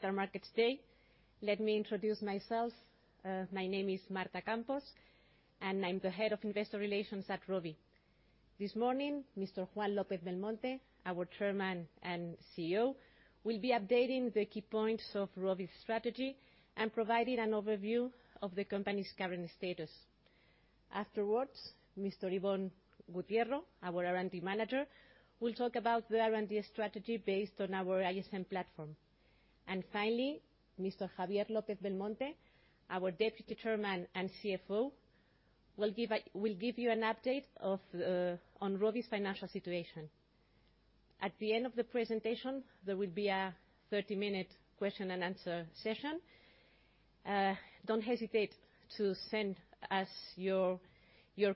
Capital Markets Day. Let me introduce myself. My name is Marta Campos, and I'm the Head of Investor Relations at Rovi. This morning, Mr. Juan López Belmonte, our Chairman and CEO, will be updating the key points of Rovi's strategy and providing an overview of the company's current status. Afterwards, Mr. Iván Gutiérrez, our R&D Manager, will talk about the R&D strategy based on our ISM platform. Finally, Mr. Javier López Belmonte, our Deputy Chairman and CFO, will give you an update on Rovi's financial situation. At the end of the presentation, there will be a 30-minute question and answer session. Don't hesitate to send us your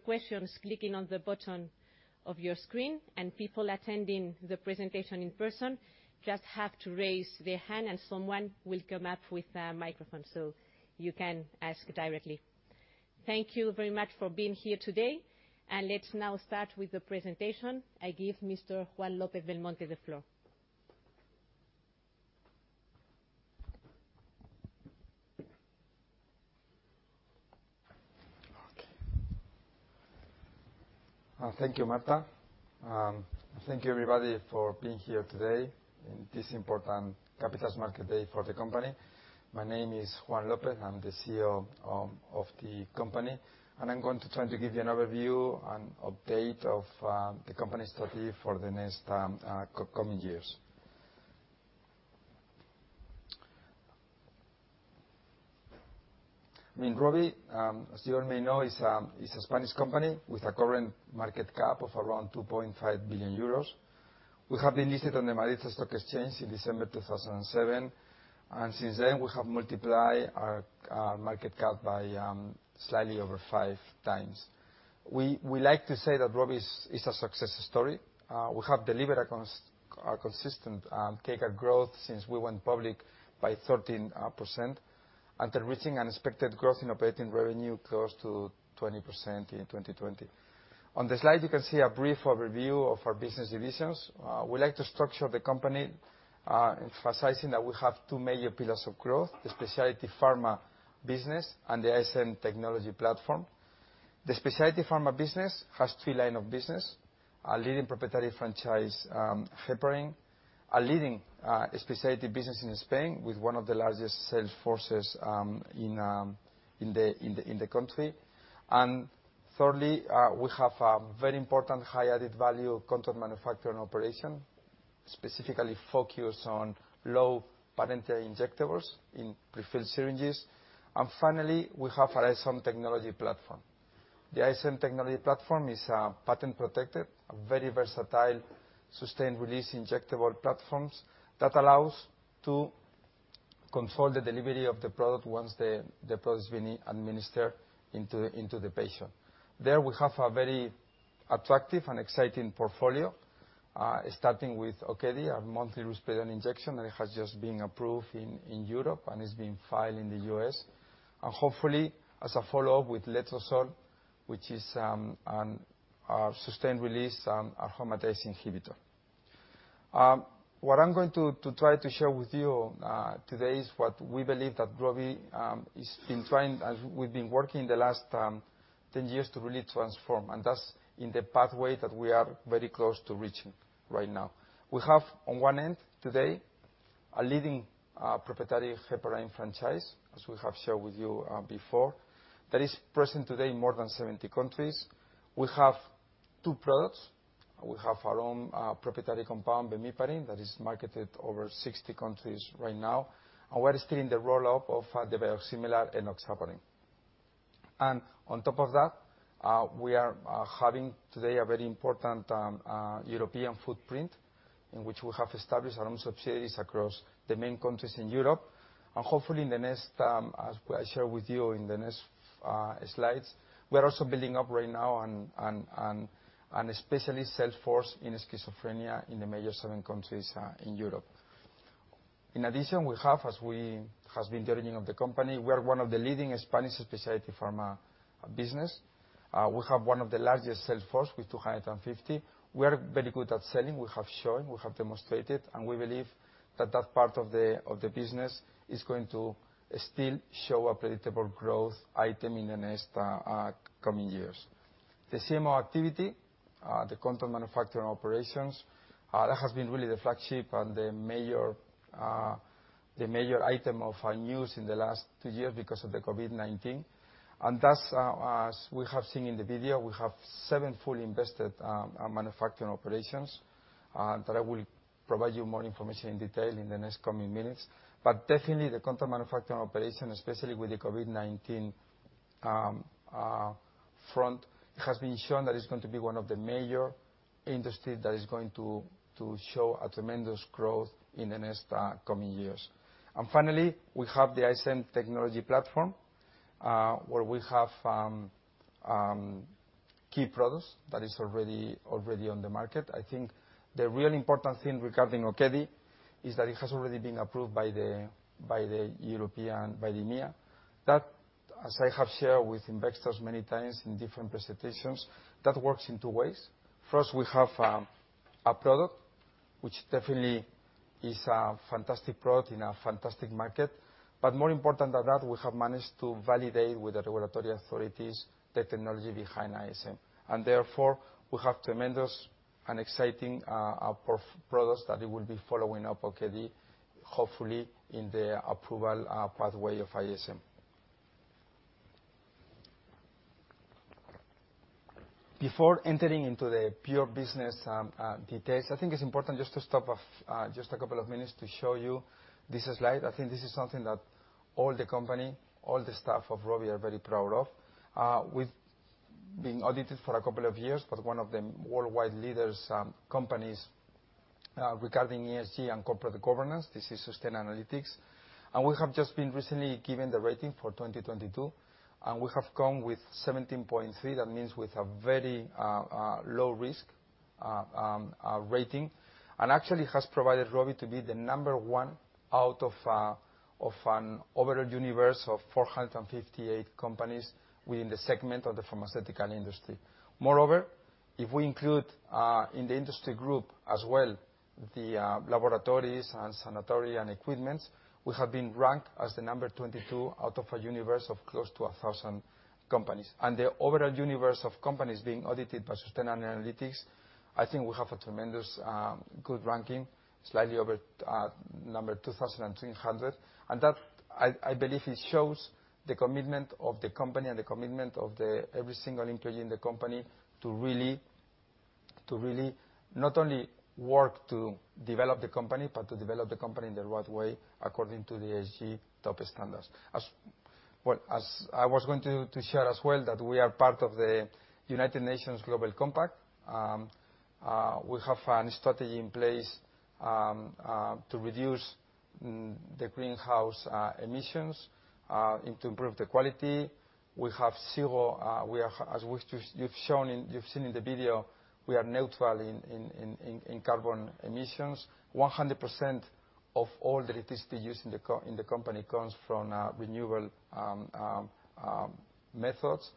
questions clicking on the button of your screen. People attending the presentation in person just have to raise their hand and someone will come up with a microphone, so you can ask directly. Thank you very much for being here today. Let's now start with the presentation. I give Mr. Juan López Belmonte the floor. Okay. Thank you, Marta. Thank you, everybody, for being here today in this important capitals markets day for the company. My name is Juan Lopez. I'm the CEO of the company, and I'm going to try to give you an overview and update of the company strategy for the next co-coming years. I mean, Rovi, as you all may know, is a Spanish company with a current market cap of around 2.5 billion euros. We have been listed on the Madrid Stock Exchange in December 2007. Since then we have multiplied our market cap by slightly over 5x. We like to say that Rovi is a success story. We have delivered consistent CAPA growth since we went public by 13%, we're reaching an expected growth in operating revenue close to 20% in 2020. On the slide, you can see a brief overview of our business divisions. We like to structure the company, emphasizing that we have two major pillars of growth: the specialty pharma business and the ISM technology platform. The specialty pharma business has three line of business, a leading proprietary franchise, heparin, a leading specialty business in Spain with one of the largest sales forces in the country. Thirdly, we have a very important high added value contract manufacturing operation, specifically focused on low-potency injectables in prefilled syringes. Finally, we have our ISM technology platform. The ISM technology platform is patent protected, a very versatile sustained release injectable platforms that allows to control the delivery of the product once the product's been administered into the patient. There, we have a very attractive and exciting portfolio, starting with Okedi, our monthly risperidone injection that has just been approved in Europe and is being filed in the U.S. Hopefully, as a follow-up with letrozole, which is an, a sustained release, aromatase inhibitor. What I'm going to try to share with you today is what we believe that Rovi is been trying as we've been working the last 10 years to really transform, and that's in the pathway that we are very close to reaching right now. We have, on one end today, a leading, proprietary heparin franchise, as we have shared with you, before, that is present today in more than 70 countries. We have two products. We have our own, proprietary compound, Bemiparin, that is marketed over 60 countries right now, and we are still in the roll-up of, the biosimilar enoxaparin. On top of that, we are having today a very important, European footprint in which we have established our own subsidiaries across the main countries in Europe. Hopefully in the next, as I share with you in the next, slides, we are also building up right now an especially sales force in schizophrenia in the major seven countries, in Europe. In addition, as has been the journey of the company, we are one of the leading Spanish specialty pharma business. We have one of the largest sales force with 250. We are very good at selling. We have shown, we have demonstrated, and we believe that part of the business is going to still show a predictable growth item in the next coming years. The CMO activity, the contract manufacturing operations, that has been really the flagship and the major item of our news in the last 2 years because of the COVID-19. Thus, as we have seen in the video, we have seven fully invested manufacturing operations that I will provide you more information in detail in the next coming minutes. Definitely the contract manufacturing operation, especially with the COVID-19 front, it has been shown that it's going to be one of the major industry that is going to show a tremendous growth in the next coming years. Finally, we have the ISM technology platform, where we have key products that is already on the market. I think the real important thing regarding Okedi is that it has already been approved by the EMEA. As I have shared with investors many times in different presentations, that works in two ways. First, we have a product which definitely is a fantastic product in a fantastic market. More important than that, we have managed to validate with the regulatory authorities the technology behind ISM. Therefore, we have tremendous and exciting products that they will be following up, okay, hopefully in the approval pathway of ISM. Before entering into the pure business details, I think it's important just to stop off just a couple of minutes to show you this slide. I think this is something that all the company, all the staff of Rovi are very proud of. We've been audited for a couple of years by one of the worldwide leaders, companies, regarding ESG and corporate governance. This is Sustainalytics. We have just been recently given the rating for 2022, and we have come with 17.3. That means with a very low risk rating, and actually has provided Rovi to be the number one out of an overall universe of 458 companies within the segment of the pharmaceutical industry. Moreover, if we include in the industry group as well, the laboratories and sanitary and equipments, we have been ranked as the number 22 out of a universe of close to 1,000 companies. The overall universe of companies being audited by Sustainalytics, I think we have a tremendous good ranking, slightly over number 2,300. That I believe it shows the commitment of the company and the commitment of the every single employee in the company to really not only work to develop the company, but to develop the company in the right way according to the ESG top standards. Well, as I was going to share as well that we are part of the United Nations Global Compact. We have a strategy in place to reduce the greenhouse emissions and to improve the quality. We have zero. As you've shown in, you've seen in the video, we are neutral in carbon emissions. 100% of all the electricity used in the company comes from renewable methods.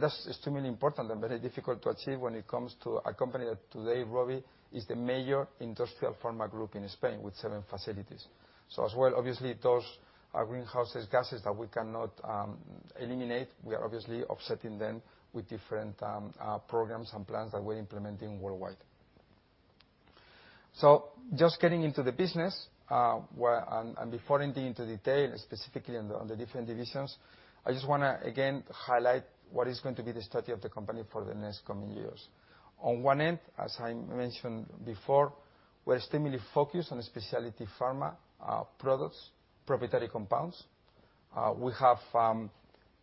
That's extremely important and very difficult to achieve when it comes to a company that today, Rovi, is the major industrial pharma group in Spain with seven facilities. As well, obviously, those are greenhouse gases that we cannot eliminate. We are obviously offsetting them with different programs and plans that we're implementing worldwide. Just getting into the business, before entering into detail specifically on the different divisions, I just wanna, again, highlight what is going to be the strategy of the company for the next coming years. On one end, as I mentioned before, we're extremely focused on specialty pharma products, proprietary compounds. We have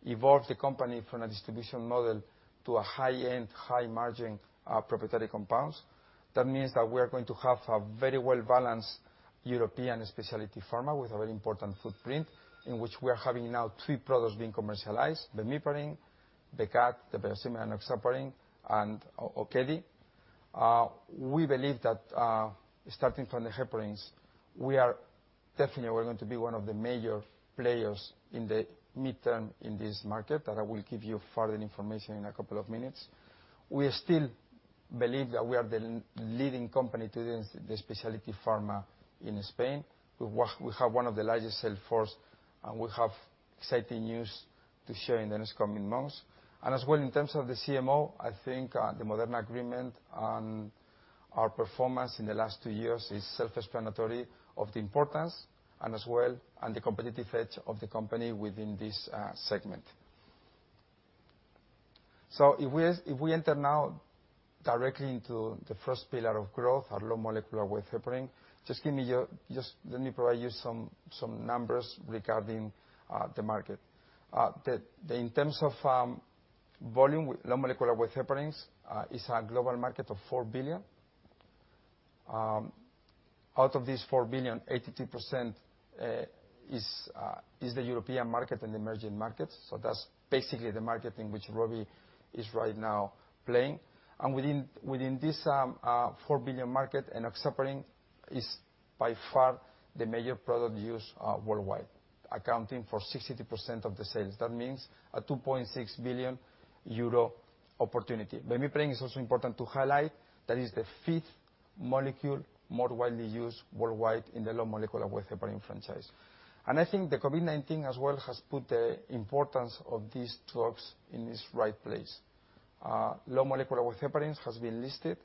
evolved the company from a distribution model to a high-end, high-margin proprietary compounds. That means that we are going to have a very well-balanced European specialty pharma with a very important footprint in which we are having now three products being commercialized, Bemiparin, Becat, the biosimilar of enoxaparin, and Okedi. We believe that, starting from the Bemiparin, we are definitely going to be one of the major players in the mid-term in this market, and I will give you further information in a couple of minutes. We still believe that we are the leading company today in the specialty pharma in Spain. We have one of the largest sales force, and we have exciting news to share in the next coming months. As well, in terms of the CMO, I think, the Moderna agreement and our performance in the last 2 years is self-explanatory of the importance and as well, and the competitive edge of the company within this segment. If we, if we enter now directly into the first pillar of growth, our low molecular weight heparin, Just let me provide you some numbers regarding the market. The, in terms of volume, low molecular weight heparins is a global market of 4 billion. Out of this 4 billion, 82% is the European market and emerging markets. That's basically the market in which Rovi is right now playing. Within this 4 billion market, enoxaparin is by far the major product used worldwide, accounting for 60% of the sales. That means a 2.6 billion euro opportunity. Bemiparin is also important to highlight. That is the fifth molecule more widely used worldwide in the low molecular weight heparin franchise. I think the COVID-19 as well has put the importance of these drugs in its right place. Low molecular weight heparins has been listed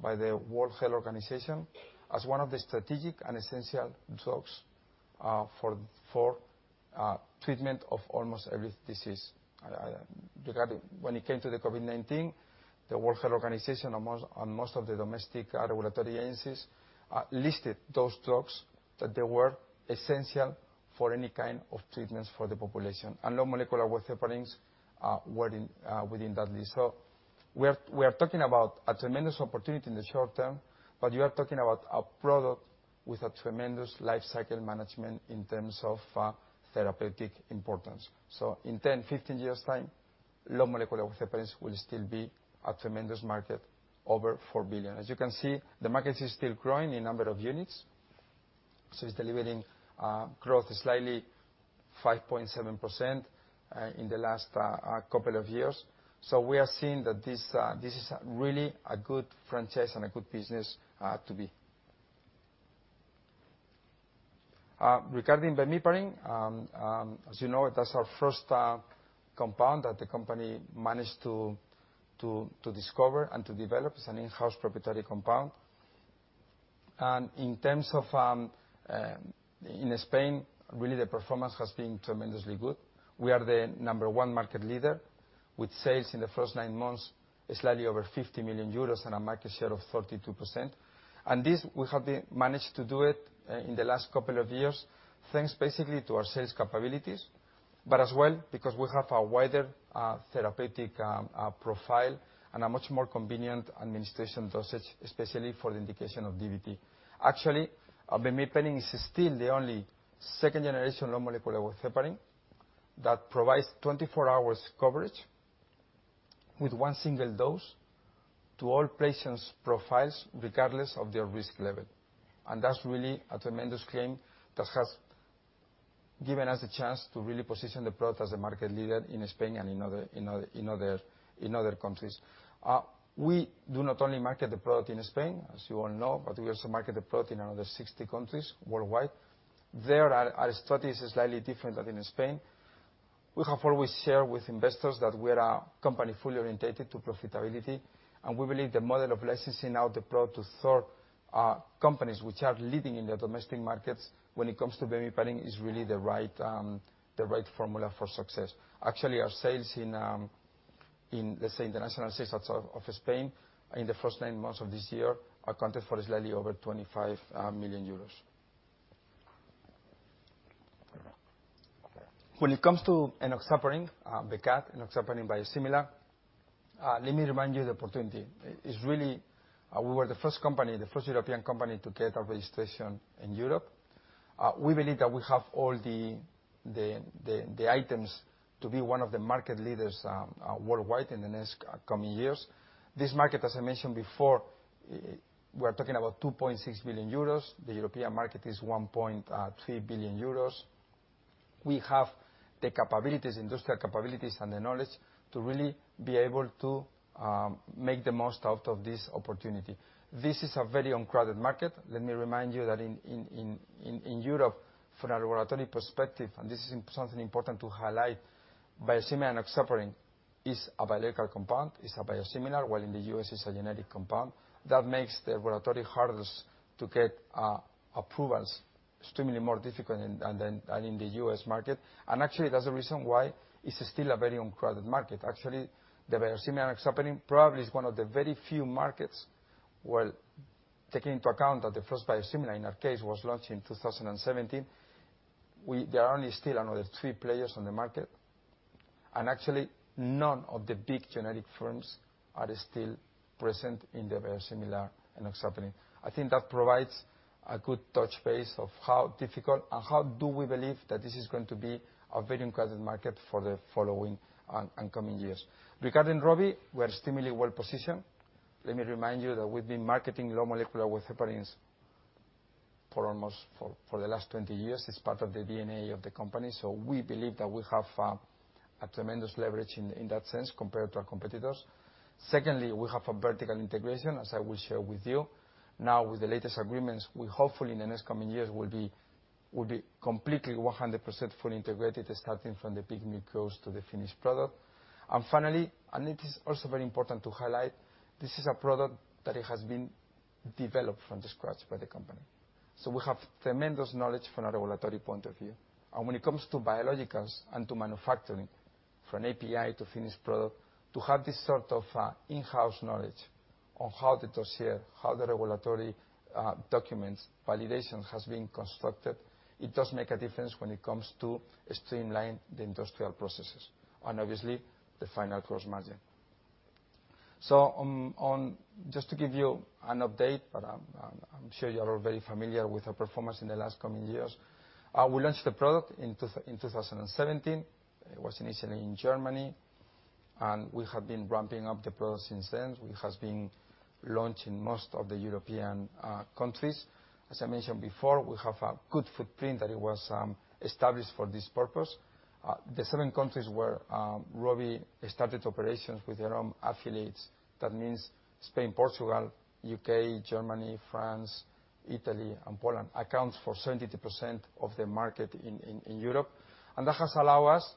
by the World Health Organization as one of the strategic and essential drugs for treatment of almost every disease. Regarding. When it came to the COVID-19, the World Health Organization and most of the domestic regulatory agencies listed those drugs that they were essential for any kind of treatments for the population, and low molecular weight heparins were within that list. We are talking about a tremendous opportunity in the short term, but you are talking about a product with a tremendous life cycle management in terms of therapeutic importance. In 10, 15 years' time, low molecular weight heparins will still be a tremendous market, over 4 billion. As you can see, the market is still growing in number of units. It's delivering growth slightly 5.7% in the last couple of years. We are seeing that this is really a good franchise and a good business to be. Regarding Bemiparin, as you know, that's our first compound that the company managed to discover and to develop. It's an in-house proprietary compound. In terms of in Spain, really the performance has been tremendously good. We are the number one market leader with sales in the first nine months slightly over 50 million euros and a market share of 32%. This we have managed to do it in the last couple of years, thanks basically to our sales capabilities, but as well because we have a wider therapeutic profile and a much more convenient administration dosage, especially for the indication of DVT. Actually, Bemiparin is still the only second-generation low-molecular-weight heparin that provides 24 hours coverage with one single dose to all patients' profiles, regardless of their risk level. That's really a tremendous claim that has given us the chance to really position the product as a market leader in Spain and in other countries. We do not only market the product in Spain, as you all know, but we also market the product in another 60 countries worldwide. Our strategy is slightly different than in Spain. We have always shared with investors that we are a company fully oriented to profitability, and we believe the model of licensing out the product to third companies which are leading in their domestic markets when it comes to Bemiparin is really the right formula for success. Actually, our sales in the international sales of Spain in the first nine months of this year accounted for slightly over 25 million euros. When it comes to enoxaparin, Becat, enoxaparin biosimilar, let me remind you the opportunity. It's really, we were the first company, the first European company, to get a registration in Europe. We believe that we have all the items to be one of the market leaders worldwide in the next coming years. This market, as I mentioned before, we're talking about 2.6 billion euros. The European market is 1.3 billion euros. We have the capabilities, industrial capabilities and the knowledge to really be able to make the most out of this opportunity. This is a very uncrowded market. Let me remind you that in Europe, from a regulatory perspective, and this is something important to highlight, biosimilar enoxaparin is a biological compound, is a biosimilar, while in the U.S. It's a genetic compound. That makes the regulatory hurdles to get approvals extremely more difficult than, than in the U.S. market. Actually, that's the reason why it's still a very uncrowded market. Actually, the biosimilar enoxaparin probably is one of the very few markets where, taking into account that the first biosimilar in our case was launched in 2017, we there are only still another three players on the market. Actually, none of the big genetic firms are still present in the biosimilar enoxaparin. I think that provides a good touch base of how difficult and how do we believe that this is going to be a very crowded market for the following and coming years. Regarding Rovi, we are extremely well positioned. Let me remind you that we've been marketing low molecular weight heparins for almost for the last 20 years. It's part of the DNA of the company. We believe that we have a tremendous leverage in that sense compared to our competitors. Secondly, we have a vertical integration, as I will share with you. Now, with the latest agreements, we hopefully in the next coming years will be completely 100% fully integrated, starting from the big microbes to the finished product. Finally, and it is also very important to highlight, this is a product that it has been developed from the scratch by the company. We have tremendous knowledge from a regulatory point of view. When it comes to biologicals and to manufacturing, from API to finished product, to have this sort of in-house knowledge on how the dossier, how the regulatory documents, validations has been constructed, it does make a difference when it comes to streamline the industrial processes and obviously the final gross margin. Just to give you an update, but I'm sure you're all very familiar with our performance in the last coming years. We launched the product in 2017. It was initially in Germany. We have been ramping up the product since then, which has been launched in most of the European countries. As I mentioned before, we have a good footprint that it was established for this purpose. The seven countries where Rovi started operations with their own affiliates, that means Spain, Portugal, U.K., Germany, France, Italy, and Poland, accounts for 70% of the market in Europe. That has allow us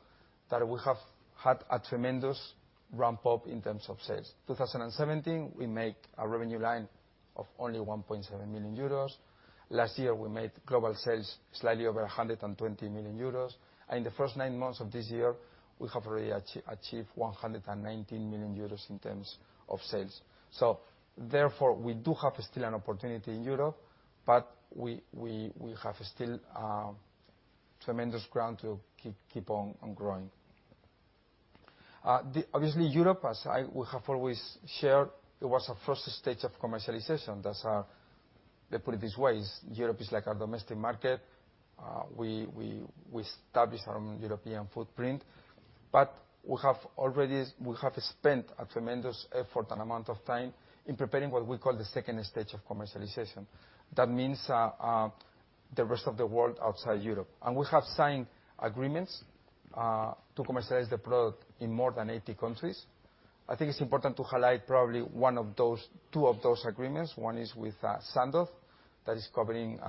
that we have had a tremendous ramp-up in terms of sales. 2017, we make a revenue line of only 1.7 million euros. Last year, we made global sales slightly over 120 million euros. In the first nine months of this year, we have already achieved 119 million euros in terms of sales. Therefore, we do have still an opportunity in Europe, but we have still tremendous ground to keep on growing. Obviously, Europe, as we have always shared, it was our first stage of commercialization. That's our. Let me put it this way, is Europe is like our domestic market. We established our own European footprint, but we have spent a tremendous effort and amount of time in preparing what we call the second stage of commercialization. That means, the rest of the world outside Europe. We have signed agreements to commercialize the product in more than 80 countries. I think it's important to highlight probably two of those agreements. One is with Sandoz, that is covering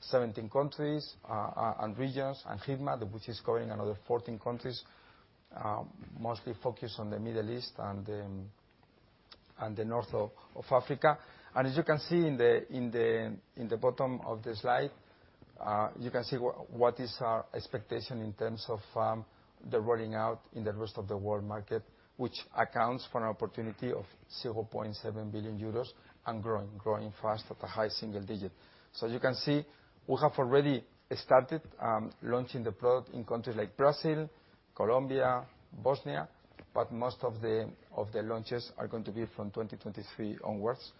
17 countries and regions, and Hikma, which is covering another 14 countries, mostly focused on the Middle East and the north of Africa. As you can see in the bottom of the slide, you can see what is our expectation in terms of the rolling out in the rest of the world market, which accounts for an opportunity of 7.7 billion euros and growing fast at a high single-digit. You can see we have already started launching the product in countries like Brazil, Colombia, Bosnia, but most of the launches are going to be from 2023 onwards.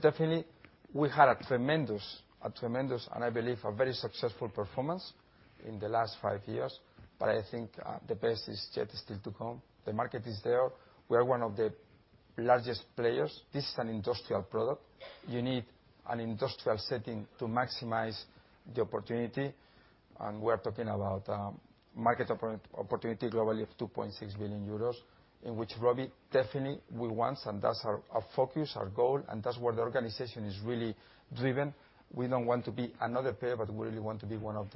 Definitely, we had a tremendous and I believe a very successful performance in the last five years. I think the best is yet still to come. The market is there. We are one of the largest players. This is an industrial product. You need an industrial setting to maximize the opportunity. We're talking about market opportunity globally of 2.6 billion euros, in which Rovi definitely we want, and that's our focus, our goal, and that's where the organization is really driven. We don't want to be another player, we really want to be one of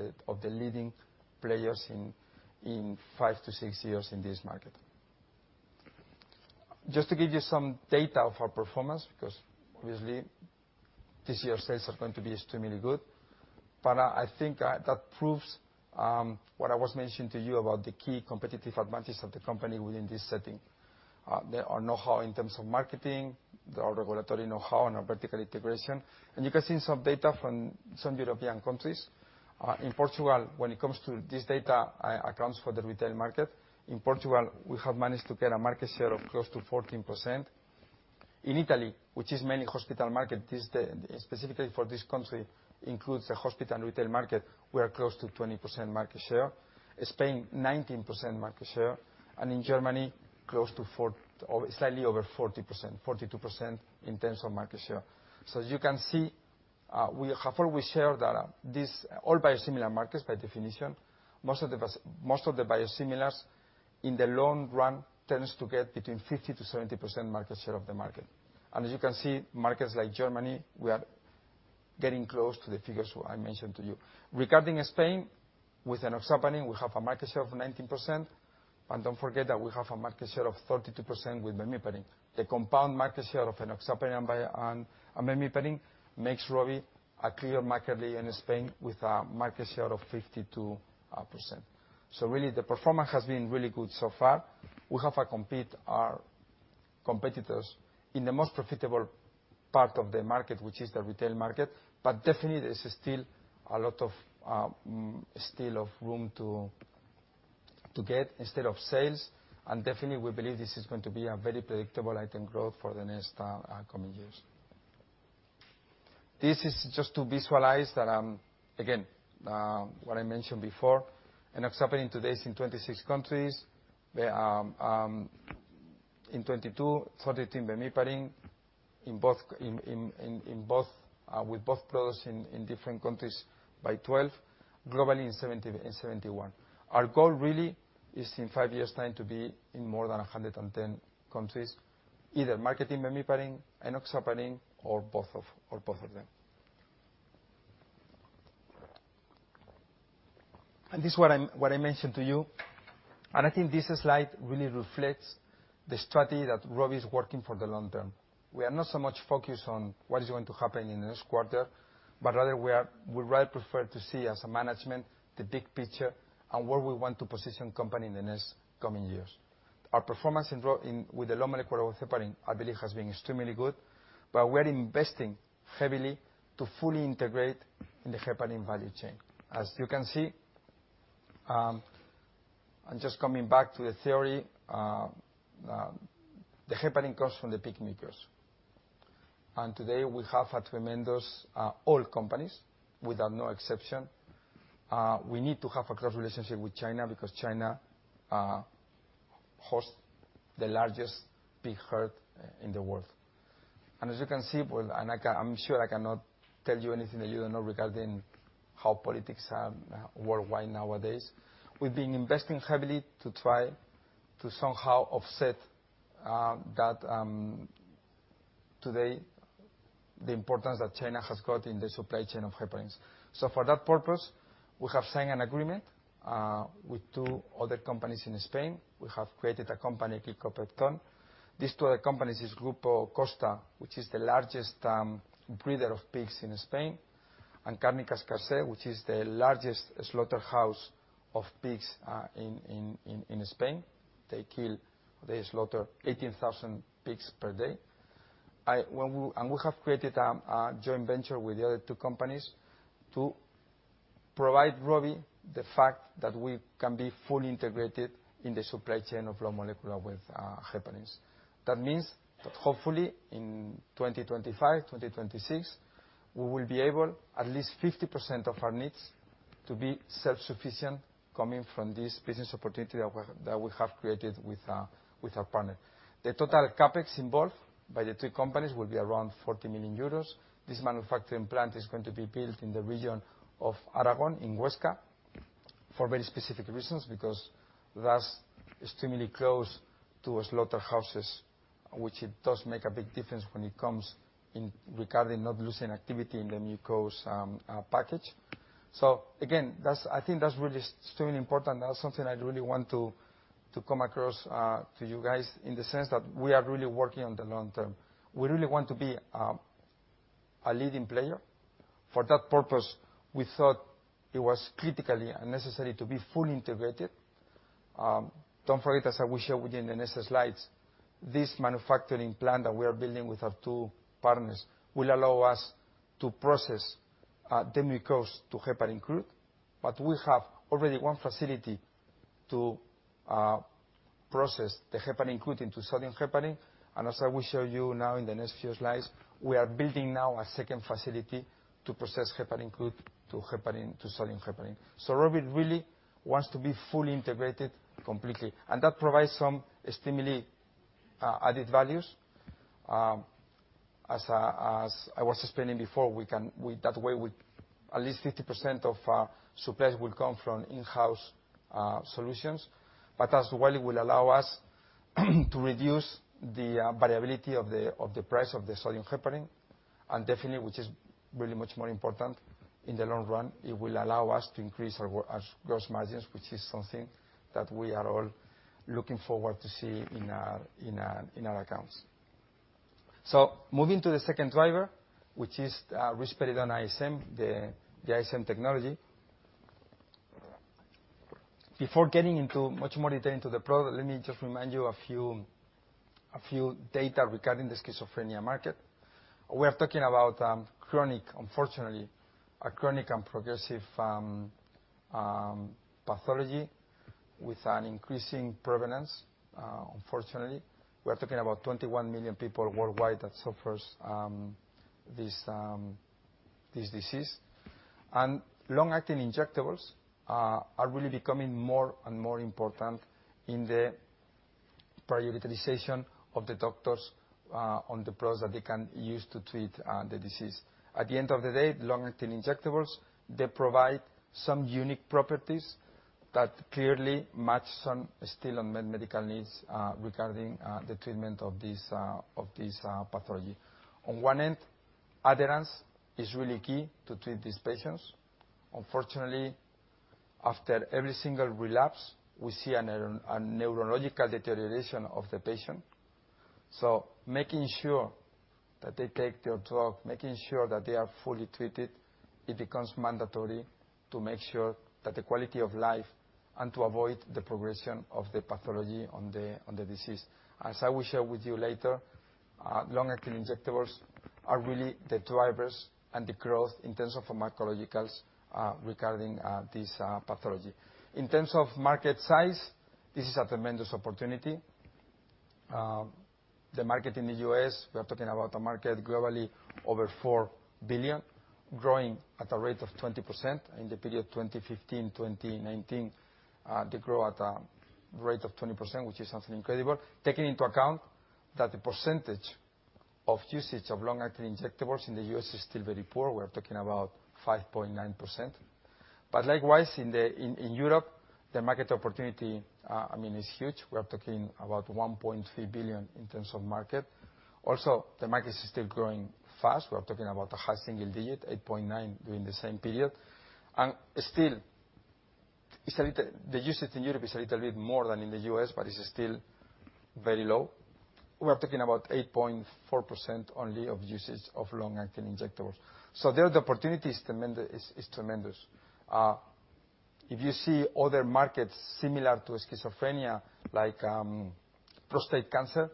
the leading players in 5 years-6 years in this market. Just to give you some data of our performance, because obviously, this year's sales are going to be extremely good. I think that proves what I was mentioning to you about the key competitive advantages of the company within this setting. There are know-how in terms of marketing, there are regulatory know-how and a vertical integration. You can see some data from some European countries. In Portugal, when it comes to this data, accounts for the retail market. In Portugal, we have managed to get a market share of close to 14%. In Italy, which is mainly hospital market, this specifically for this country, includes the hospital and retail market. We are close to 20% market share. Spain, 19% market share, and in Germany, close to or slightly over 40%, 42% in terms of market share. As you can see, we have—we share data. This all biosimilar markets by definition. Most of the biosimilars in the long run tends to get between 50%-70% market share of the market. As you can see, markets like Germany, we are getting close to the figures which I mentioned to you. Regarding Spain, with enoxaparin, we have a market share of 19%. Don't forget that we have a market share of 32% with Bemiparin. The compound market share of enoxaparin and Bemiparin makes Rovi a clear market leader in Spain with a market share of 52%. Really, the performance has been really good so far. We have a compete our competitors in the most profitable part of the market, which is the retail market, but definitely, there's still a lot of still of room to get instead of sales. Definitely, we believe this is going to be a very predictable item growth for the next coming years. This is just to visualize that again, what I mentioned before. Enoxaparin today is in 26 countries. There, in 22, 32 Bemiparin. In both, with both products in different countries by 12, globally in 70, in 71. Our goal really is in 5 years time to be in more than 110 countries, either marketing Bemiparin, enoxaparin, or both of them. This is what I'm, what I mentioned to you. I think this slide really reflects the strategy that Rovi is working for the long term. We are not so much focused on what is going to happen in the next quarter, but rather we rather prefer to see as a management, the big picture and where we want to position company in the next coming years. Our performance in with the low molecular weight heparin, I believe, has been extremely good, but we're investing heavily to fully integrate in the heparin value chain. As you can see, just coming back to the theory, the heparin comes from the pig makers. Today, we have a tremendous, all companies without no exception. We need to have a close relationship with China because China hosts the largest pig herd in the world. As you can see, well, I'm sure I cannot tell you anything that you don't know regarding how politics are worldwide nowadays. We've been investing heavily to try to somehow offset that, today the importance that China has got in the supply chain of heparins. For that purpose, we have signed an agreement with two other companies in Spain. We have created a company, Glicopepton Biotech. These two other companies is Grupo Costa, which is the largest breeder of pigs in Spain, and Càrniques Celrà, which is the largest slaughterhouse of pigs in Spain. They slaughter 18,000 pigs per day. We have created a joint venture with the other two companies to provide Rovi the fact that we can be fully integrated in the supply chain of low molecular weight heparins. That means that hopefully in 2025, 2026, we will be able at least 50% of our needsTo be self-sufficient coming from this business opportunity that we have created with our partner. The total CapEx involved by the two companies will be around 40 million euros. This manufacturing plant is going to be built in the region of Aragon in Huesca for very specific reasons, because that's extremely close to slaughterhouses, which it does make a big difference when it comes in regarding not losing activity in the mucosal package. Again, that's, I think that's really extremely important. That's something I'd really want to come across to you guys in the sense that we are really working on the long term. We really want to be a leading player. For that purpose, we thought it was critically necessary to be fully integrated. Don't forget, as I will show you in the next slides, this manufacturing plant that we are building with our two partners will allow us to process the mucosal to heparin crude. We have already one facility to process the heparin crude into sodium heparin. As I will show you now in the next few slides, we are building now a second facility to process heparin crude to heparin, to sodium heparin. Rovi really wants to be fully integrated completely, and that provides some extremely added values. As I was explaining before, that way, we at least 50% of our suppliers will come from in-house solutions, but as well it will allow us to reduce the variability of the price of the sodium heparin. Definitely, which is really much more important in the long run, it will allow us to increase our gross margins, which is something that we are all looking forward to see in our accounts. Moving to the second driver, which is risperidone ISM, the ISM technology. Before getting into much more detail into the product, let me just remind you a few data regarding the schizophrenia market. We are talking about chronic, unfortunately, a chronic and progressive pathology with an increasing prevalence, unfortunately. We are talking about 21 million people worldwide that suffers this disease. Long-acting injectables are really becoming more and more important in the prioritization of the doctors on the products that they can use to treat the disease. At the end of the day, long-acting injectables, they provide some unique properties that clearly match some still unmet medical needs regarding the treatment of this pathology. On one end, adherence is really key to treat these patients. Unfortunately, after every single relapse, we see a neurological deterioration of the patient. Making sure that they take their drug, making sure that they are fully treated, it becomes mandatory to make sure that the quality of life and to avoid the progression of the pathology on the disease. As I will share with you later, long-acting injectables are really the drivers and the growth in terms of pharmacologicals, regarding this pathology. In terms of market size, this is a tremendous opportunity. The market in the U.S., we are talking about a market globally over $4 billion growing at a rate of 20%. In the period 2015, 2019, they grow at a rate of 20%, which is something incredible, taking into account that the percentage of usage of long-acting injectables in the U.S. is still very poor. We're talking about 5.9%. Likewise, in Europe, the market opportunity, I mean is huge. We are talking about 1.3 billion in terms of market. Also, the market is still growing fast. We are talking about a high single digit, 8.9% during the same period. Still, it's a little. The usage in Europe is a little bit more than in the U.S., but it's still very low. We're talking about 8.4% only of usage of long-acting injectables. There the opportunity is tremendous, is tremendous. If you see other markets similar to schizophrenia like prostate cancer,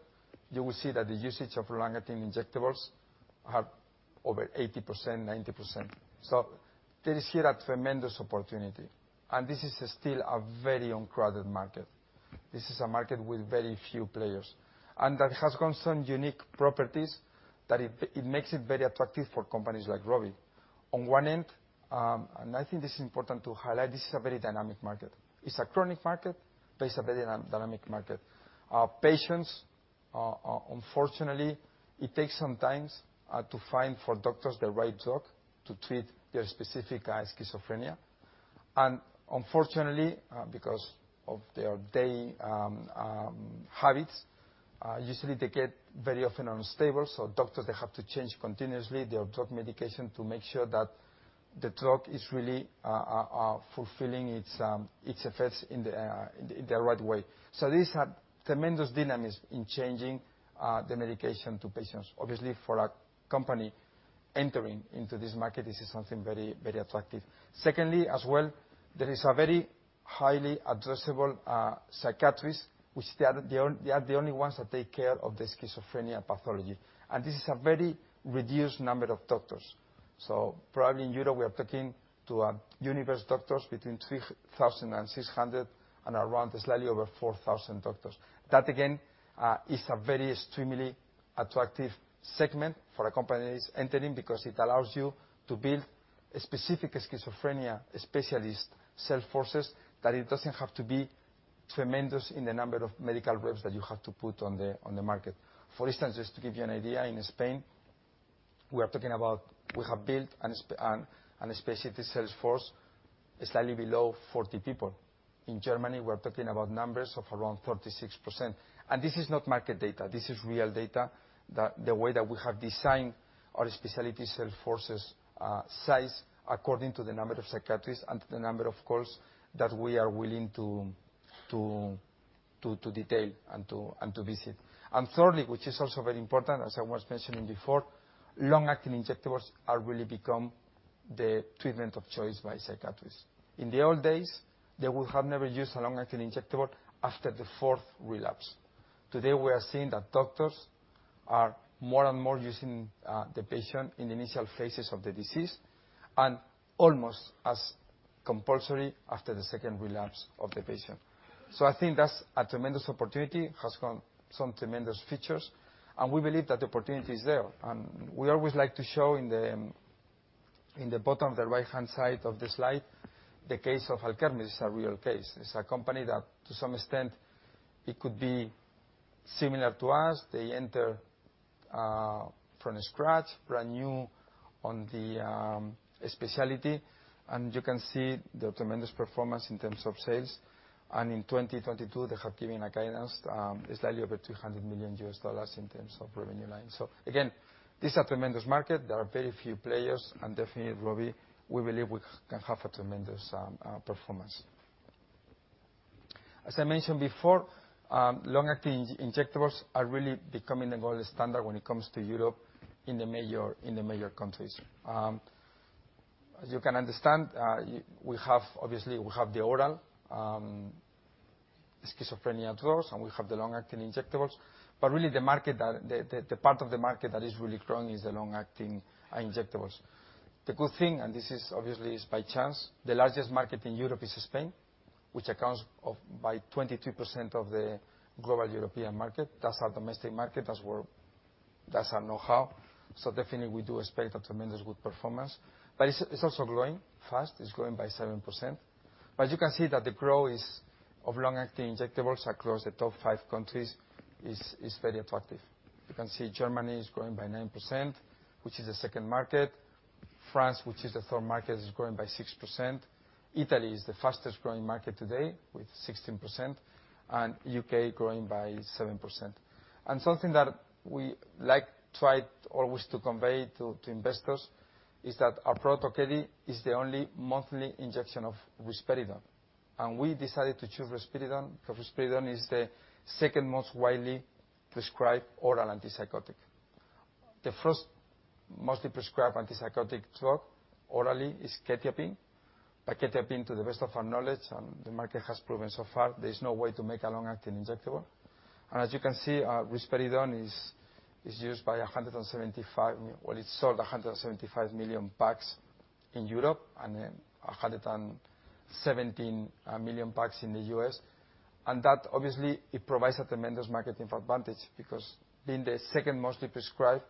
you will see that the usage of long-acting injectables are over 80%, 90%. There is here a tremendous opportunity, and this is still a very uncrowded market. This is a market with very few players, and that has concerned unique properties that it makes it very attractive for companies like Rovi. On one end, I think this is important to highlight, this is a very dynamic market. It's a chronic market, but it's a very dynamic market. Patients are... Unfortunately, it takes some times to find for doctors the right drug to treat their specific schizophrenia. Unfortunately, because of their day habits, usually they get very often unstable, so doctors, they have to change continuously their drug medication to make sure that the drug is really fulfilling its effects in the right way. This has tremendous dynamics in changing the medication to patients. Obviously, for a company entering into this market, this is something very, very attractive. Secondly, as well, there is a very highly addressable psychiatrist, which they are the only ones that take care of the schizophrenia pathology, and this is a very reduced number of doctors. Probably in Europe we are talking to universe doctors between 3,600 and around slightly over 4,000 doctors. That again is a very extremely attractive segment for a company that is entering because it allows you to build a specific schizophrenia specialist sales forces that it doesn't have to be tremendous in the number of medical reps that you have to put on the market. For instance, just to give you an idea, in Spain, we are talking about. We have built an specialty sales force slightly below 40 people. In Germany, we're talking about numbers of around 36%. This is not market data, this is real data. The way that we have designed our specialty sales forces, size according to the number of psychiatrists and the number of calls that we are willing to detail and to visit. Thirdly, which is also very important, as I was mentioning before, long-acting injectables are really become the treatment of choice by psychiatrists. In the old days, they would have never used a long-acting injectable after the fourth relapse. Today, we are seeing that doctors are more and more using the patient in initial phases of the disease, and almost as compulsory after the second relapse of the patient. I think that's a tremendous opportunity, has come some tremendous features, and we believe that the opportunity is there. We always like to show in the, in the bottom of the right-hand side of the slide, the case of Alkermes. It's a real case. It's a company that, to some extent, it could be similar to us. They enter from scratch, brand new on the specialty, and you can see the tremendous performance in terms of sales. In 2022, they have given a guidance, slightly over $200 million in terms of revenue line. Again, this is a tremendous market. There are very few players, and definitely Rovi, we believe we can have a tremendous performance. As I mentioned before, long-acting injectables are really becoming the gold standard when it comes to Europe in the major, in the major countries. As you can understand, we have, obviously we have the oral schizophrenia drugs, and we have the long-acting injectables. Really the part of the market that is really growing is the long-acting injectables. The good thing, this is obviously is by chance, the largest market in Europe is Spain, which accounts of by 22% of the global European market. That's our domestic market. That's where That's our know-how. Definitely we do expect a tremendous good performance. It's also growing fast. It's growing by 7%. You can see that the growth of long-acting injectables across the top five countries is very attractive. You can see Germany is growing by 9%, which is the second market. France, which is the third market, is growing by 6%. Italy is the fastest-growing market today with 16%, and U.K. growing by 7%. Something that we like try always to convey to investors is that our product, Okedi, is the only monthly injection of risperidone, and we decided to choose risperidone because risperidone is the second most widely prescribed oral antipsychotic. The first mostly prescribed antipsychotic drug orally is quetiapine. Quetiapine, to the best of our knowledge, and the market has proven so far, there is no way to make a long-acting injectable. As you can see, risperidone sold 175 million packs in Europe and 117 million packs in the U.S. That, obviously, it provides a tremendous marketing advantage because being the second mostly prescribed,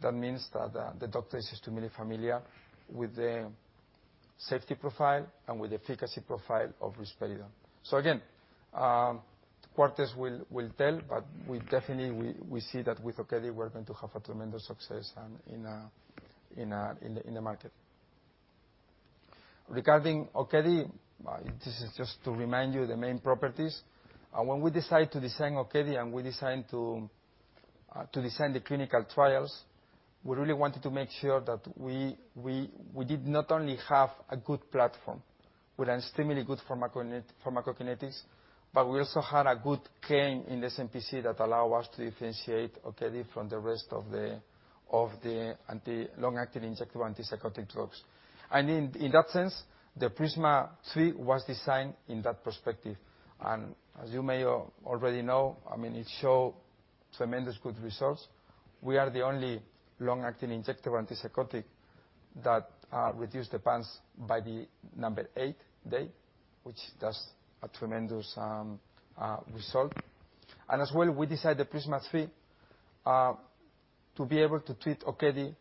that means that the doctor is extremely familiar with the safety profile and with the efficacy profile of risperidone. Again, quarters will tell, but we definitely we see that with Okedi we're going to have a tremendous success in the market. Regarding Okedi, this is just to remind you the main properties. When we decide to design Okedi, we designed to design the clinical trials, we really wanted to make sure that we did not only have a good platform with extremely good pharmacokinetics, but we also had a good claim in the SMPC that allow us to differentiate Okedi from the rest of the long-acting injectable antipsychotic drugs. In that sense, the PRISMA-3 was designed in that perspective. As you may already know, I mean, it show tremendous good results. We are the only long-acting injectable antipsychotic that reduce the PANSS by the eight day, which that's a tremendous result. As well, we decide the PRISMA-3 to be able to treat Okedi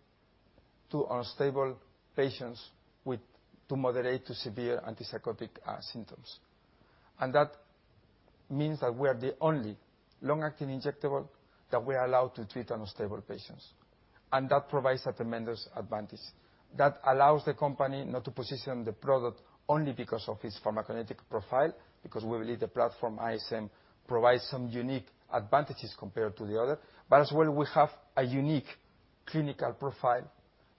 to unstable patients with moderate to severe antipsychotic symptoms. That means that we are the only long-acting injectable that we are allowed to treat unstable patients, and that provides a tremendous advantage. That allows the company not to position the product only because of its pharmacokinetic profile, because we believe the platform, ISM, provides some unique advantages compared to the other. As well, we have a unique clinical profile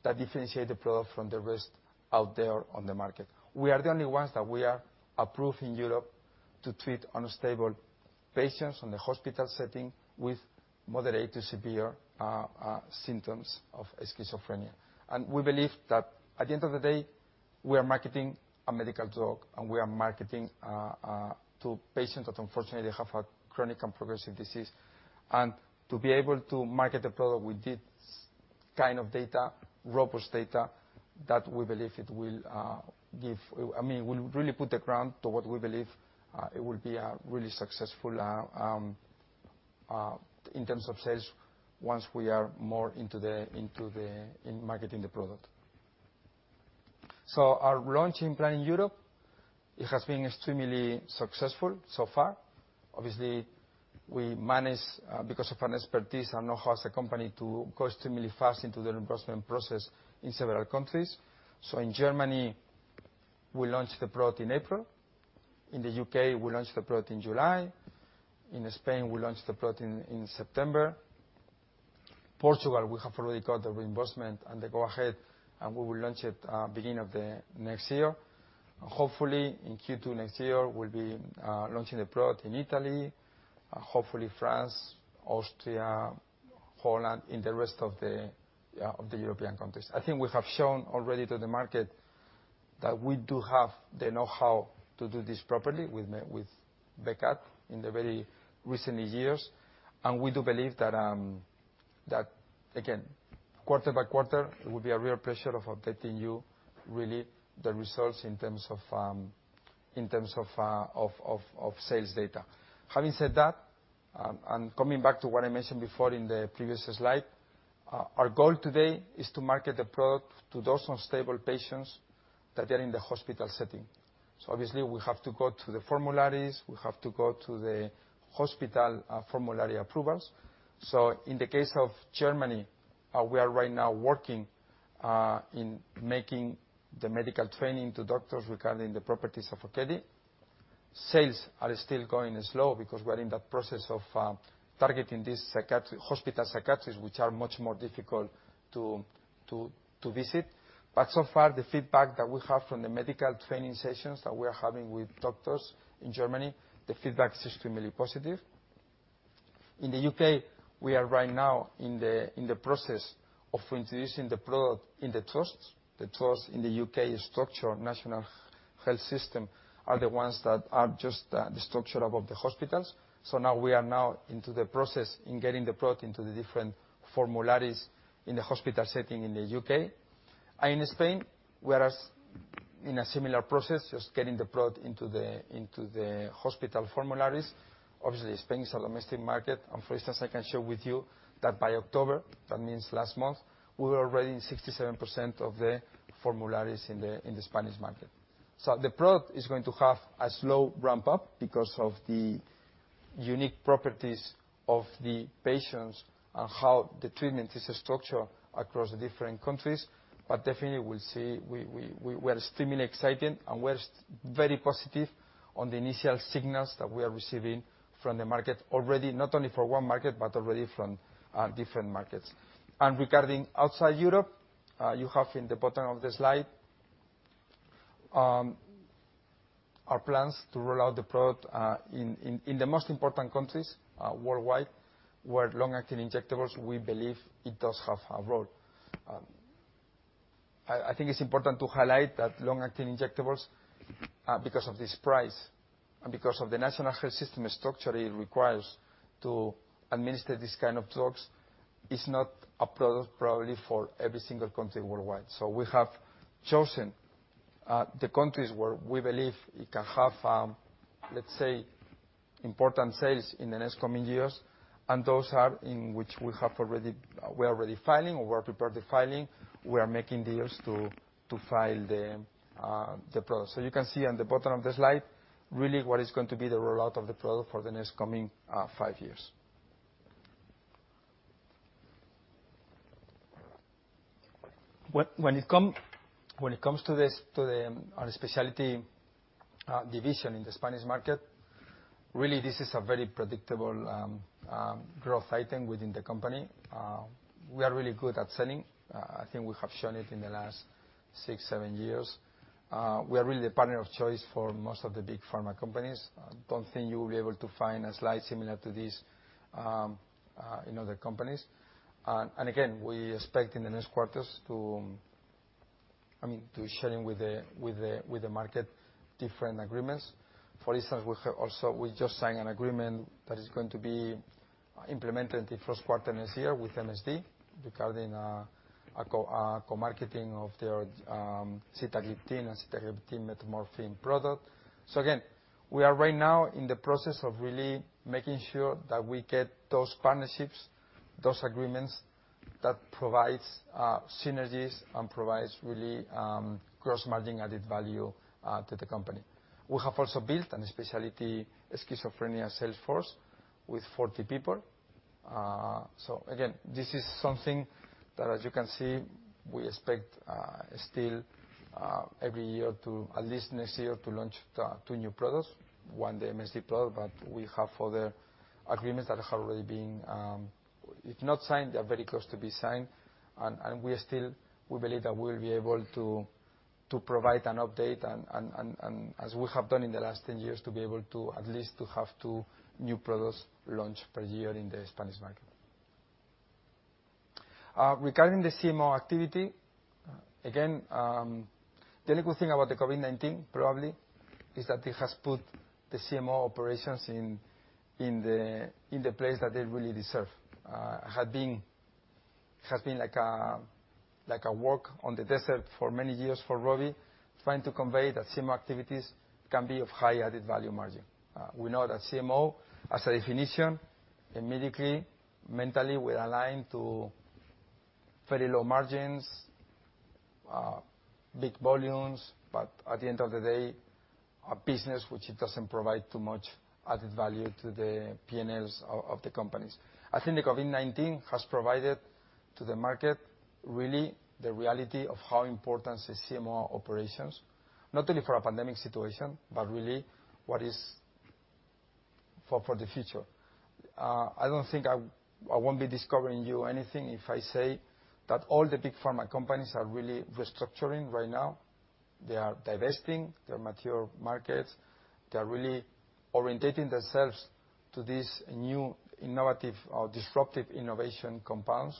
that differentiate the product from the rest out there on the market. We are the only ones that we are approved in Europe to treat unstable patients in the hospital setting with moderate to severe symptoms of schizophrenia. We believe that at the end of the day, we are marketing a medical drug, and we are marketing to patients that unfortunately have a chronic and progressive disease. To be able to market the product with this kind of data, robust data, that we believe it will, I mean, will really put the ground to what we believe it will be a really successful in terms of sales once we are more in marketing the product. Our launching plan in Europe, it has been extremely successful so far. Obviously, we managed, because of an expertise and know-how as a company to go extremely fast into the reimbursement process in several countries. In Germany, we launched the product in April. In the U.K., we launched the product in July. In Spain, we launched the product in September. Portugal, we have already got the reimbursement and the go ahead, and we will launch it beginning of the next year. Hopefully, in Q2 next year, we'll be launching the product in Italy, hopefully France, Austria, Poland, in the rest of the European countries. I think we have shown already to the market that we do have the know-how to do this properly with Becat in the very recent years. We do believe that again, quarter by quarter, it will be a real pleasure of updating you really the results in terms of sales data. Having said that, coming back to what I mentioned before in the previous slide, our goal today is to market the product to those unstable patients that are in the hospital setting. Obviously, we have to go to the formularies, we have to go to the hospital formulary approvals. In the case of Germany, we are right now working in making the medical training to doctors regarding the properties of Okedi. Sales are still going slow because we're in that process of targeting these hospital psychiatrists, which are much more difficult to visit. So far, the feedback that we have from the medical training sessions that we are having with doctors in Germany, the feedback is extremely positive. In the U.K., we are right now in the process of introducing the product in the trusts. The trusts in the U.K. structure national health system are the ones that are just the structure of the hospitals. Now we are now into the process in getting the product into the different formularies in the hospital setting in the U.K. In Spain, we are in a similar process, just getting the product into the hospital formularies. Obviously, Spain is a domestic market. For instance, I can share with you that by October, that means last month, we were already in 67% of the formularies in the Spanish market. The product is going to have a slow ramp up because of the unique properties of the patients and how the treatment is structured across the different countries. Definitely, we'll see, we're extremely excited and we're very positive on the initial signals that we are receiving from the market already, not only for one market, but already from different markets. Regarding outside Europe, you have in the bottom of the slide, our plans to roll out the product in the most important countries worldwide, where long-acting injectables, we believe it does have a role. I think it's important to highlight that long-acting injectables, because of this price and because of the national health system structure it requires to administer this kind of drugs, is not a product probably for every single country worldwide. We have chosen the countries where we believe it can have, let's say, important sales in the next coming years, and those are in which we have already, we are already filing or we are prepared to filing, we are making deals to file the product. You can see on the bottom of the slide, really what is going to be the rollout of the product for the next coming five years. When it comes to the, our specialty division in the Spanish market, really, this is a very predictable growth item within the company. We are really good at selling. I think we have shown it in the last six, seven years. We are really the partner of choice for most of the big pharma companies. I don't think you will be able to find a slide similar to this in other companies. Again, we expect in the next quarters to sharing with the market different agreements. For instance, we have also just signed an agreement that is going to be implemented in the 1st quarter next year with MSD regarding a co-marketing of their sitagliptin, a sitagliptin metformin product. Again, we are right now in the process of really making sure that we get those partnerships, those agreements that provides synergies and provides really gross margin added value to the company. We have also built a specialty schizophrenia sales force with 40 people. Again, this is something that, as you can see, we expect still every year to, at least next year, to launch two new products, one the MSD product. We have other agreements that are already being, if not signed, they are very close to be signed. We still, we believe that we'll be able to provide an update and as we have done in the last 10 years, to be able to at least to have two new products launched per year in the Spanish market. Regarding the CMO activity, again, the only good thing about the COVID-19 probably is that it has put the CMO operations in the place that they really deserve. Had been, it has been like a work on the desert for many years for Rovi, trying to convey that CMO activities can be of high added value margin. We know that CMO as a definition, immediately mentally, we align to very low margins, big volumes, but at the end of the day, a business which it doesn't provide too much added value to the PNLs of the companies. I think the COVID-19 has provided to the market really the reality of how important the CMO operations, not only for a pandemic situation, but really what is for the future. I don't think I won't be discovering you anything if I say that all the big pharma companies are really restructuring right now. They are divesting their mature markets. They're really orientating themselves to this new innovative or disruptive innovation compounds,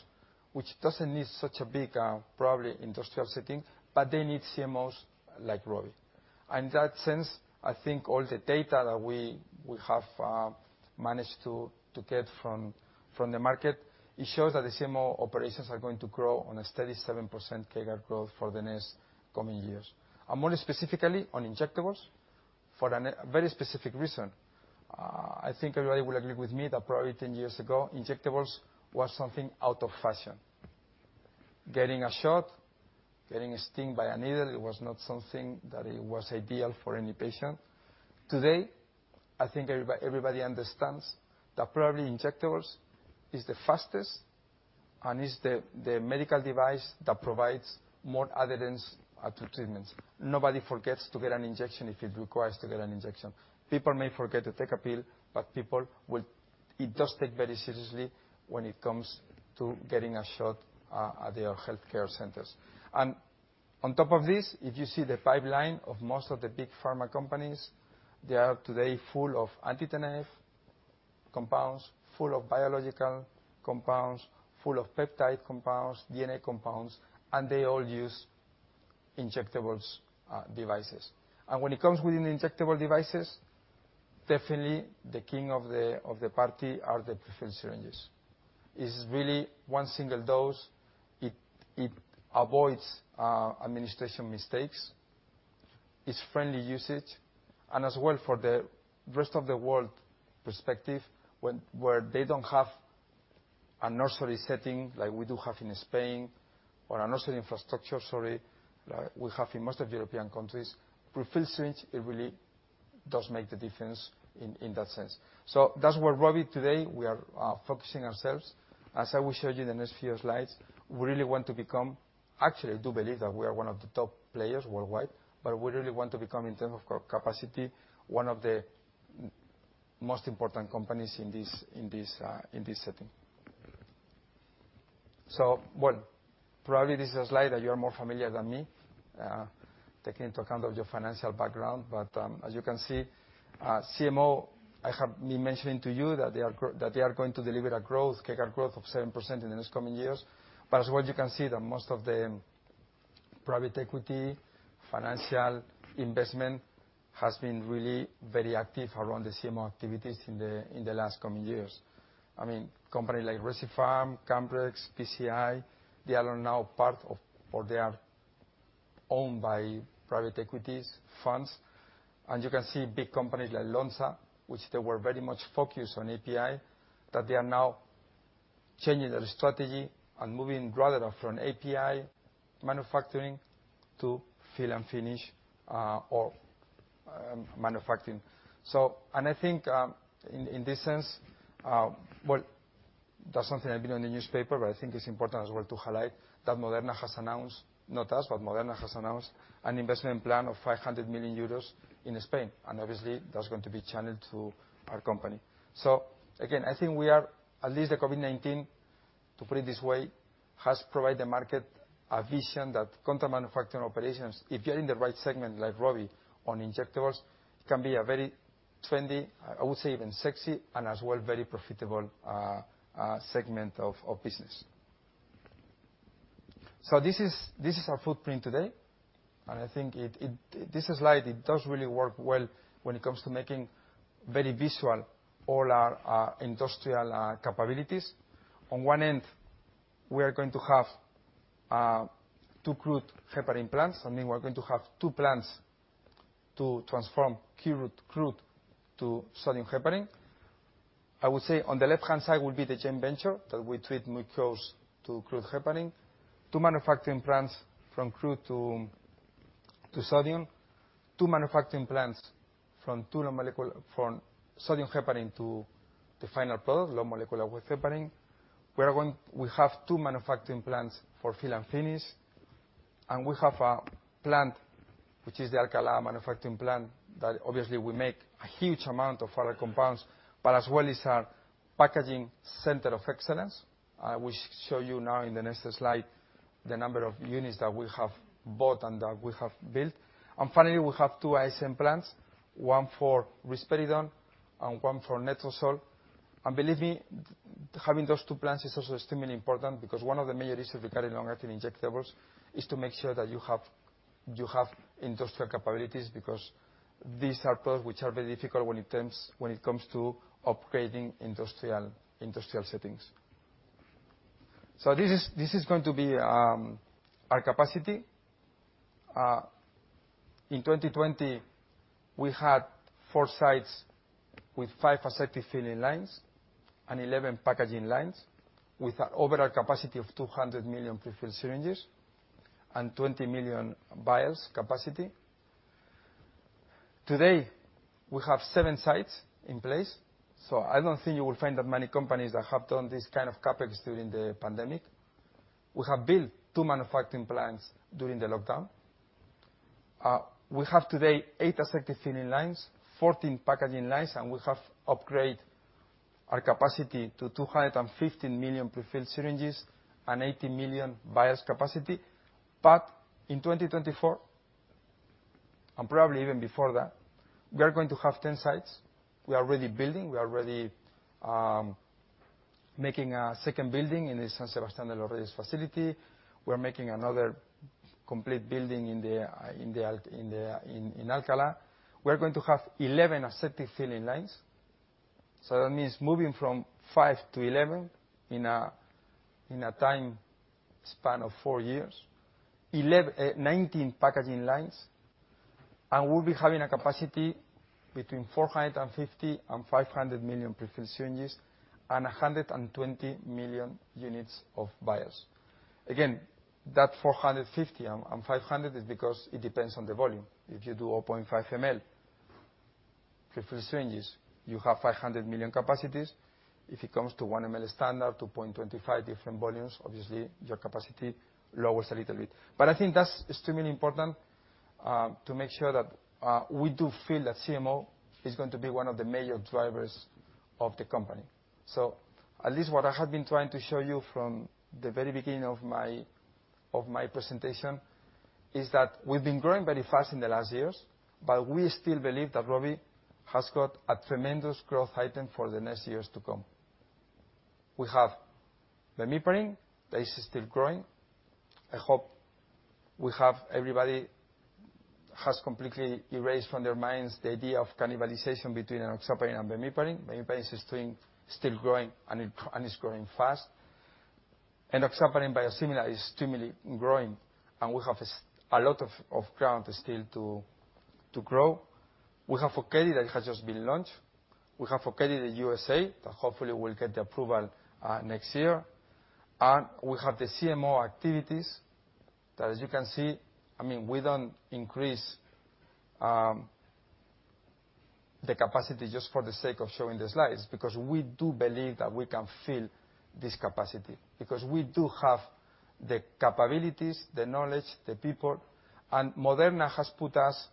which doesn't need such a big, probably industrial setting, but they need CMOs like Rovi. In that sense, I think all the data that we have managed to get from the market, it shows that the CMO operations are going to grow on a steady 7% CAGR growth for the next coming years. More specifically, on injectables for a very specific reason. I think everybody will agree with me that probably 10 years ago, injectables was something out of fashion. Getting a shot, getting stinged by a needle, it was not something that it was ideal for any patient. Today, I think everybody understands that probably injectables is the fastest and is the medical device that provides more adherence to treatments. Nobody forgets to get an injection if it requires to get an injection. People may forget to take a pill, but people will—it does take very seriously when it comes to getting a shot at their healthcare centers. On top of this, if you see the pipeline of most of the big pharma companies, they are today full of anti-TNF compounds, full of biological compounds, full of peptide compounds, DNA compounds, and they all use injectables devices. When it comes within injectable devices, definitely the king of the party are the pre-filled syringes. It's really one single dose. It avoids administration mistakes. It's friendly usage. As well, for the rest of the world perspective, where they don't have a nursery setting like we do have in Spain, or a nursery infrastructure, sorry, like we have in most of European countries, pre-filled syringe, it really does make the difference in that sense. That's where Rovi today, we are focusing ourselves. As I will show you the next few slides, we really want to become. Actually, I do believe that we are one of the top players worldwide, but we really want to become, in terms of capacity, one of the most important companies in this, in this setting. Well, probably this is a slide that you're more familiar than me, taking into account of your financial background. As you can see, CMO, I have been mentioning to you that they are going to deliver a growth, CAGR growth of 7% in the next coming years. You can see that most of the private equity, financial investment has been really very active around the CMO activities in the last coming years. I mean, company like Recipharm, Cambrex, PCI, they are now part of or they are owned by private equities funds. You can see big companies like Lonza, which they were very much focused on API, that they are now changing their strategy and moving rather from API manufacturing to fill and finish or manufacturing. I think, in this sense, well, that's something I've read on the newspaper, but I think it's important as well to highlight that Moderna has announced, not us, but Moderna has announced an investment plan of 500 million euros in Spain, and obviously, that's going to be channeled to our company. Again, I think we are, at least the COVID-19, to put it this way, has provided the market a vision that contract manufacturing operations, if you're in the right segment like Rovi on injectables, can be a very trendy, I would say even sexy, and as well, very profitable, segment of business. This is, this is our footprint today. I think this slide, it does really work well when it comes to making very visual all our industrial capabilities. On one end, we are going to have two crude heparin plants. I mean, we're going to have two plants to transform crude to sodium heparin. I would say on the left-hand side will be the joint venture that we treat microbes to crude heparin. Two manufacturing plants from crude to sodium. Two manufacturing plants from sodium heparin to the final product, low-molecular-weight heparin. We have two manufacturing plants for fill and finish. We have a plant, which is the Alcalá manufacturing plant, that obviously we make a huge amount of other compounds, but as well as our packaging center of excellence. Which show you now in the next slide, the number of units that we have bought and that we have built. Finally, we have two ISM plants, one for risperidone and one for letrozole. Believe me, having those two plants is also extremely important because one of the main reasons we carry long-acting injectables is to make sure that you have industrial capabilities because these are products which are very difficult when it comes to upgrading industrial settings. This is going to be our capacity. In 2020, we had four sites with five aseptic filling lines and 11 packaging lines, with an overall capacity of 200 million pre-filled syringes and 20 million vials capacity. Today, we have seven sites in place, so I don't think you will find that many companies that have done this kind of CapEx during the pandemic. We have built two manufacturing plants during the lockdown. We have today eigth aseptic filling lines, 14 packaging lines, we have upgrade our capacity to 250 million pre-filled syringes and 80 million vials capacity. In 2024, and probably even before that, we are going to have 10 sites. We are already building, we are already making a second building in the San Sebastian de los Reyes facility. We're making another complete building in the Alcalá. We're going to have 11 aseptic filling lines. That means moving from five to 11 in a time span of 4 years. 19 packaging lines, we'll be having a capacity between 450 and 500 million pre-filled syringes and 120 million units of vials. That 450 and 500 is because it depends on the volume. If you do 0.5 ml pre-filled syringes, you have 500 million capacities. If it comes to 1 ml standard, 2.25, different volumes, obviously, your capacity lowers a little bit. I think that's extremely important to make sure that we do feel that CMO is going to be one of the major drivers of the company. At least what I have been trying to show you from the very beginning of my presentation is that we've been growing very fast in the last years, but we still believe that Rovi has got a tremendous growth item for the next years to come. We have Bemiparin that is still growing. I hope we have everybody has completely erased from their minds the idea of cannibalization between enoxaparin and Bemiparin. Bemiparin is still growing, and it's growing fast. Enoxaparin biosimilar is similarly growing, and we have a lot of ground still to grow. We have Okedi that has just been launched. We have Okedi in the USA that hopefully will get the approval next year. We have the CMO activities that as you can see, I mean, we don't increase the capacity just for the sake of showing the slides. We do believe that we can fill this capacity. We do have the capabilities, the knowledge, the people. Moderna has put us,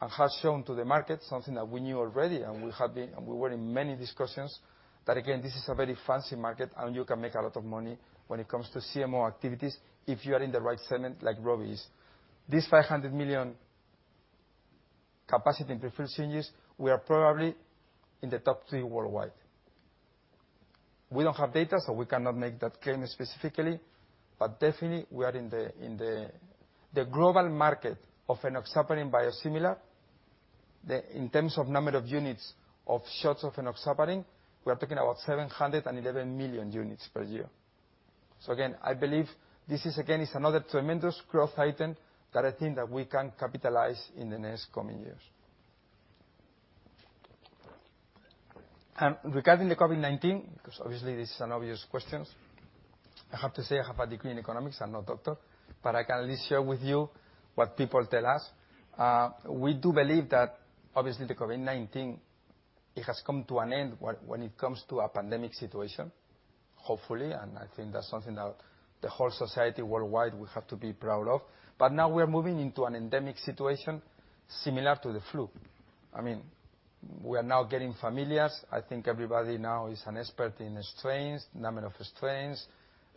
and has shown to the market something that we knew already, and we have been, and we were in many discussions, that again, this is a very fancy market and you can make a lot of money when it comes to CMO activities if you are in the right segment like Rovi is. This 500 million capacity in pre-filled syringes, we are probably in the top three worldwide. We don't have data, so we cannot make that claim specifically, but definitely we are in the. The global market of enoxaparin biosimilar, in terms of number of units of shots of enoxaparin, we are talking about 711 million units per year. Again, I believe this is again, is another tremendous growth item that I think that we can capitalize in the next coming years. Regarding the COVID-19, because obviously this is an obvious questions, I have to say I have a degree in economics, I'm not doctor, but I can at least share with you what people tell us. We do believe that obviously the COVID-19, it has come to an end when it comes to a pandemic situation, hopefully, and I think that's something that the whole society worldwide will have to be proud of. Now we are moving into an endemic situation similar to the flu. I mean, we are now getting familiar. I think everybody now is an expert in strains, number of strains.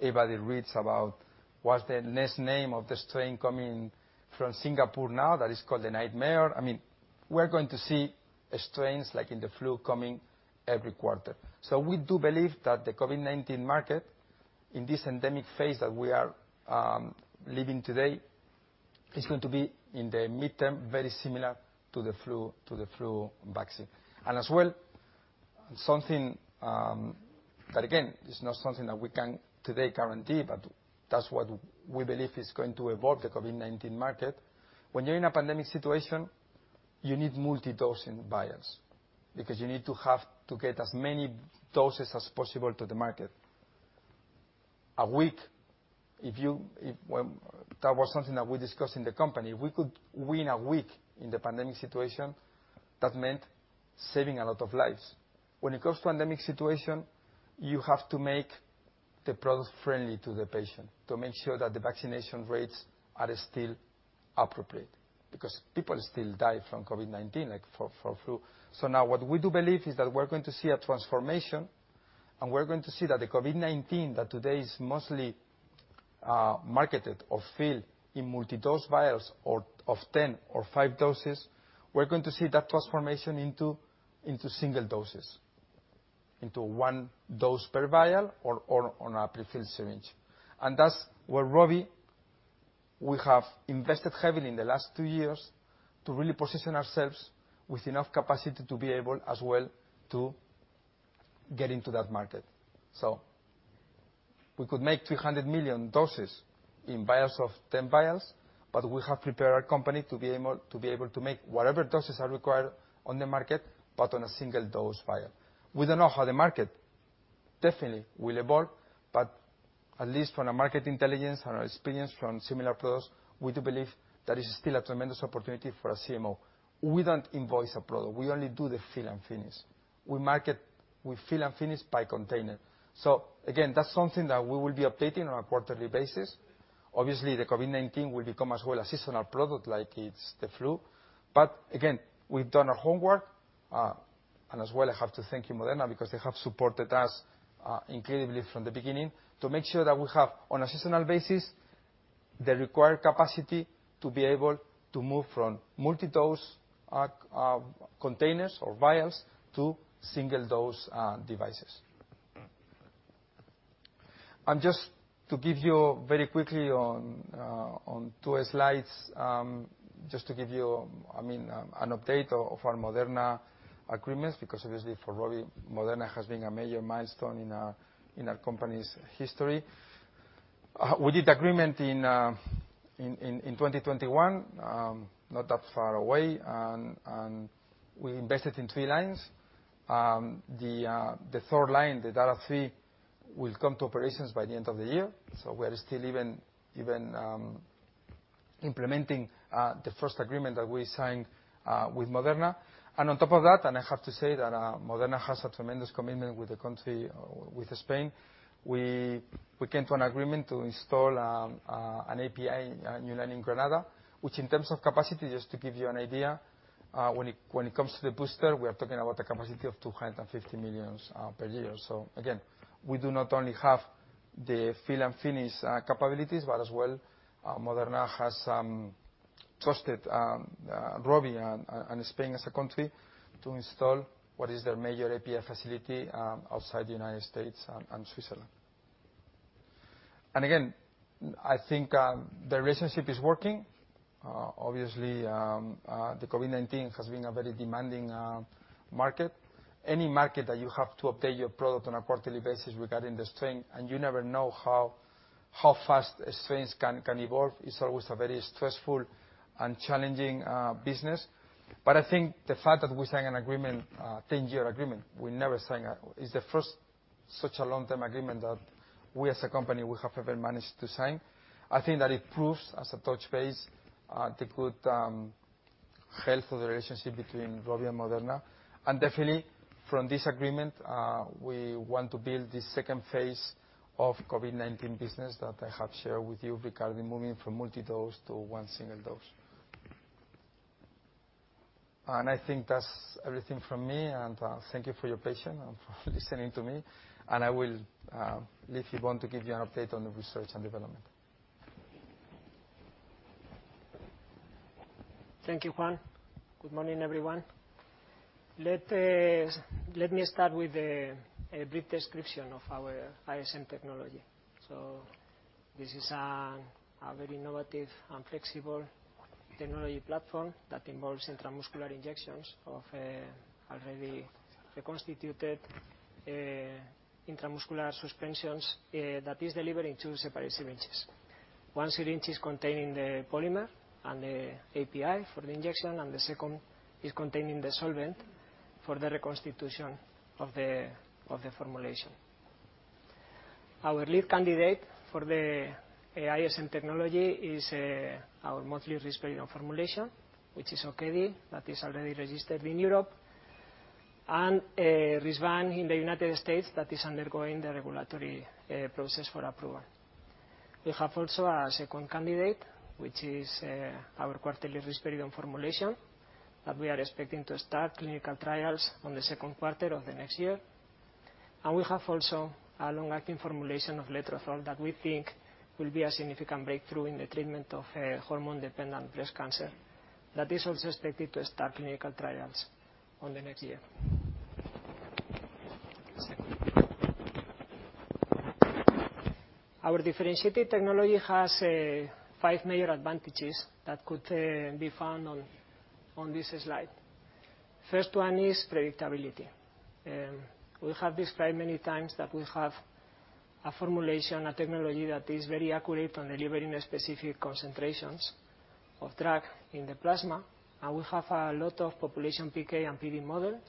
Everybody reads about what's the next name of the strain coming from Singapore now, that is called the nightmare. I mean, we're going to see strains like in the flu coming every quarter. We do believe that the COVID-19 market, in this endemic phase that we are living today, is going to be, in the midterm, very similar to the flu vaccine. As well, something that again, is not something that we can today guarantee, but that's what we believe is going to evolve the COVID-19 market. When you're in a pandemic situation, you need multi-dosing vials because you need to get as many doses as possible to the market. That was something that we discussed in the company. If we could win a week in the pandemic situation, that meant saving a lot of lives. When it comes to endemic situation, you have to make the product friendly to the patient to make sure that the vaccination rates are still appropriate, because people still die from COVID-19, like for flu. Now what we do believe is that we're going to see a transformation, and we're going to see that the COVID-19, that today is mostly marketed or filled in multi-dose vials of 10 or five doses, we're going to see that transformation into single doses, into one dose per vial or on a pre-filled syringe. That's where We have invested heavily in the last 2 years to really position ourselves with enough capacity to be able as well to get into that market. We could make 300 million doses in vials of 10 vials, but we have prepared our company to be able to make whatever doses are required on the market, but on a single dose vial. We don't know how the market definitely will evolve, but at least from a market intelligence and our experience from similar products, we do believe there is still a tremendous opportunity for a CMO. We don't invoice a product, we only do the fill and finish. We market with fill and finish by container. Again, that's something that we will be updating on a quarterly basis. Obviously, the COVID-19 will become as well a seasonal product like it's the flu. Again, we've done our homework. As well, I have to thank you Moderna, because they have supported us incredibly from the beginning to make sure that we have, on a seasonal basis, the required capacity to be able to move from multi-dose containers or vials to single dose devices. Just to give you very quickly on two slides, just to give you, I mean, an update of our Moderna agreements, because obviously for Rovi, Moderna has been a major milestone in our company's history. We did agreement in 2021, not that far away. We invested in three lines. The third line, the data three, will come to operations by the end of the year. We are still even implementing the first agreement that we signed with Moderna. On top of that, I have to say that Moderna has a tremendous commitment with the country, with Spain. We came to an agreement to install an API new line in Granada, which in terms of capacity, just to give you an idea, when it comes to the booster, we are talking about a capacity of 250 million per year. Again, we do not only have the fill and finish capabilities, but as well Moderna has trusted Rovi and Spain as a country to install what is their major API facility outside the United States and Switzerland. Again, I think the relationship is working. Obviously, the COVID-19 has been a very demanding market. Any market that you have to update your product on a quarterly basis regarding the strain, you never know how fast strains can evolve, it's always a very stressful and challenging business. I think the fact that we sign an agreement, a 10-year agreement, it's the first such a long-term agreement that we as a company we have ever managed to sign. I think that it proves as a touch base, the good health of the relationship between Rovi and Moderna. Definitely from this agreement, we want to build the second phase of COVID-19 business that I have shared with you regarding moving from multi-dose to 1 single dose. I think that's everything from me, and, thank you for your patience and for listening to me. I will leave you, Juan, to give you an update on the research and development. Thank you, Juan. Good morning, everyone. Let me start with a brief description of our ISM technology. This is a very innovative and flexible technology platform that involves intramuscular injections of already reconstituted intramuscular suspensions that is delivered in two separate syringes. One syringe is containing the polymer and the API for the injection, and the second is containing the solvent for the reconstitution of the formulation. Our lead candidate for the ISM technology is our monthly risperidone formulation, which is Okedi, that is already registered in Europe, and Risvan in the United States that is undergoing the regulatory process for approval. We have also a second candidate, which is our quarterly risperidone formulation that we are expecting to start clinical trials on the second quarter of the next year. We have also a long-acting formulation of letrozole that we think will be a significant breakthrough in the treatment of hormone-dependent breast cancer. That is also expected to start clinical trials on the next year. Our differentiated technology has five major advantages that could be found on this slide. First one is predictability. We have described many times that we have a formulation, a technology that is very accurate on delivering specific concentrations of drug in the plasma. We have a lot of population PK and PD models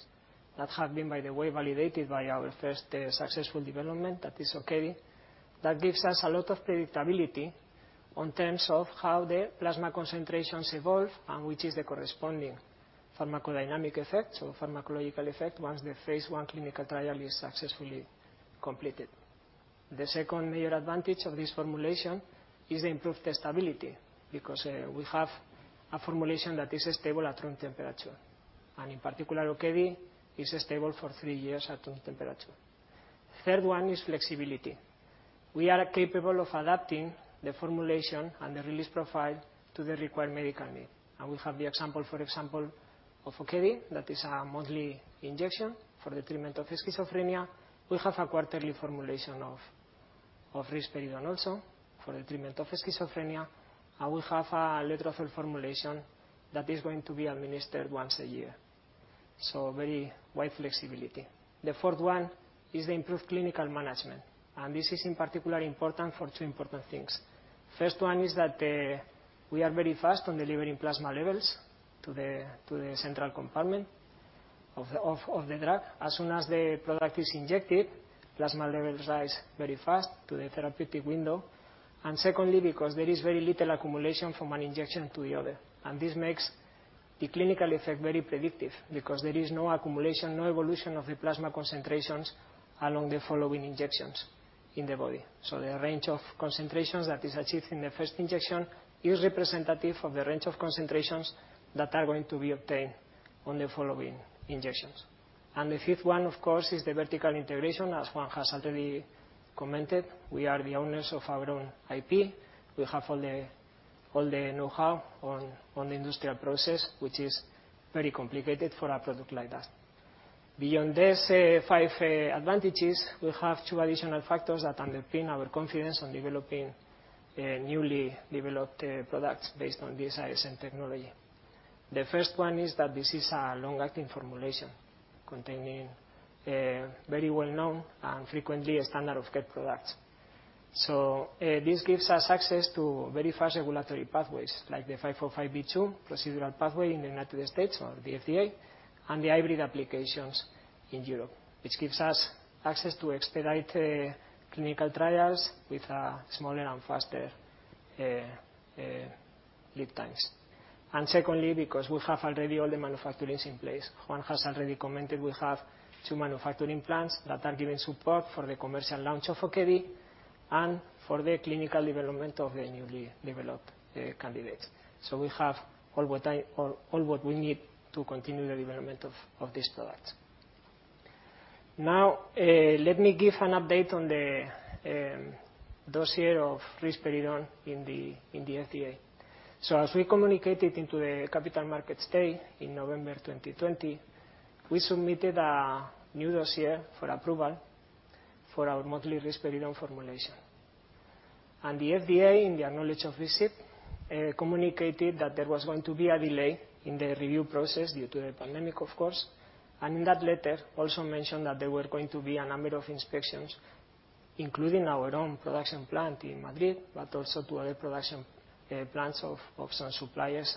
that have been, by the way, validated by our first successful development that is Okedi. That gives us a lot of predictability on terms of how the plasma concentrations evolve and which is the corresponding pharmacodynamic effect or pharmacological effect once the phase I clinical trial is successfully completed. The second major advantage of this formulation is improved testability, because we have a formulation that is stable at room temperature, and in particular, Okedi is stable for 3 years at room temperature. Third one is flexibility. We are capable of adapting the formulation and the release profile to the required medical need. We have the example, for example, of Okedi that is a monthly injection for the treatment of schizophrenia. We have a quarterly formulation of risperidone also for the treatment of schizophrenia. We have a letter of formulation that is going to be administered once a year, so very wide flexibility. The fourth one is the improved clinical management, and this is in particular important for two important things. First one is that we are very fast on delivering plasma levels to the central compartment of the drug. As soon as the product is injected, plasma levels rise very fast to the therapeutic window. secondly, because there is very little accumulation from one injection to the other. This makes the clinical effect very predictive because there is no accumulation, no evolution of the plasma concentrations along the following injections in the body. The range of concentrations that is achieved in the first injection is representative of the range of concentrations that are going to be obtained on the following injections. The fifth one, of course, is the vertical integration. As Juan has already commented, we are the owners of our own IP. We have all the knowhow on the industrial process, which is very complicated for a product like that. Beyond these five advantages, we have two additional factors that underpin our confidence on developing newly developed products based on this ISM technology. The first one is that this is a long-acting formulation containing very well-known and frequently a standard of care product. This gives us access to very fast regulatory pathways like the 505(b)(2) procedural pathway in the United States or the FDA, and the hybrid applications in Europe, which gives us access to expedite clinical trials with smaller and faster lead times. Secondly, because we have already all the manufacturing in place. Juan has already commented, we have two manufacturing plants that are giving support for the commercial launch of Okedi and for the clinical development of the newly developed candidates. We have all what we need to continue the development of this product. Now, let me give an update on the dossier of risperidone in the FDA. As we communicated into the capital markets day in November 2020, we submitted a new dossier for approval for our monthly risperidone formulation. The FDA, in their knowledge of this IP, communicated that there was going to be a delay in the review process due to the pandemic of course, and in that letter also mentioned that there were going to be a number of inspections, including our own production plant in Madrid, but also to other production plants of some suppliers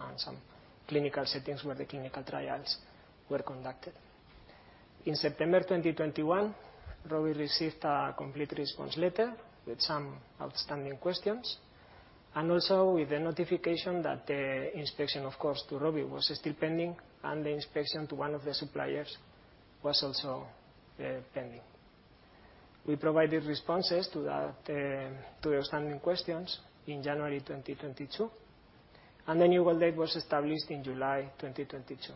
and some clinical settings where the clinical trials were conducted. In September 2021, Rovi received a Complete Response Letter with some outstanding questions and also with the notification that the inspection of course to Rovi was still pending, and the inspection to 1 of the suppliers was also pending. We provided responses to that to the outstanding questions in January 2022. The new goal date was established in July 2022.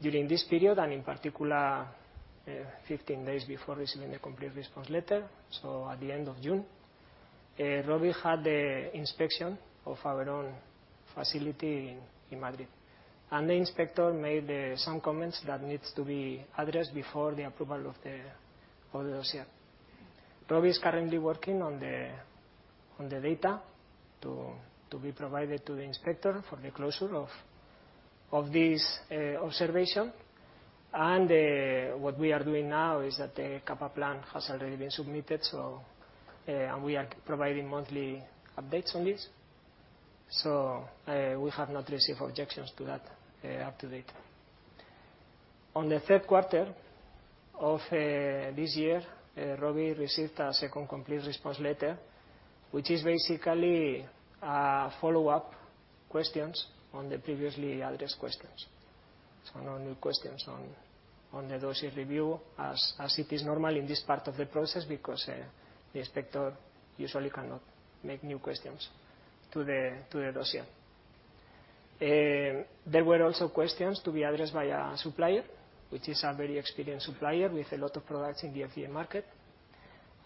During this period, in particular, 15 days before receiving the Complete Response Letter, so at the end of June, Rovi had the inspection of our own facility in Madrid, and the inspector made some comments that needs to be addressed before the approval of the dossier. Rovi is currently working on the data to be provided to the inspector for the closure of this observation. What we are doing now is that the CAPA plan has already been submitted, and we are providing monthly updates on this. We have not received objections to that up to date. On the third quarter of this year, Rovi received a second Complete Response Letter, which is basically follow-up questions on the previously addressed questions. No new questions on the dossier review as it is normal in this part of the process because the inspector usually cannot make new questions to the dossier. There were also questions to be addressed by a supplier, which is a very experienced supplier with a lot of products in the FDA market.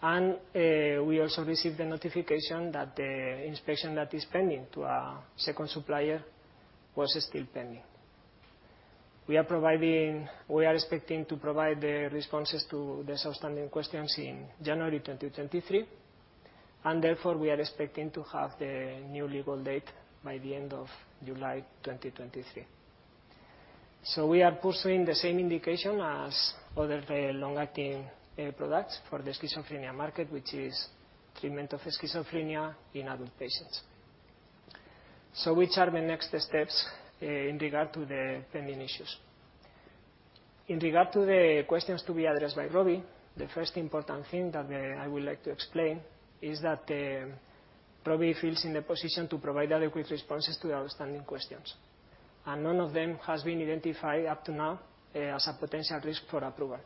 We also received the notification that the inspection that is pending to a second supplier was still pending. We are providing. We are expecting to provide the responses to the outstanding questions in January 2023, and therefore we are expecting to have the new legal date by the end of July 2023. We are pursuing the same indication as other very long-acting products for the schizophrenia market, which is treatment of schizophrenia in adult patients. Which are the next steps in regard to the pending issues? In regard to the questions to be addressed by Rovi, the first important thing that I would like to explain is that Rovi feels in the position to provide adequate responses to the outstanding questions, and none of them has been identified up to now as a potential risk for approval.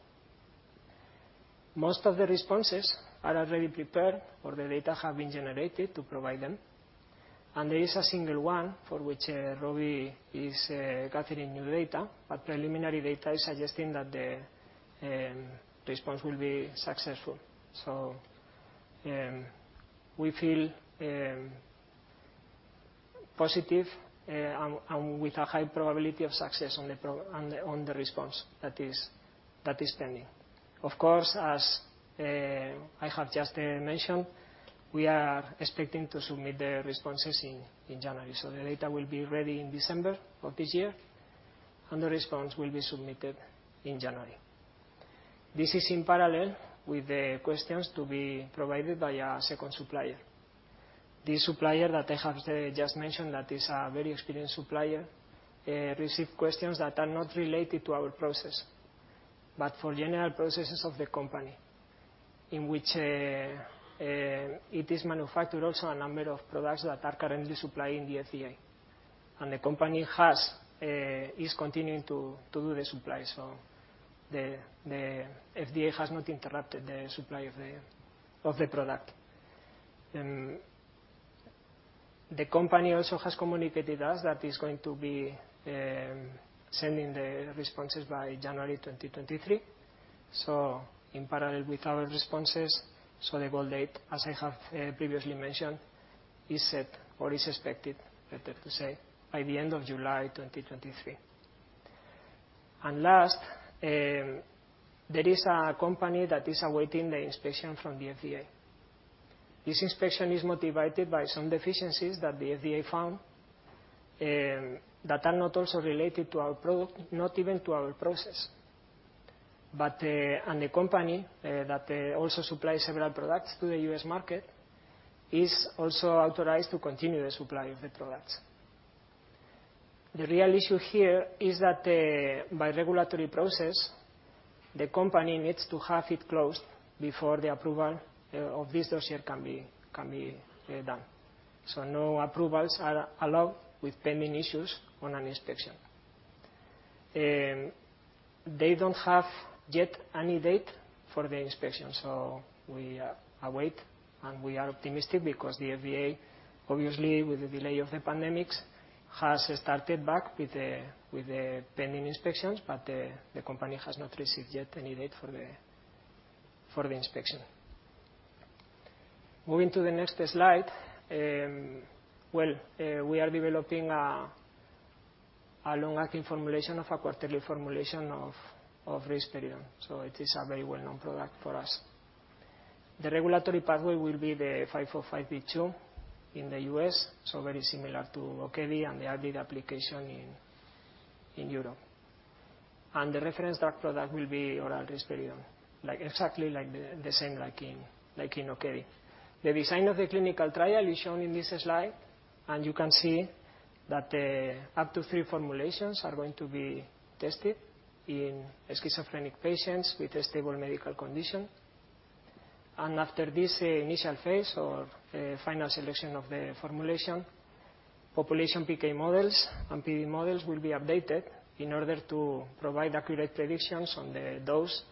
Most of the responses are already prepared or the data have been generated to provide them. There is a single one for which Rovi is gathering new data. Preliminary data is suggesting that the response will be successful. We feel positive and with a high probability of success on the response that is pending. Of course, as I have just mentioned, we are expecting to submit the responses in January. The data will be ready in December of this year. The response will be submitted in January. This is in parallel with the questions to be provided by a second supplier. This supplier that I have just mentioned that is a very experienced supplier, receive questions that are not related to our process, but for general processes of the company, in which it is manufactured also a number of products that are currently supplying the FDA. The company has is continuing to do the supply. The FDA has not interrupted the supply of the product. The company also has communicated us that is going to be sending the responses by January 2023. In parallel with our responses, the goal date, as I have previously mentioned, is set or is expected, better to say, by the end of July 2023. Last, there is a company that is awaiting the inspection from the FDA. This inspection is motivated by some deficiencies that the FDA found that are not also related to our product, not even to our process. The company that also supplies several products to the U.S. market is also authorized to continue the supply of the products. The real issue here is that the, by regulatory process, the company needs to have it closed before the approval of this dossier can be done. No approvals are allowed with pending issues on an inspection. They don't have yet any date for the inspection, so we await, and we are optimistic because the FDA, obviously with the delay of the pandemics, has started back with the pending inspections, but the company has not received yet any date for the inspection. Moving to the next slide. Well, we are developing a long-acting formulation of a quarterly formulation of risperidone, so it is a very well-known product for us. The regulatory pathway will be the 505(b)(2) in the U.S., so very similar to Okedi and the R&D application in Europe. The reference drug product will be oral risperidone, exactly like the same like in Okedi. The design of the clinical trial is shown in this slide, and you can see that up to three formulations are going to be tested in schizophrenic patients with a stable medical condition. After this initial phase or final selection of the formulation, population PK models and PD models will be updated in order to provide accurate predictions on the dose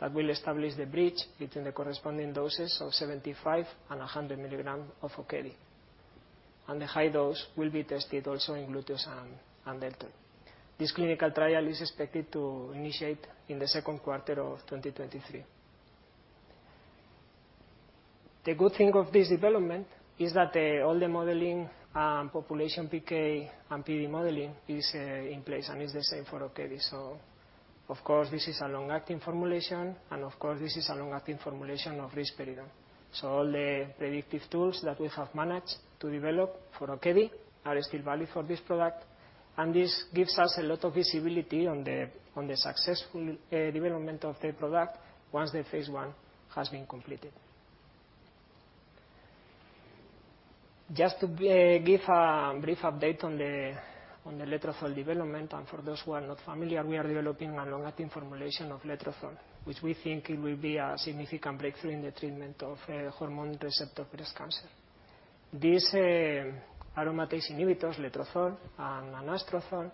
that will establish the bridge between the corresponding doses of 75 and 100 mg of Okedi. The high dose will be tested also in gluteus and deltoid. This clinical trial is expected to initiate in the second quarter of 2023. The good thing of this development is that all the modeling and population PK and PD modeling is in place and is the same for Okedi. Of course, this is a long-acting formulation and of course this is a long-acting formulation of risperidone. All the predictive tools that we have managed to develop for Okedi are still valid for this product and this gives us a lot of visibility on the successful development of the product once the phase I has been completed. Just to give a brief update on the letrozole development, and for those who are not familiar, we are developing a long-acting formulation of letrozole, which we think it will be a significant breakthrough in the treatment of hormone receptor breast cancer. This, aromatase inhibitors, letrozole and anastrozole,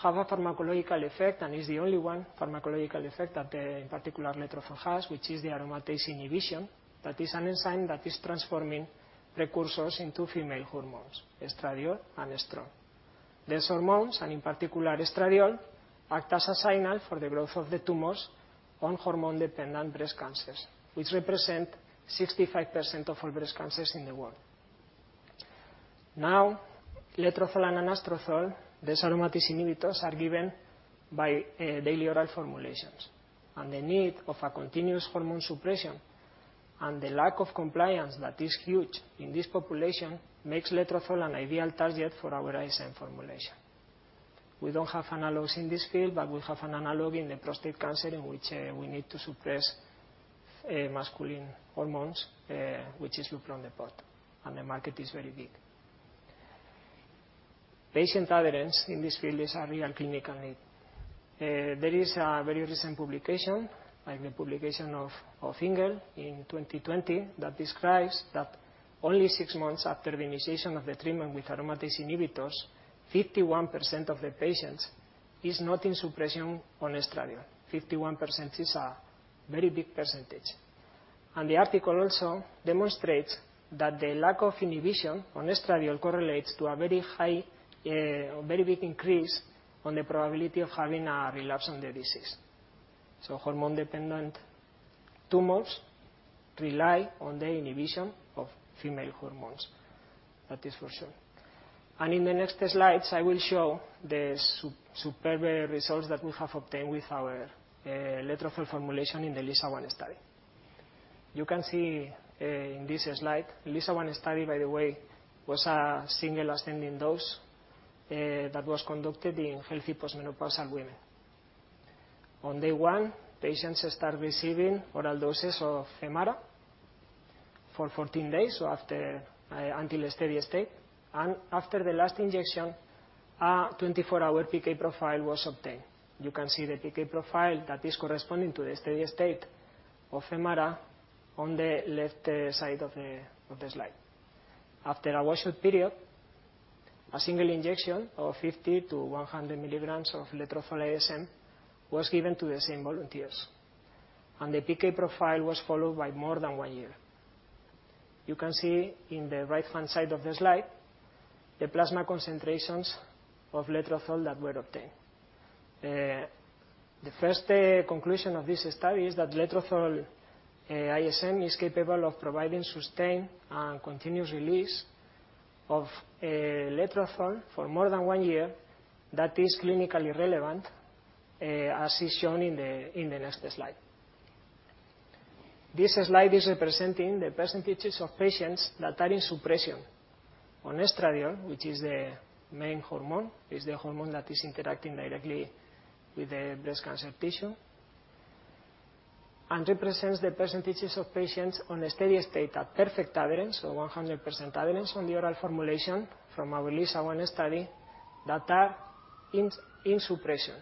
have a pharmacological effect and is the only one pharmacological effect that the particular letrozole has, which is the aromatase inhibition that is an enzyme that is transforming precursors into female hormones, estradiol and estrogen. These hormones, and in particular estradiol, act as a signal for the growth of the tumors on hormone-dependent breast cancers, which represent 65% of all breast cancers in the world. Letrozole and anastrozole, these aromatase inhibitors are given by daily oral formulations. The need of a continuous hormone suppression and the lack of compliance that is huge in this population makes letrozole an ideal target for our ISM formulation. We don't have analogs in this field, but we have an analog in the prostate cancer in which we need to suppress masculine hormones, which is Lupron Depot and the market is very big. Patient adherence in this field is a real clinical need. There is a very recent publication by the publication of Engel in 2020 that describes that only 6 months after the initiation of the treatment with aromatase inhibitors, 51% of the patients is not in suppression on estradiol. 51% is a very big percentage. The article also demonstrates that the lack of inhibition on estradiol correlates to a very high, very big increase on the probability of having a relapse on the disease. Hormone-dependent tumors rely on the inhibition of female hormones. That is for sure. In the next slides, I will show the superb results that we have obtained with our letrozole formulation in the LISA-1 study. You can see in this slide, LISA-1 study, by the way, was a single ascending dose that was conducted in healthy post-menopausal women. On day one, patients start receiving oral doses of Femara for 14 days until a steady state and after the last injection, a 24-hour PK profile was obtained. You can see the PK profile that is corresponding to the steady state of Femara on the left side of the slide. After a washout period, a single injection of 50 mg-100 mg of letrozole ISM was given to the same volunteers, and the PK profile was followed by more than one year. You can see in the right-hand side of the slide, the plasma concentrations of letrozole that were obtained. The first conclusion of this study is that letrozole ISM is capable of providing sustained and continuous release of letrozole for more than one year that is clinically relevant, as is shown in the next slide. This slide is representing the percentages of patients that are in suppression on estradiol, which is the main hormone, is the hormone that is interacting directly with the breast cancer tissue, and represents the percentages of patients on a steady-state at perfect adherence, so 100% adherence on the oral formulation from our LISA-1 study that are in suppression.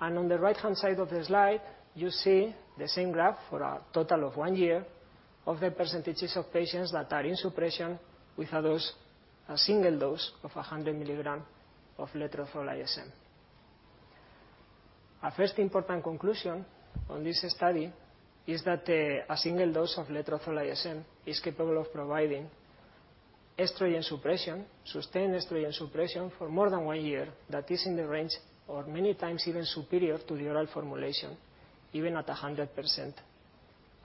On the right-hand side of the slide, you see the same graph for a total of 1 year of the percentages of patients that are in suppression with a dose, a single dose of 100 mg of letrozole ISM. A first important conclusion on this study is that a single dose of letrozole ISM is capable of providing estrogen suppression, sustained estrogen suppression for more than one year that is in the range or many times even superior to the oral formulation, even at 100%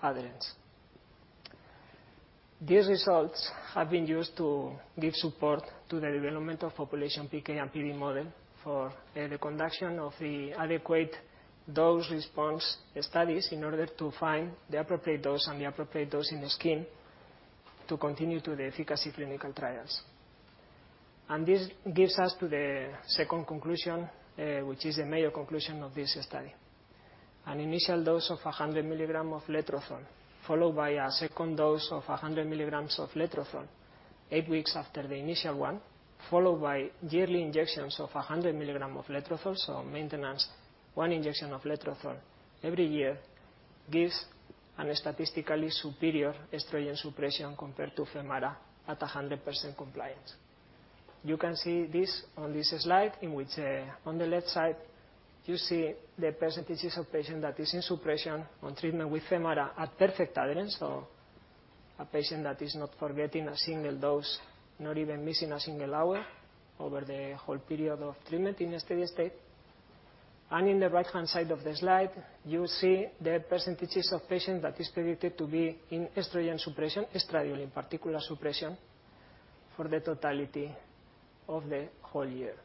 adherence. These results have been used to give support to the development of population PK and PD model for the conduction of the adequate dose response studies in order to find the appropriate dose and the appropriate dose in the skin to continue to the efficacy clinical trials. This gives us to the second conclusion, which is the major conclusion of this study. An initial dose of 100 mg of letrozole, followed by a second dose of 100 mg of letrozole 8 weeks after the initial one, followed by yearly injections of 100 mg of letrozole. Maintenance, one injection of letrozole every year gives a statistically superior estrogen suppression compared to Femara at 100% compliance. You can see this on this slide, in which, on the left side, you see the percentages of patient that is in suppression on treatment with Femara at perfect adherence. A patient that is not forgetting a single dose, not even missing a single hour over the whole period of treatment in a steady state. In the right-hand side of the slide, you see the percentages of patients that is predicted to be in estrogen suppression, estradiol in particular suppression, for the totality of the whole year.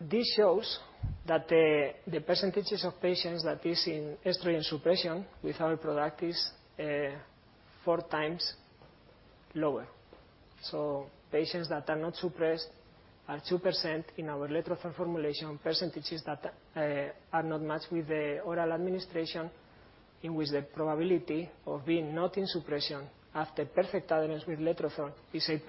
This shows that the percentages of patients that is in estrogen suppression with our product is four times lower. Patients that are not suppressed are 2% in our letrozole formulation, percentages that are not matched with the oral administration, in which the probability of being not in suppression after perfect adherence with letrozole is 8%.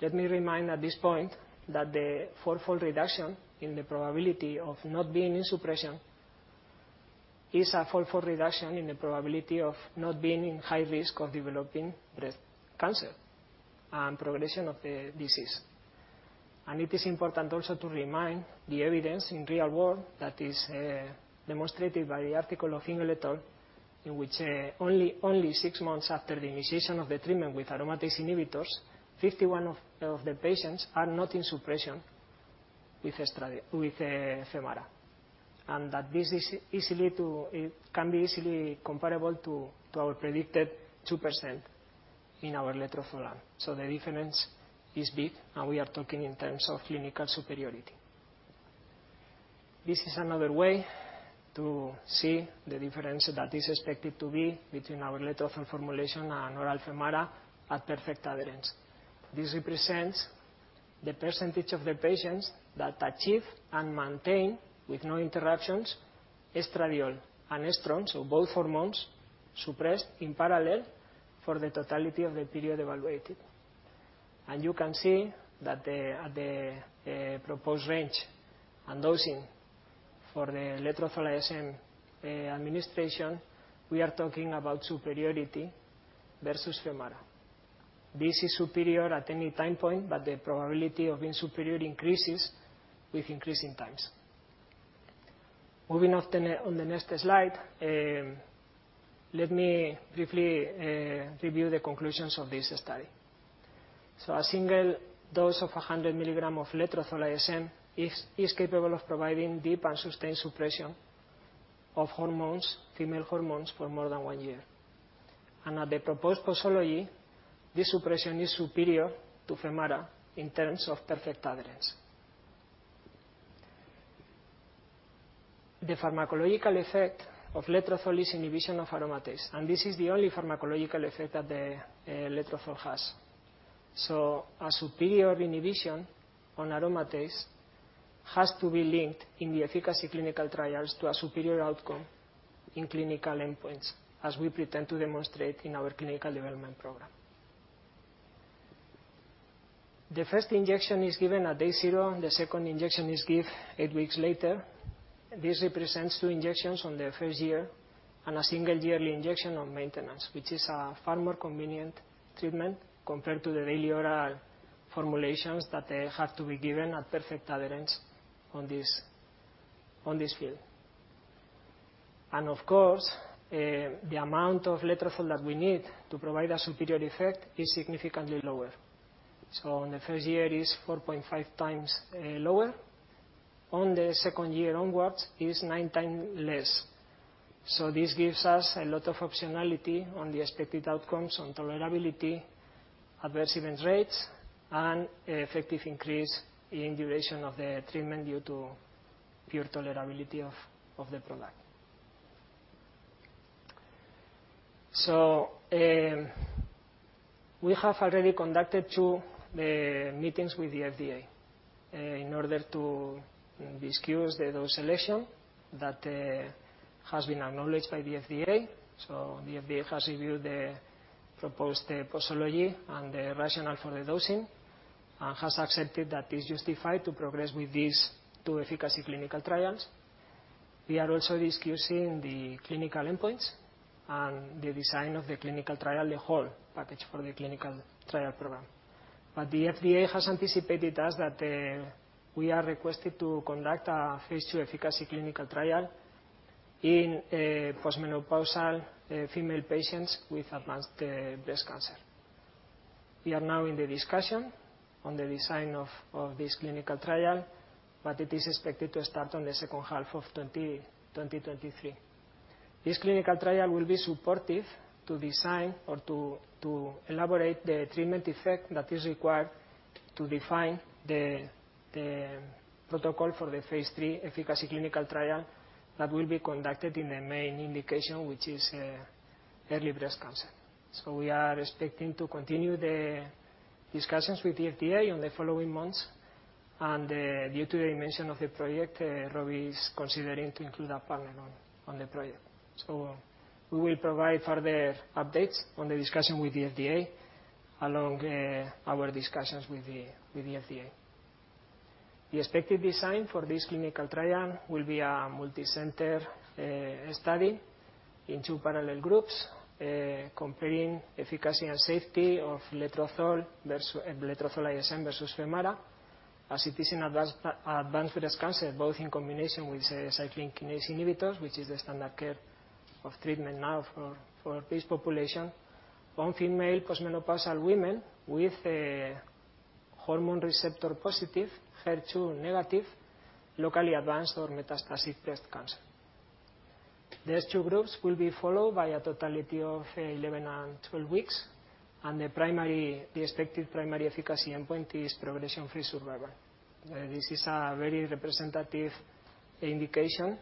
Let me remind at this point that the 4-fold reduction in the probability of not being in suppression is a 4-fold reduction in the probability of not being in high risk of developing breast cancer and progression of the disease. It is important also to remind the evidence in real world that is demonstrated by the article of Engel et al, in which only 6 months after the initiation of the treatment with aromatase inhibitors, 51 of the patients are not in suppression with Femara. That this is easily to. It can be easily comparable to our predicted 2% in our letrozole arm. The difference is big, and we are talking in terms of clinical superiority. This is another way to see the difference that is expected to be between our letrozole formulation and oral Femara at perfect adherence. This represents the percentage of the patients that achieve and maintain, with no interruptions, estradiol and estrone, so both hormones suppressed in parallel for the totality of the period evaluated. You can see that the proposed range and dosing for the letrozole ISM administration, we are talking about superiority versus Femara. This is superior at any time point, but the probability of being superior increases with increasing times. Moving on to the, on the next slide, let me briefly review the conclusions of this study. A single dose of 100 mg of letrozole ISM is capable of providing deep and sustained suppression of hormones, female hormones, for more than 1 year. At the proposed posology, this suppression is superior to Femara in terms of perfect adherence. The pharmacological effect of letrozole is inhibition of aromatase, and this is the only pharmacological effect that the letrozole has. A superior inhibition on aromatase has to be linked in the efficacy clinical trials to a superior outcome in clinical endpoints, as we pretend to demonstrate in our clinical development program. The first injection is given at day 0, and the second injection is give 8 weeks later. This represents two injections on the first year and a 1 yearly injection on maintenance, which is a far more convenient treatment compared to the daily oral formulations that have to be given at perfect adherence on this field. Of course, the amount of letrozole that we need to provide a superior effect is significantly lower. On the first year, it is 4.5x lower. On the second year onwards, it is 9x less. This gives us a lot of optionality on the expected outcomes on tolerability, adverse event rates, and effective increase in duration of the treatment due to pure tolerability of the product. We have already conducted two meetings with the FDA in order to discuss the dose selection that has been acknowledged by the FDA. The FDA has reviewed the proposed posology and the rationale for the dosing and has accepted that it's justified to progress with these two efficacy clinical trials. We are also discussing the clinical endpoints and the design of the clinical trial, the whole package for the clinical trial program. The FDA has anticipated us that we are requested to conduct a phase II efficacy clinical trial in post-menopausal female patients with advanced breast cancer. We are now in the discussion on the design of this clinical trial, but it is expected to start on the second half of 2023. This clinical trial will be supportive to design or to elaborate the treatment effect that is required to define the protocol for the phase III efficacy clinical trial that will be conducted in the main indication, which is early breast cancer. We are expecting to continue the discussions with the FDA in the following months. Due to the dimension of the project, Rovi is considering to include a partner on the project. We will provide further updates on the discussion with the FDA along our discussions with the FDA. The expected design for this clinical trial will be a multicenter study in two parallel groups comparing efficacy and safety of letrozole versus. Letrozole ISM versus Femara as it is in advanced advanced breast cancer, both in combination with cyclin-dependent kinase inhibitors, which is the standard care of treatment now for this population, on female post-menopausal women with hormone receptor positive, HER2 negative, locally advanced or metastatic breast cancer. These two groups will be followed by a totality of 11 and 12 weeks, and the primary. The expected primary efficacy endpoint is progression-free survival. This is a very representative indication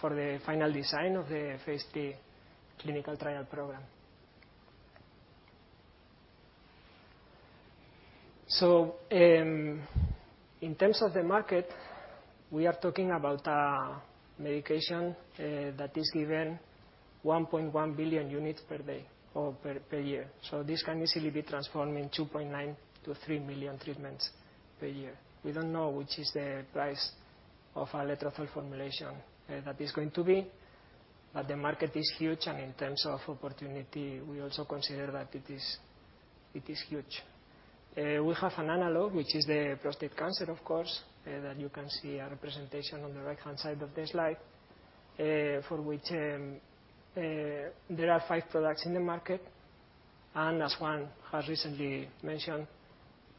for the final design of the phase III clinical trial program. In terms of the market, we are talking about a medication that is given 1.1 billion units per day or per year. This can easily be transformed in 2.9 million-3 million treatments per year. We don't know which is the price of our letrozole formulation that is going to be. The market is huge. In terms of opportunity, we also consider that it is huge. We have an analog, which is the prostate cancer, of course, that you can see a representation on the right-hand side of the slide, for which there are five products in the market. As Juan has recently mentioned,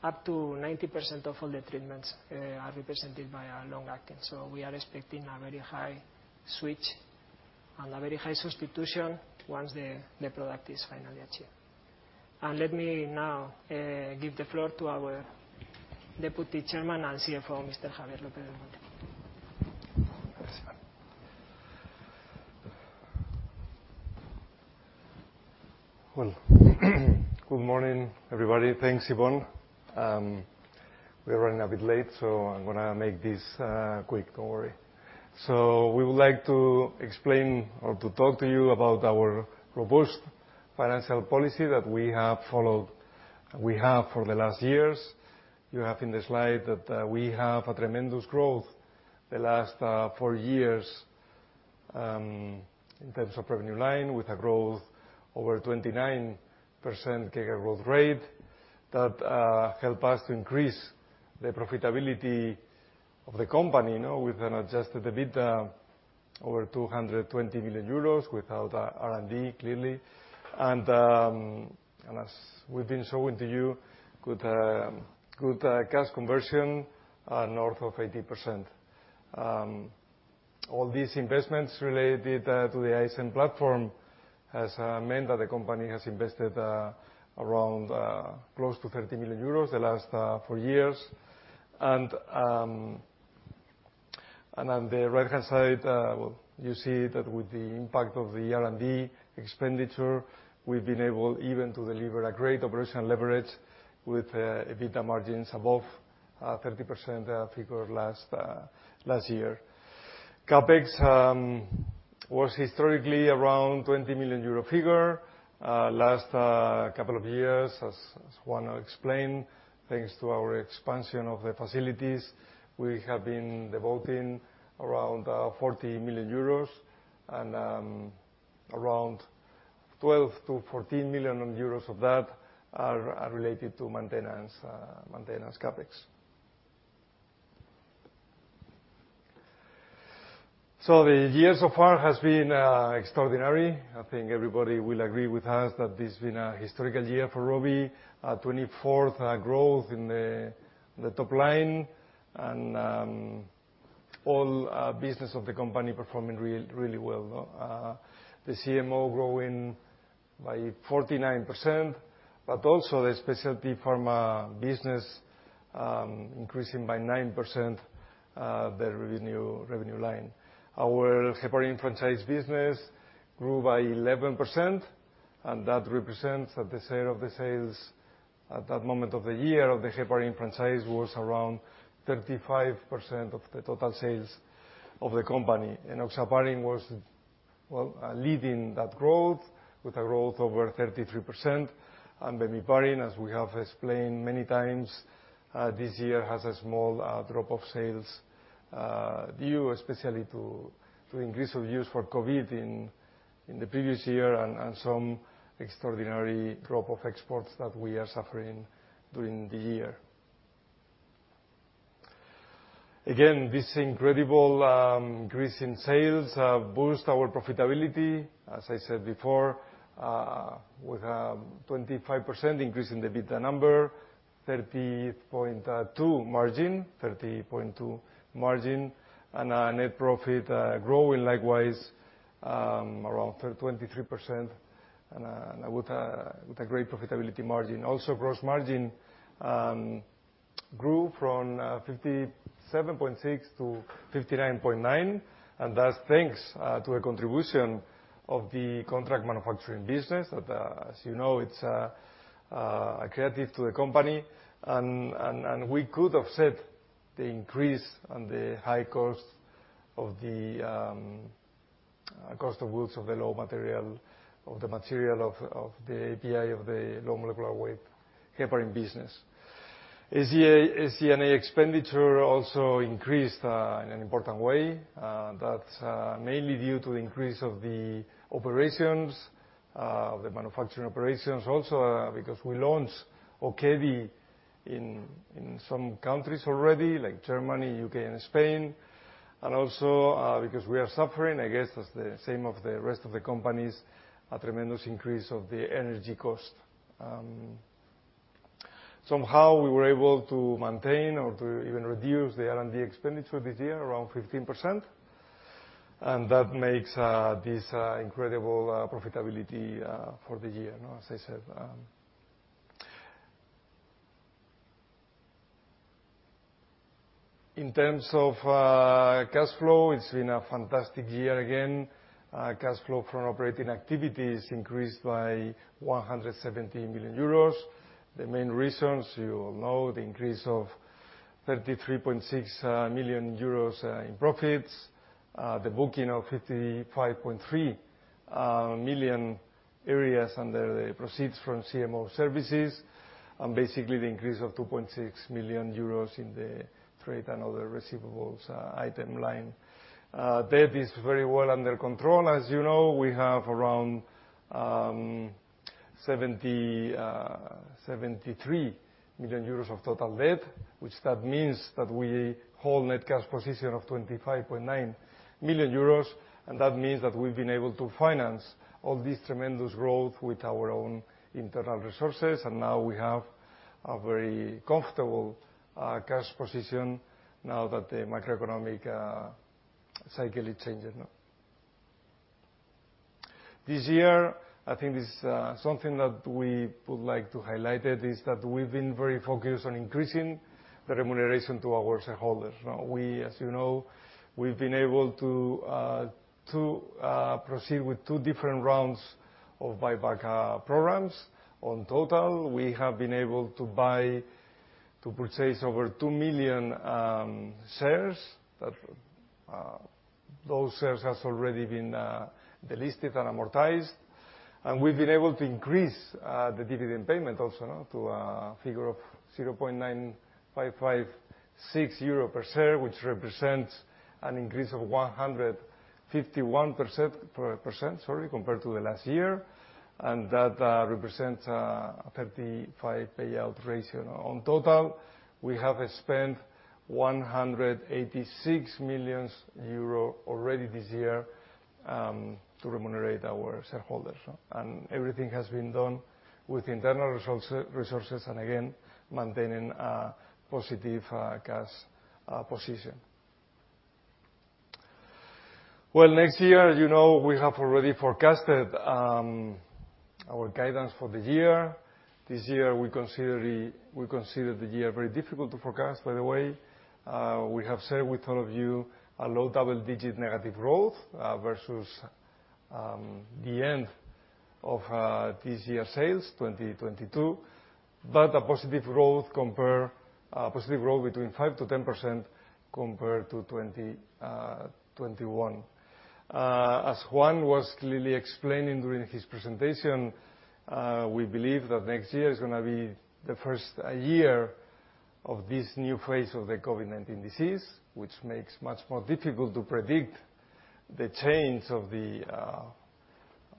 up to 90% of all the treatments are represented by long-acting. We are expecting a very high switch and a very high substitution once the product is finally achieved. Let me now give the floor to our Deputy Chairman and CFO, Mr. Javier López-Belmonte. Well, good morning, everybody. Thanks, Iván. We're running a bit late, I'm gonna make this quick. Don't worry. We would like to explain or to talk to you about our robust financial policy that we have for the last years. You have in the slide that we have a tremendous growth the last four years in terms of revenue line, with a growth over 29% growth rate that help us to increase the profitability of the company, you know, with an adjusted EBITDA over 220 million euros without R&D, clearly. As we've been showing to you, good cash conversion north of 80%. All these investments related to the ISM platform has meant that the company has invested around close to 30 million euros the last 4 years. On the right-hand side, well, you see that with the impact of the R&D expenditure, we've been able even to deliver a great operational leverage with EBITDA margins above 30% figure last year. CapEx was historically around 20 million euro figure. Last couple of years, as Juan explained, thanks to our expansion of the facilities, we have been devoting around 40 million euros and around 12 million-14 million euros of that are related to maintenance CapEx. The year so far has been extraordinary. I think everybody will agree with us that this has been a historical year for Rovi. 24th growth in the top line and all business of the company performing really well. The CMO growing by 49%, but also the specialty pharma business increasing by 9% the revenue line. Our heparin franchise business grew by 11%, and that represents the sale of the sales at that moment of the year of the heparin franchise was around 35% of the total sales of the company. Enoxaparin was, well, leading that growth with a growth over 33%. Bemiparin, as we have explained many times, this year, has a small drop of sales, due especially to increase of use for COVID in the previous year and some extraordinary drop of exports that we are suffering during the year. Again, this incredible increase in sales have boost our profitability, as I said before, with a 25% increase in the EBITDA number, 30.2% margin, and a net profit growing likewise around 23% and with a great profitability margin. Also, gross margin grew from 57.6%-59.9%, and that's thanks to a contribution of the contract manufacturing business that, as you know, it's accretive to the company. We could offset the increase on the high cost of the cost of goods of the raw material, of the material of the API of the low molecular weight heparin business. SG&A expenditure also increased in an important way, that's mainly due to the increase of the operations, the manufacturing operations also, because we launched Okedi in some countries already, like Germany, U.K., and Spain. Also, because we are suffering, I guess that's the same of the rest of the companies, a tremendous increase of the energy cost. Somehow we were able to maintain or to even reduce the R&D expenditure this year, around 15%. That makes this incredible profitability for the year, you know, as I said. In terms of cash flow, it's been a fantastic year again. Cash flow from operating activities increased by 170 million euros. The main reasons you all know, the increase of 33.6 million euros in profits, the booking of 55.3 million under the proceeds from CMO services, and basically the increase of 2.6 million euros in the trade and other receivables item line. Debt is very well under control. As you know, we have around 73 million euros of total debt, which that means that we hold net cash position of 25.9 million euros, and that means that we've been able to finance all this tremendous growth with our own internal resources. Now we have a very comfortable cash position now that the macroeconomic cycle is changing now. This year, I think this something that we would like to highlight it is that we've been very focused on increasing the remuneration to our shareholders. Now we, as you know, we've been able to proceed with two different rounds of buyback programs. On total, we have been able to purchase over 2 million shares. Those shares has already been delisted and amortized. We've been able to increase the dividend payment also now to a figure of 0.9556 euro per share, which represents an increase of 151%, sorry, compared to the last year. That represents a 35% payout ratio. On total, we have spent 186 million euros already this year to remunerate our shareholders. Everything has been done with internal resources and again, maintaining a positive cash position. Well, next year, you know, we have already forecasted our guidance for the year. This year, we consider the year very difficult to forecast, by the way. We have said with all of you a low double-digit negative growth versus the end of this year sales, 2022, but a positive growth between 5%-10% compared to 2021. As Juan was clearly explaining during his presentation, we believe that next year is gonna be the first year of this new phase of the COVID-19 disease, which makes much more difficult to predict the change of the,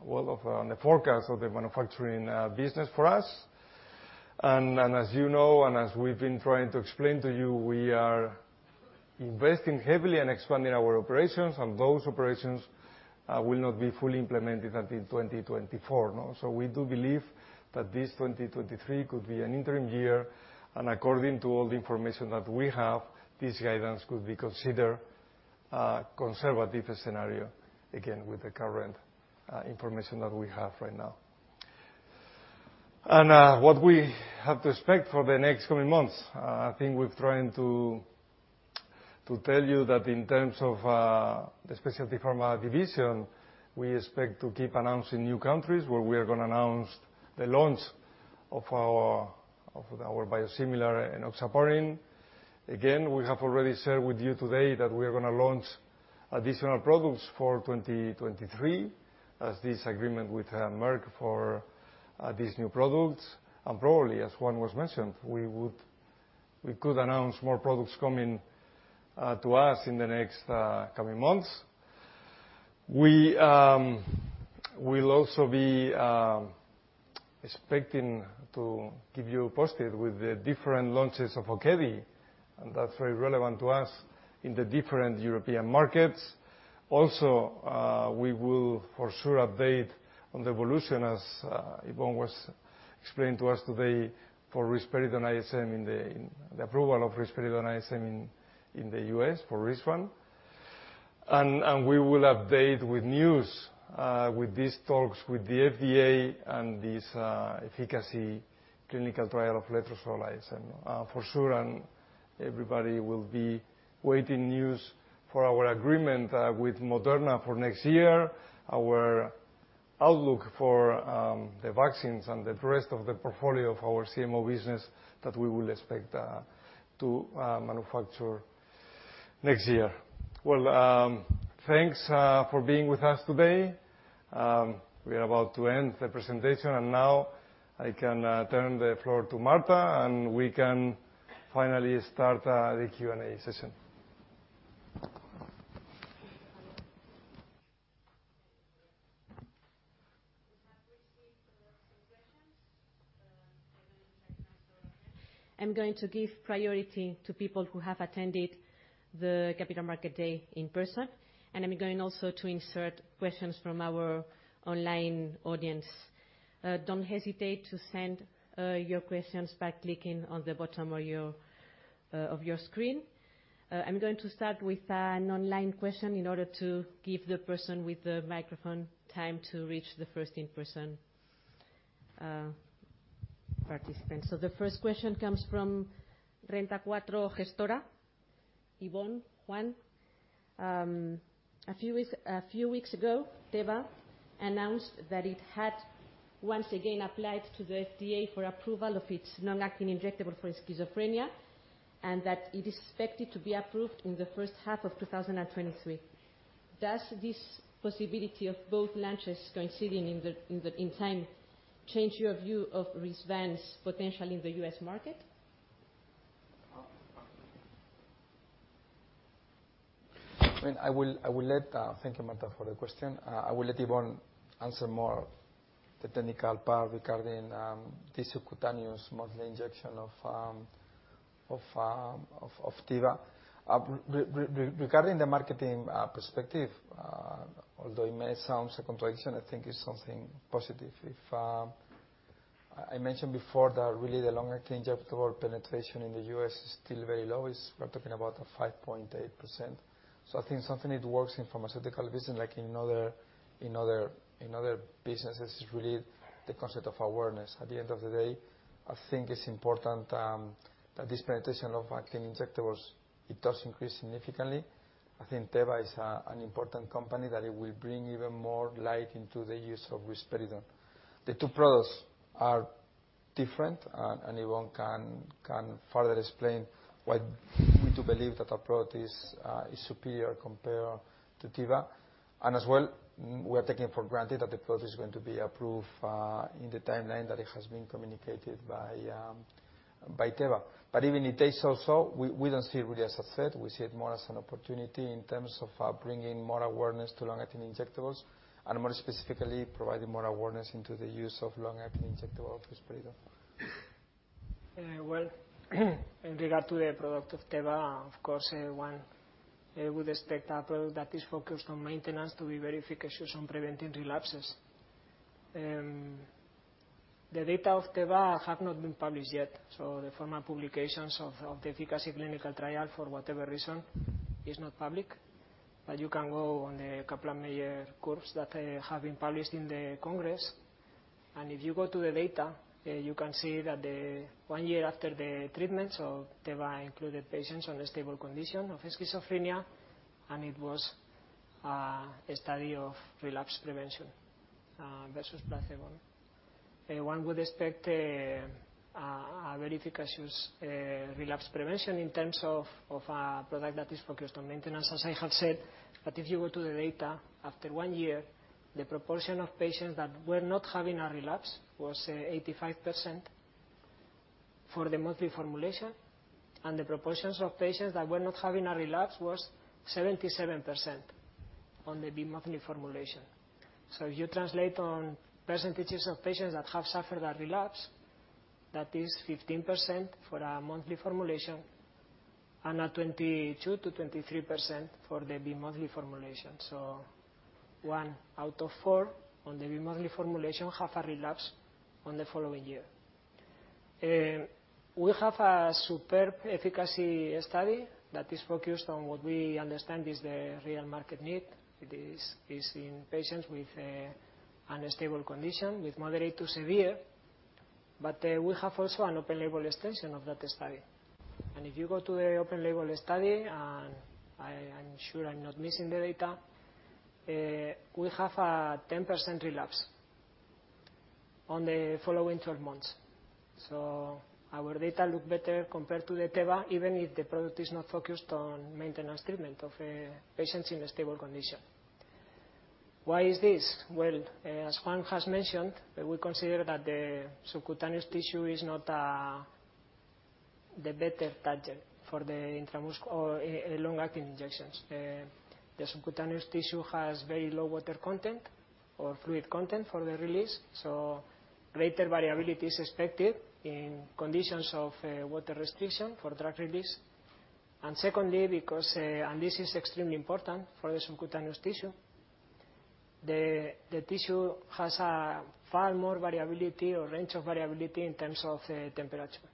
well, on the forecast of the manufacturing business for us. As you know, and as we've been trying to explain to you, we are investing heavily in expanding our operations, and those operations will not be fully implemented until 2024, you know. We do believe that this 2023 could be an interim year, and according to all the information that we have, this guidance could be considered a conservative scenario, again, with the current information that we have right now. What we have to expect for the next coming months, I think we've tried to tell you that in terms of the specialty pharma division, we expect to keep announcing new countries where we are going to announce the launch of our biosimilar enoxaparin. Again, we have already said with you today that we are going to launch additional products for 2023, as this agreement with Merck for these new products. Probably, as Juan was mentioned, we could announce more products coming to us in the next coming months. We will also be expecting to keep you posted with the different launches of Okedi, and that's very relevant to us in the different European markets. Also, we will for sure update on the evolution as Iván was explaining to us today for risperidone ISM in the approval of risperidone ISM in the U.S. for Risvan. We will update with news with these talks with the FDA and this efficacy clinical trial of letrozole ISM. For sure, everybody will be waiting news for our agreement with Moderna for next year, our outlook for the vaccines and the rest of the portfolio of our CMO business that we will expect to manufacture next year. Well, thanks for being with us today. We are about to end the presentation, now I can turn the floor to Martha, and we can finally start the Q&A session. I'm going to give priority to people who have attended the Capital Market Day in person, and I'm going also to insert questions from our online audience. Don't hesitate to send your questions by clicking on the bottom of your screen. I'm going to start with an online question in order to give the person with the microphone time to reach the first in-person participant. The first question comes from Renta 4 Gestora. Iván, Juan, a few weeks ago, Teva announced that it had once again applied to the FDA for approval of its long-acting injectable for schizophrenia, and that it is expected to be approved in the first half of 2023. Does this possibility of both launches coinciding in the time change your view of Risvan's potential in the U.S. market? I mean, I will let. Thank you, Marta, for the question. I will let Iván answer more the technical part regarding the subcutaneous monthly injection of Teva. Regarding the marketing perspective, although it may sound a contradiction, I think it's something positive. If I mentioned before that really the long-acting injectable penetration in the U.S. is still very low. We're talking about a 5.8%. I think something it works in pharmaceutical business like in other, in other, in other businesses is really the concept of awareness. At the end of the day, I think it's important that this penetration of acting injectables, it does increase significantly. I think Teva is an important company that it will bring even more light into the use of risperidone. The two products are different and Iván can further explain why we do believe that our product is superior compared to Teva. As well, we're taking for granted that the product is going to be approved in the timeline that it has been communicated by Teva. Even it takes so, we don't see it really as a threat. We see it more as an opportunity in terms of bringing more awareness to long-acting injectables and more specifically providing more awareness into the use of long-acting injectable risperidone. Well, in regard to the product of Teva, of course, one would expect a product that is focused on maintenance to be very efficacious on preventing relapses. The data of Teva have not been published yet, so the formal publications of the efficacy clinical trial, for whatever reason, is not public. You can go on the Kaplan-Meier curves that have been published in the congress. If you go to the data, you can see that the one year after the treatment of Teva included patients on a stable condition of schizophrenia, and it was a study of relapse prevention versus placebo. One would expect a very efficacious relapse prevention in terms of a product that is focused on maintenance, as I have said. If you go to the data, after one year, the proportion of patients that were not having a relapse was 85% for the monthly formulation, and the proportions of patients that were not having a relapse was 77% on the bimonthly formulation. You translate on percentages of patients that have suffered a relapse, that is 15% for our monthly formulation and 22%-23% for the bimonthly formulation. One out of four on the bimonthly formulation have a relapse on the following year. We have a superb efficacy study that is focused on what we understand is the real market need. It is in patients with an unstable condition, with moderate to severe. We have also an open label extension of that study. If you go to the open label study, I'm sure I'm not missing the data, we have a 10% relapse on the following 12 months. Our data look better compared to the Teva, even if the product is not focused on maintenance treatment of patients in a stable condition. Why is this? Well, as Juan has mentioned, we consider that the subcutaneous tissue is not the better target for long-acting injections. The subcutaneous tissue has very low water content or fluid content for the release, so greater variability is expected in conditions of water restriction for drug release. Secondly, because, and this is extremely important for the subcutaneous tissue, the tissue has a far more variability or range of variability in terms of temperature.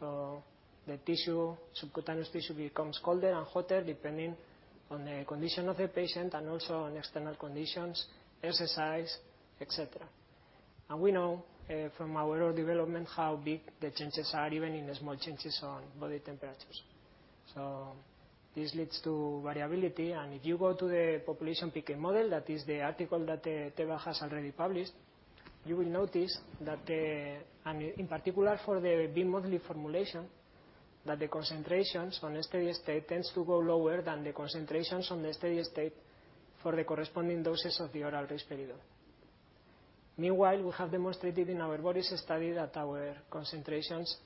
The tissue, subcutaneous tissue becomes colder and hotter depending on the condition of the patient and also on external conditions, exercise, et cetera. We know from our development how big the changes are, even in the small changes on body temperatures. This leads to variability. If you go to the population PK model, that is the article that Teva has already published, you will notice that and in particular for the bimonthly formulation, that the concentrations on steady state tends to go lower than the concentrations on the steady state for the corresponding doses of the oral risperidone. Meanwhile, we have demonstrated in our bodies study that our concentrations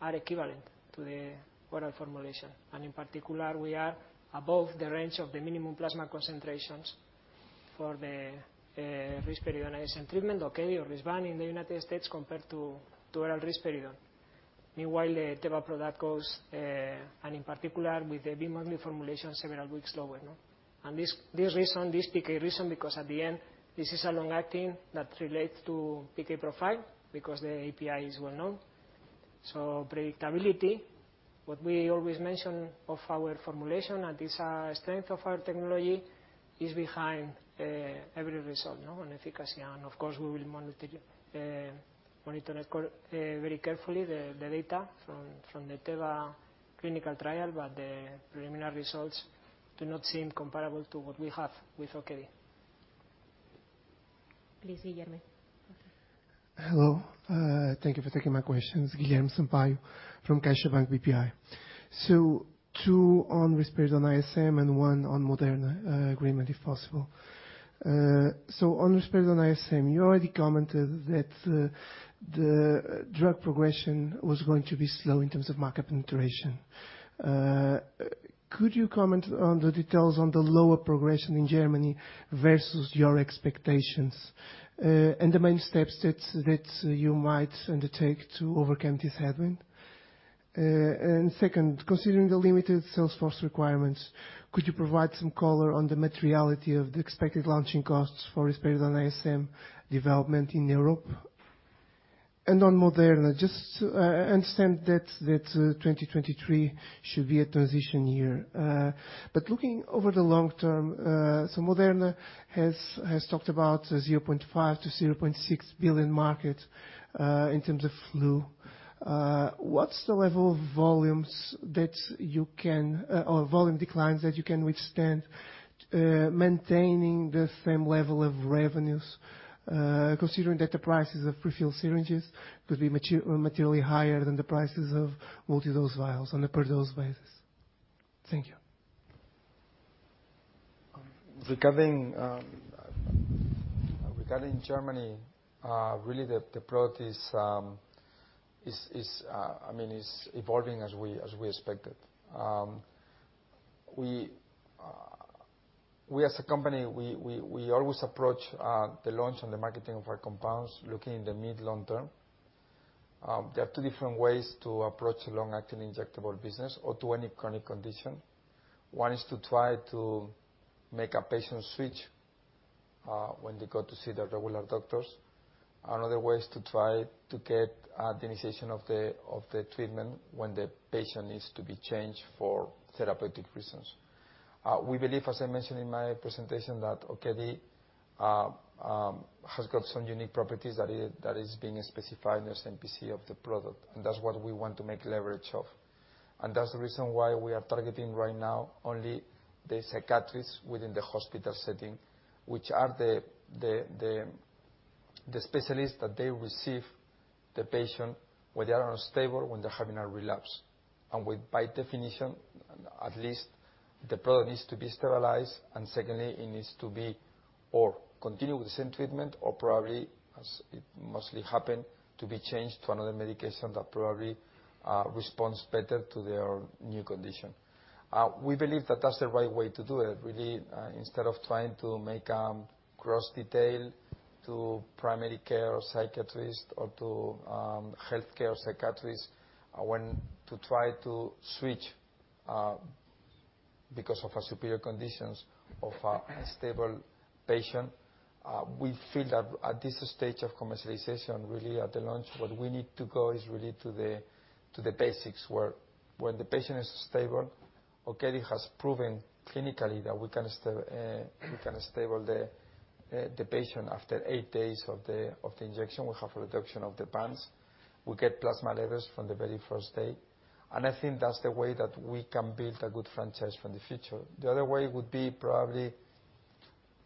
are equivalent to the oral formulation. In particular, we are above the range of the minimum plasma concentrations for the risperidone ISM treatment, OK or Risperidone in the United States compared to oral risperidone. Meanwhile, the Teva product goes, and in particular with the bimonthly formulation, several weeks lower, no. This reason, this PK reason, because at the end, this is a long-acting that relates to PK profile because the API is well-known. Predictability, what we always mention of our formulation, and it's a strength of our technology, is behind every result, no, on efficacy. Of course, we will monitor and record very carefully the data from the Teva clinical trial. The preliminary results do not seem comparable to what we have with OK. Please, Guilherme. Hello. Thank you for taking my questions. Guilherme Sampaio from CaixaBank BPI. Two on risperidone ISM and one on Moderna agreement, if possible. On risperidone ISM, you already commented that the drug progression was going to be slow in terms of market penetration. Could you comment on the details on the lower progression in Germany versus your expectations and the main steps that you might undertake to overcome this headwind? second, considering the limited sales force requirements, could you provide some color on the materiality of the expected launching costs for risperidone ISM development in Europe? On Moderna, just understand that 2023 should be a transition year. Looking over the long term, Moderna has talked about a $0.5 billion-$0.6 billion market in terms of flu. What's the level of volumes that you can or volume declines that you can withstand, maintaining the same level of revenues, considering that the prices of prefilled syringes could be materially higher than the prices of multi-dose vials on a per-dose basis? Thank you. Regarding Germany, really the product is, I mean, is evolving as we expected. We as a company, we always approach the launch and the marketing of our compounds looking in the mid, long term. There are two different ways to approach a long-acting injectable business or to any chronic condition. One is to try to make a patient switch when they go to see their regular doctors. Another way is to try to get the initiation of the treatment when the patient needs to be changed for therapeutic reasons. We believe, as I mentioned in my presentation, that Okedi has got some unique properties that is being specified in the SMPC of the product, and that's what we want to make leverage of. That's the reason why we are targeting right now only the psychiatrists within the hospital setting, which are the specialists that they receive the patient when they are unstable, when they're having a relapse. With, by definition, at least, the product needs to be stabilized, and secondly, it needs to be or continue with the same treatment or probably, as it mostly happen, to be changed to another medication that probably responds better to their new condition. We believe that that's the right way to do it, really, instead of trying to make cross-detail to primary care psychiatrist or to healthcare psychiatrist, when to try to switch because of a superior conditions of a stable patient. We feel that at this stage of commercialization, really at the launch, what we need to go is really to the basics, where when the patient is stable, Okedi has proven clinically that we can stable the patient after 8 days of the injection. We have a reduction of the PANSS. We get plasma levels from the very first day. I think that's the way that we can build a good franchise for the future. The other way would be probably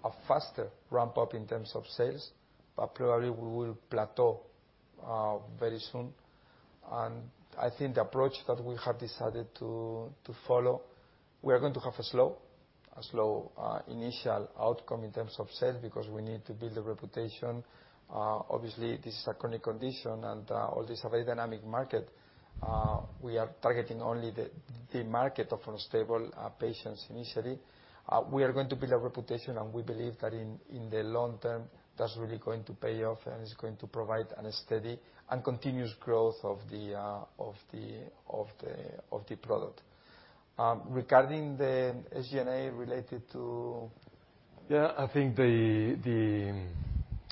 a faster ramp-up in terms of sales, but probably we will plateau very soon. I think the approach that we have decided to follow, we are going to have a slow initial outcome in terms of sales because we need to build a reputation. Obviously, this is a chronic condition and obviously a very dynamic market. We are targeting only the market of unstable patients initially. We are going to build a reputation. We believe that in the long term, that's really going to pay off, and it's going to provide an steady and continuous growth of the product. Regarding the SG&A related to Yeah, I think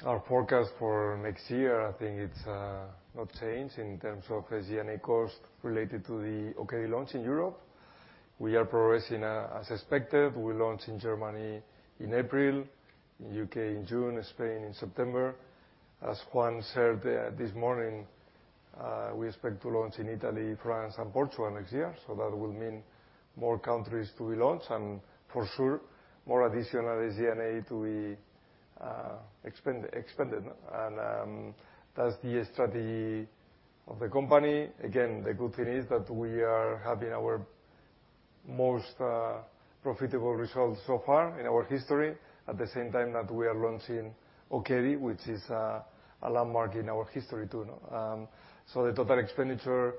Our forecast for next year, I think it's not changed in terms of SG&A cost related to the Okedi launch in Europe. We are progressing as expected. We launch in Germany in April, U.K. in June, Spain in September. As Juan said this morning, we expect to launch in Italy, France, and Portugal next year. That will mean more countries to be launched and for sure more additional SG&A to be expended. That's the strategy of the company. Again, the good thing is that we are having our most profitable results so far in our history at the same time that we are launching Okedi, which is a landmark in our history too. The total expenditure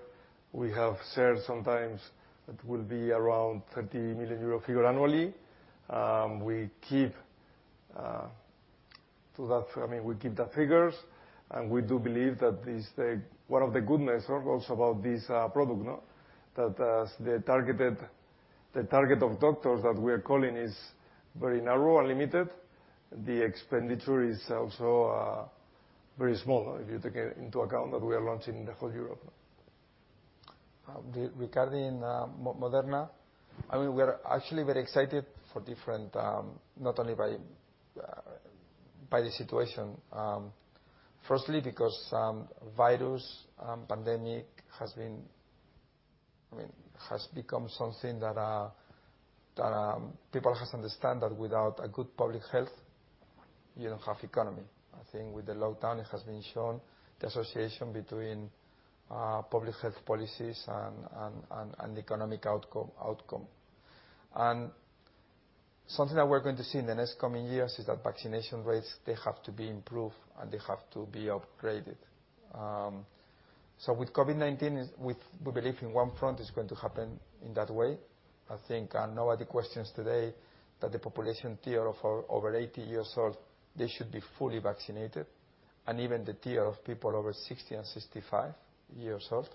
we have said sometimes it will be around 30 million euro annually. We keep, to that. I mean, we keep the figures. We do believe that is the one of the goodness also about this product, no. The target of doctors that we are calling is very narrow and limited. The expenditure is also very small if you take into account that we are launching the whole Europe. Regarding Moderna, I mean, we're actually very excited for different, not only by the situation, firstly because virus pandemic has become something that people has understand that without a good public health, you don't have economy. I think with the lockdown, it has been shown the association between public health policies and economic outcome. Something that we're going to see in the next coming years is that vaccination rates, they have to be improved, and they have to be upgraded. With COVID-19, We believe in one front, it's going to happen in that way. I think, nobody questions today that the population tier of over 80 years old, they should be fully vaccinated, and even the tier of people over 60 and 65 years old.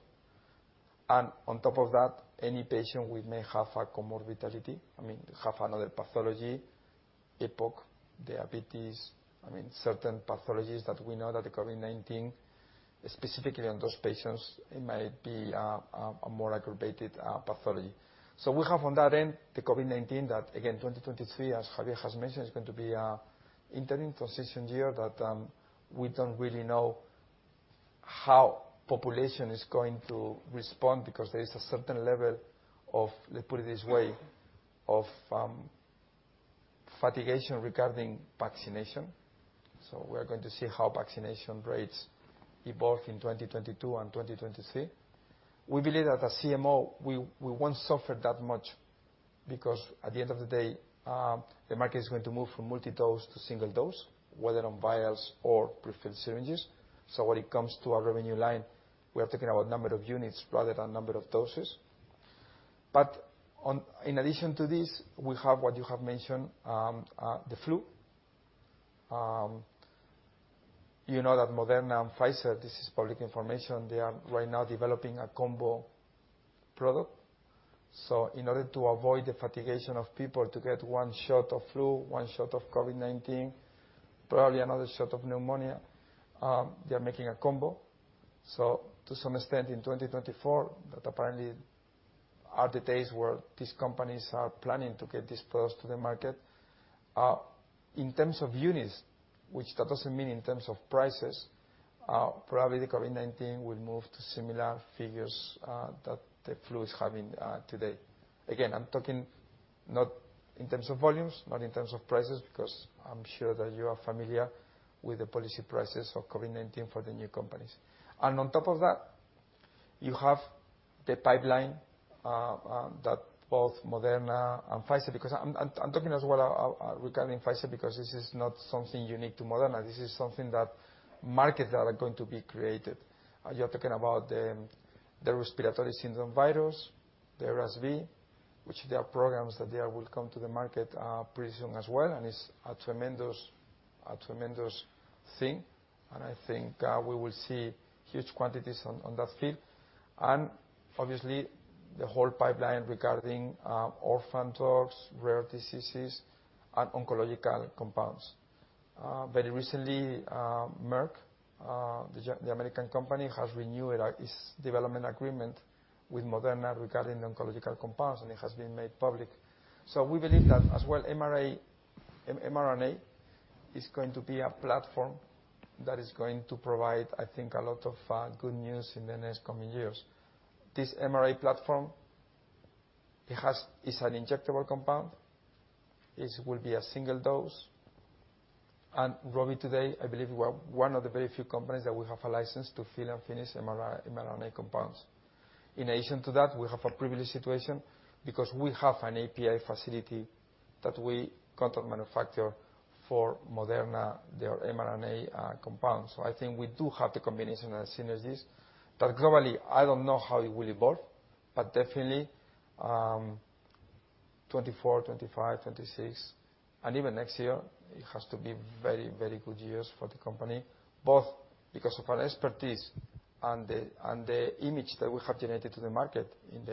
On top of that, any patient with may have a comorbidity, I mean, have another pathology, epoch, diabetes, I mean, certain pathologies that we know that the COVID-19, specifically on those patients, it might be a more aggravated pathology. We have on that end the COVID-19 that, again, 2023, as Javier has mentioned, is going to be a interim transition year that we don't really know how population is going to respond because there is a certain level of, let's put it this way, of fatigue regarding vaccination. We are going to see how vaccination rates evolve in 2022 and 2023. We believe that as CMO, we won't suffer that much because at the end of the day, the market is going to move from multi-dose to single dose, whether on vials or prefilled syringes. When it comes to our revenue line, we are talking about number of units rather than number of doses. In addition to this, we have what you have mentioned, the flu. You know that Moderna and Pfizer, this is public information, they are right now developing a combo product. In order to avoid the fatigue of people to get one shot of flu, one shot of COVID-19, probably another shot of pneumonia, they are making a combo. To some extent, in 2024, that apparently are the days where these companies are planning to get this first to the market. In terms of units, which that doesn't mean in terms of prices, probably the COVID-19 will move to similar figures that the flu is having today. I'm talking not in terms of volumes, not in terms of prices, because I'm sure that you are familiar with the policy prices of COVID-19 for the new companies. On top of that, you have the pipeline that both Moderna and Pfizer. I'm talking as well regarding Pfizer, because this is not something unique to Moderna, this is something that markets are going to be created. You're talking about the respiratory syndrome virus, the RSV, which there are programs that they will come to the market pretty soon as well, and it's a tremendous thing. I think we will see huge quantities on that field. Obviously, the whole pipeline regarding orphan drugs, rare diseases and oncological compounds. Very recently, Merck, the American company, has renewed its development agreement with Moderna regarding oncological compounds, and it has been made public. We believe that as well, mRNA is going to be a platform that is going to provide, I think, a lot of good news in the next coming years. This mRNA platform, it's an injectable compound. It will be a single dose. Rovi today, I believe we are one of the very few companies that we have a license to fill and finish mRNA compounds. In addition to that, we have a privileged situation because we have an API facility that we contract manufacture for Moderna, their mRNA compounds. I think we do have the combination and synergies, globally, I don't know how it will evolve. Definitely, 2024, 2025, 2026, and even next year, it has to be very, very good years for the company, both because of our expertise and the image that we have generated to the market in the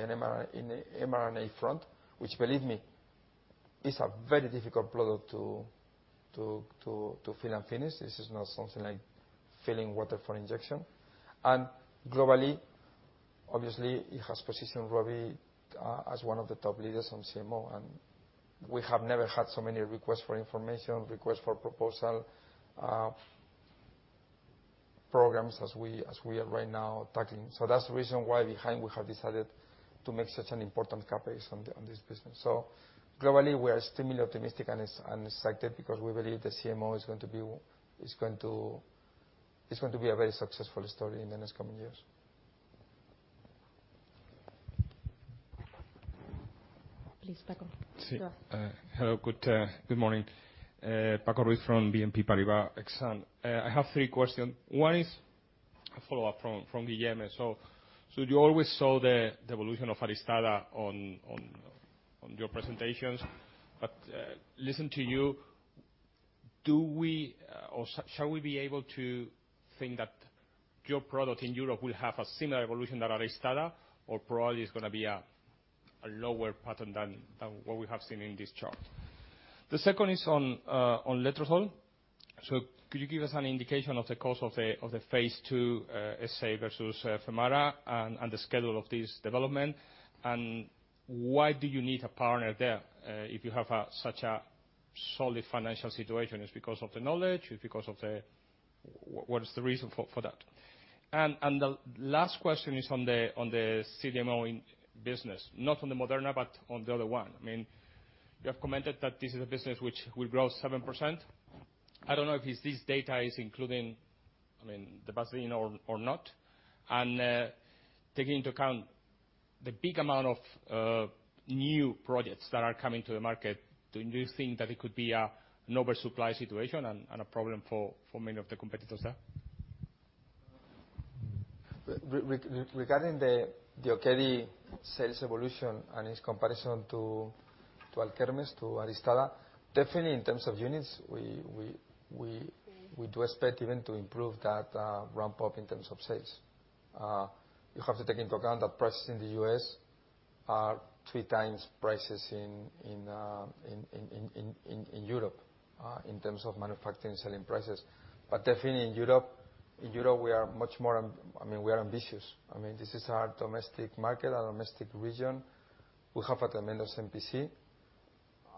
mRNA front, which, believe me, is a very difficult product to fill and finish. This is not something like filling water for injection. Globally, obviously, it has positioned Rovi as one of the top leaders on CMO, and we have never had so many requests for information, request for proposal, programs as we are right now tackling. That's the reason why behind we have decided to make such an important CapEx on this business. Globally, we are extremely optimistic and excited because we believe the CMO is going to be a very successful story in the next coming years. Please, Paco. Si. Go ahead. Hello. Good morning. Paco Ruiz from BNP Paribas Exane. I have three questions. One is a follow-up from Guillermo. You always saw the evolution of Aristada on your presentations. Listening to you, do we or shall we be able to think that your product in Europe will have a similar evolution than Aristada or probably it's gonna be a lower pattern than what we have seen in this chart? The second is on letrozole. Could you give us an indication of the cost of the Phase II essay versus Femara and the schedule of this development? Why do you need a partner there if you have such a solid financial situation? It's because of the knowledge? It's because of the... What is the reason for that? The last question is on the CDMO business, not on the Moderna, but on the other one. I mean, you have commented that this is a business which will grow 7%. I don't know if it's this data is including, I mean, the Basilea or not. Taking into account the big amount of new projects that are coming to the market, do you think that it could be an oversupply situation and a problem for many of the competitors there? Regarding the Okedi sales evolution and its comparison to Alkermes, to Aristada, definitely in terms of units, we do expect even to improve that ramp-up in terms of sales. You have to take into account that prices in the U.S. are 3 times prices in Europe in terms of manufacturing and selling prices. Definitely in Europe, we are much more. I mean, we are ambitious. I mean, this is our domestic market, our domestic region. We have a tremendous NPC.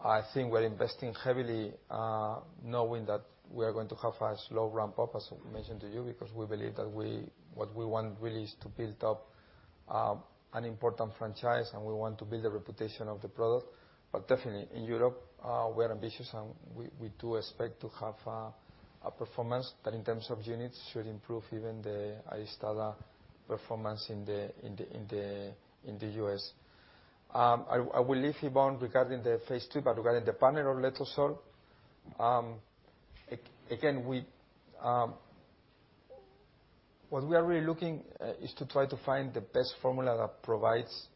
I think we're investing heavily, knowing that we are going to have a slow ramp-up, as I mentioned to you, because we believe that what we want really is to build up an important franchise, and we want to build the reputation of the product. Definitely in Europe, we are ambitious, and we do expect to have a performance that, in terms of units, should improve even the Aristada performance in the U.S. I will leave you, Ibon, regarding the phase II, but regarding the panel on letrozole, again, what we are really looking is to try to find the best formula that provides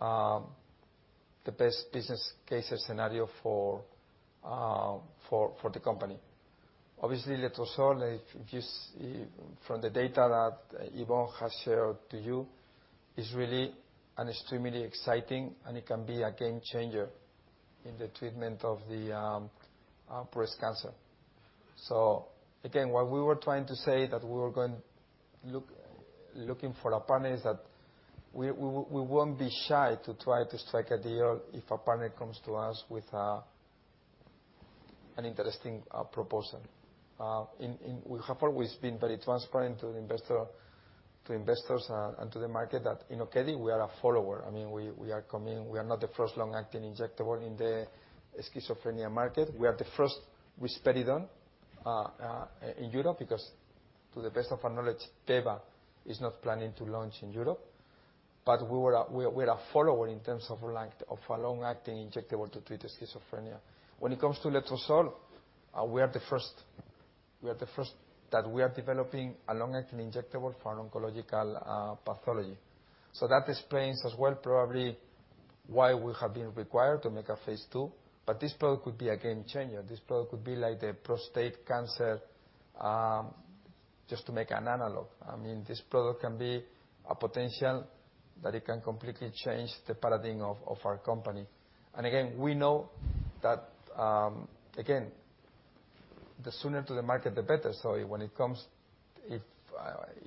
the best business case scenario for the company. Obviously, letrozole, if you see from the data that Iván has shared to you, is really and extremely exciting, and it can be a game changer in the treatment of breast cancer. Again, what we were trying to say that we were looking for a partner is that we won't be shy to try to strike a deal if a partner comes to us with an interesting proposal. We have always been very transparent to investors and to the market that in Okedi, we are a follower. I mean, we are coming. We are not the first long-acting injectable in the schizophrenia market. We are the first with risperidone in Europe, because to the best of our knowledge, Teva is not planning to launch in Europe. We're a follower in terms of length of a long-acting injectable to treat the schizophrenia. When it comes to letrozole, we are the first that we are developing a long-acting injectable for oncological pathology. That explains as well probably why we have been required to make a phase II, but this product could be a game changer. This product could be like the prostate cancer, just to make an analog. I mean, this product can be a potential that it can completely change the paradigm of our company. Again, we know that, again, the sooner to the market, the better.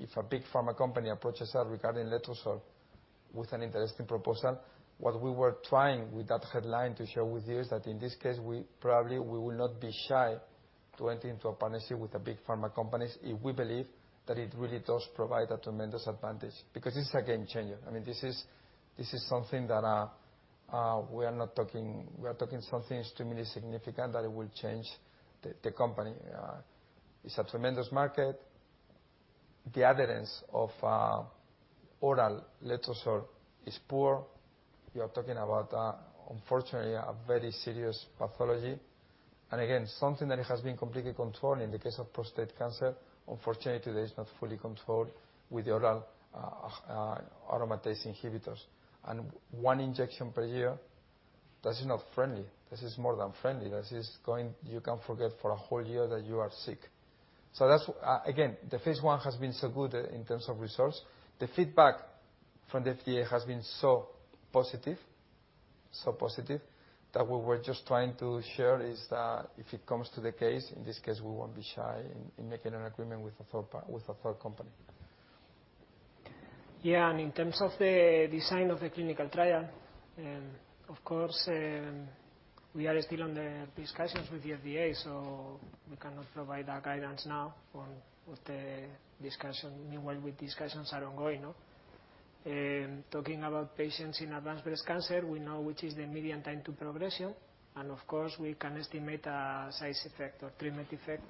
If a big pharma company approaches us regarding letrozole with an interesting proposal, what we were trying with that headline to share with you is that in this case, we probably, we will not be shy to enter into a partnership with the big pharma companies if we believe that it really does provide a tremendous advantage because this is a game changer. I mean, this is something that we are talking something extremely significant that it will change the company. It's a tremendous market. The evidence of oral letrozole is poor. We are talking about, unfortunately, a very serious pathology, and again, something that has been completely controlled in the case of prostate cancer. Unfortunately, today is not fully controlled with the oral aromatase inhibitors. One injection per year, that's not friendly. This is more than friendly. This is going. You can forget for a whole year that you are sick. That's, again, the phase I has been so good in terms of results. The feedback from the FDA has been so positive, so positive that we were just trying to share is that if it comes to the case, in this case, we won't be shy in making an agreement with a third company. Yeah. In terms of the design of the clinical trial, of course, we are still in the discussions with the FDA, so we cannot provide a guidance now on what the discussion, meanwhile the discussions are ongoing, no? Talking about patients in advanced breast cancer, we know which is the median time to progression, and of course, we can estimate a size effect or treatment effect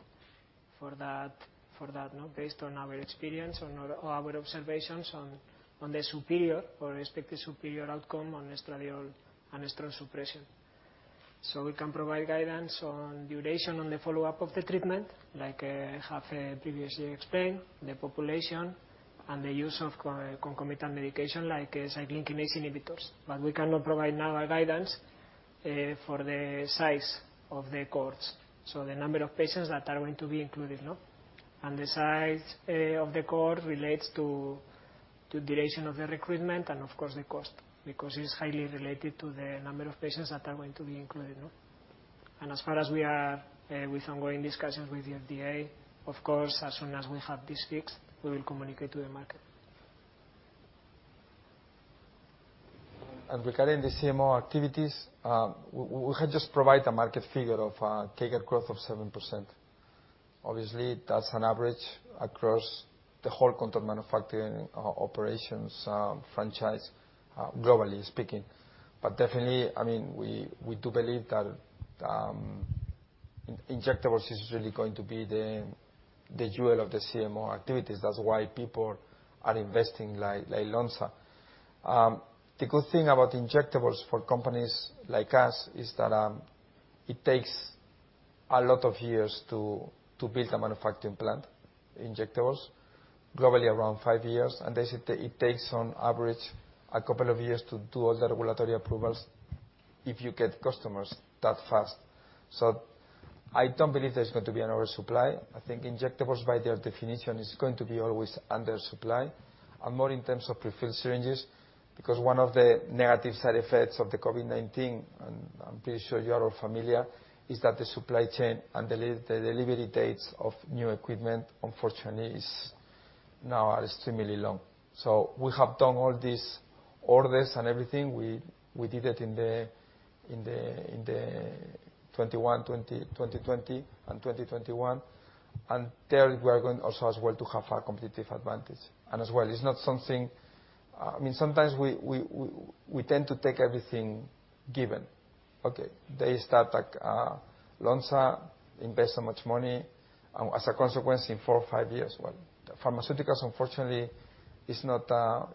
for that, no? Based on our experience on our observations on the superior or expected superior outcome on estradiol and estrogen suppression. We can provide guidance on duration on the follow-up of the treatment, like I have previously explained, the population and the use of concomitant medication like cyclin-kinase inhibitors. We cannot provide now a guidance for the size of the cohorts, so the number of patients that are going to be included, no? The size of the cohort relates to duration of the recruitment and of course the cost, because it is highly related to the number of patients that are going to be included, no? As far as we are with ongoing discussions with the FDA, of course, as soon as we have this fixed, we will communicate to the market. Regarding the CMO activities, we had just provided a market figure of CAGR growth of 7%. Obviously, that's an average across the whole contract manufacturing operations franchise, globally speaking. Definitely, I mean, we do believe that injectables is really going to be the jewel of the CMO activities. That's why people are investing like Lonza. The good thing about injectables for companies like us is that it takes a lot of years to build a manufacturing plant, injectables. Globally, around 5 years. This, it takes on average 2 years to do all the regulatory approvals if you get customers that fast. I don't believe there's going to be an oversupply. I think injectables by their definition is going to be always under supply and more in terms of prefilled syringes. One of the negative side effects of the COVID-19, and I'm pretty sure you are all familiar, is that the supply chain and the delivery dates of new equipment unfortunately is now are extremely long. We have done all this orders and everything. We did it in the 2020 and 2021. There we are going also as well to have a competitive advantage. As well, it's not something. I mean, sometimes we tend to take everything given, okay? They start like, Lonza invest so much money, as a consequence in four or five years. Well, pharmaceuticals unfortunately It's not,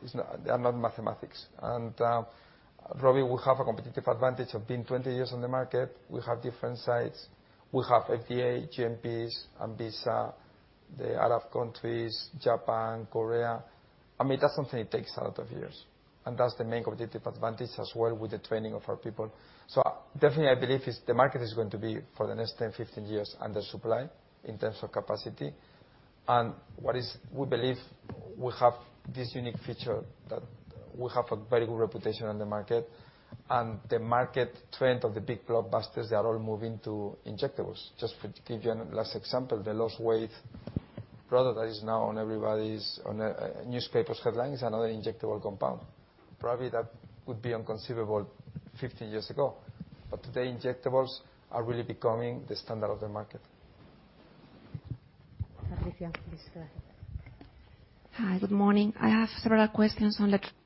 it's not. They are not mathematics. Probably we have a competitive advantage of being 20 years on the market. We have different sites. We have FDA, GMPs, ANVISA, the Arab countries, Japan, Korea. I mean, that's something that takes a lot of years, and that's the main competitive advantage as well with the training of our people. Definitely, I believe the market is going to be, for the next 10, 15 years, under supply in terms of capacity. We believe we have this unique feature that we have a very good reputation in the market. The market trend of the big blockbusters, they are all moving to injectables. Just to give you an last example, the lost weight product that is now on everybody's, on newspapers headlines, another injectable compound. Probably that would be inconceivable 50 years ago. Today, injectables are really becoming the standard of the market. Patricia, please. Hi, good morning. I have several questions. No. No. No se ve bien. Mm-hmm.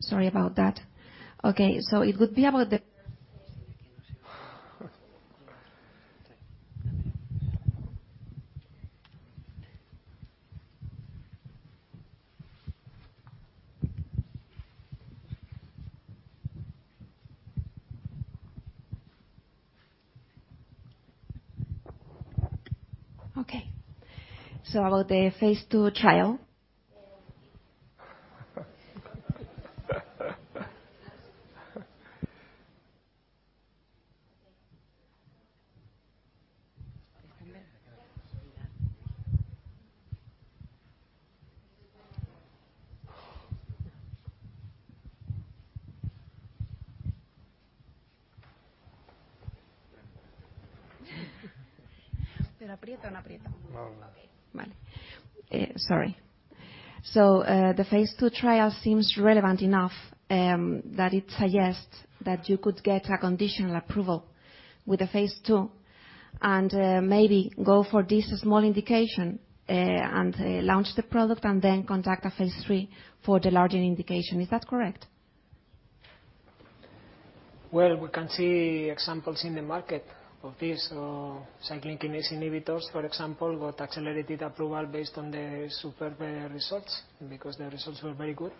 Sorry about that. Okay. It would be about the Okay. About the phase II trial. Sorry. The phase II trial seems relevant enough that it suggests that you could get a conditional approval with the phase II and maybe go for this small indication and launch the product and then conduct a phase III for the larger indication. Is that correct? We can see examples in the market of this. Cyclin-dependent kinase inhibitors, for example, got accelerated approval based on the superb results because the results were very good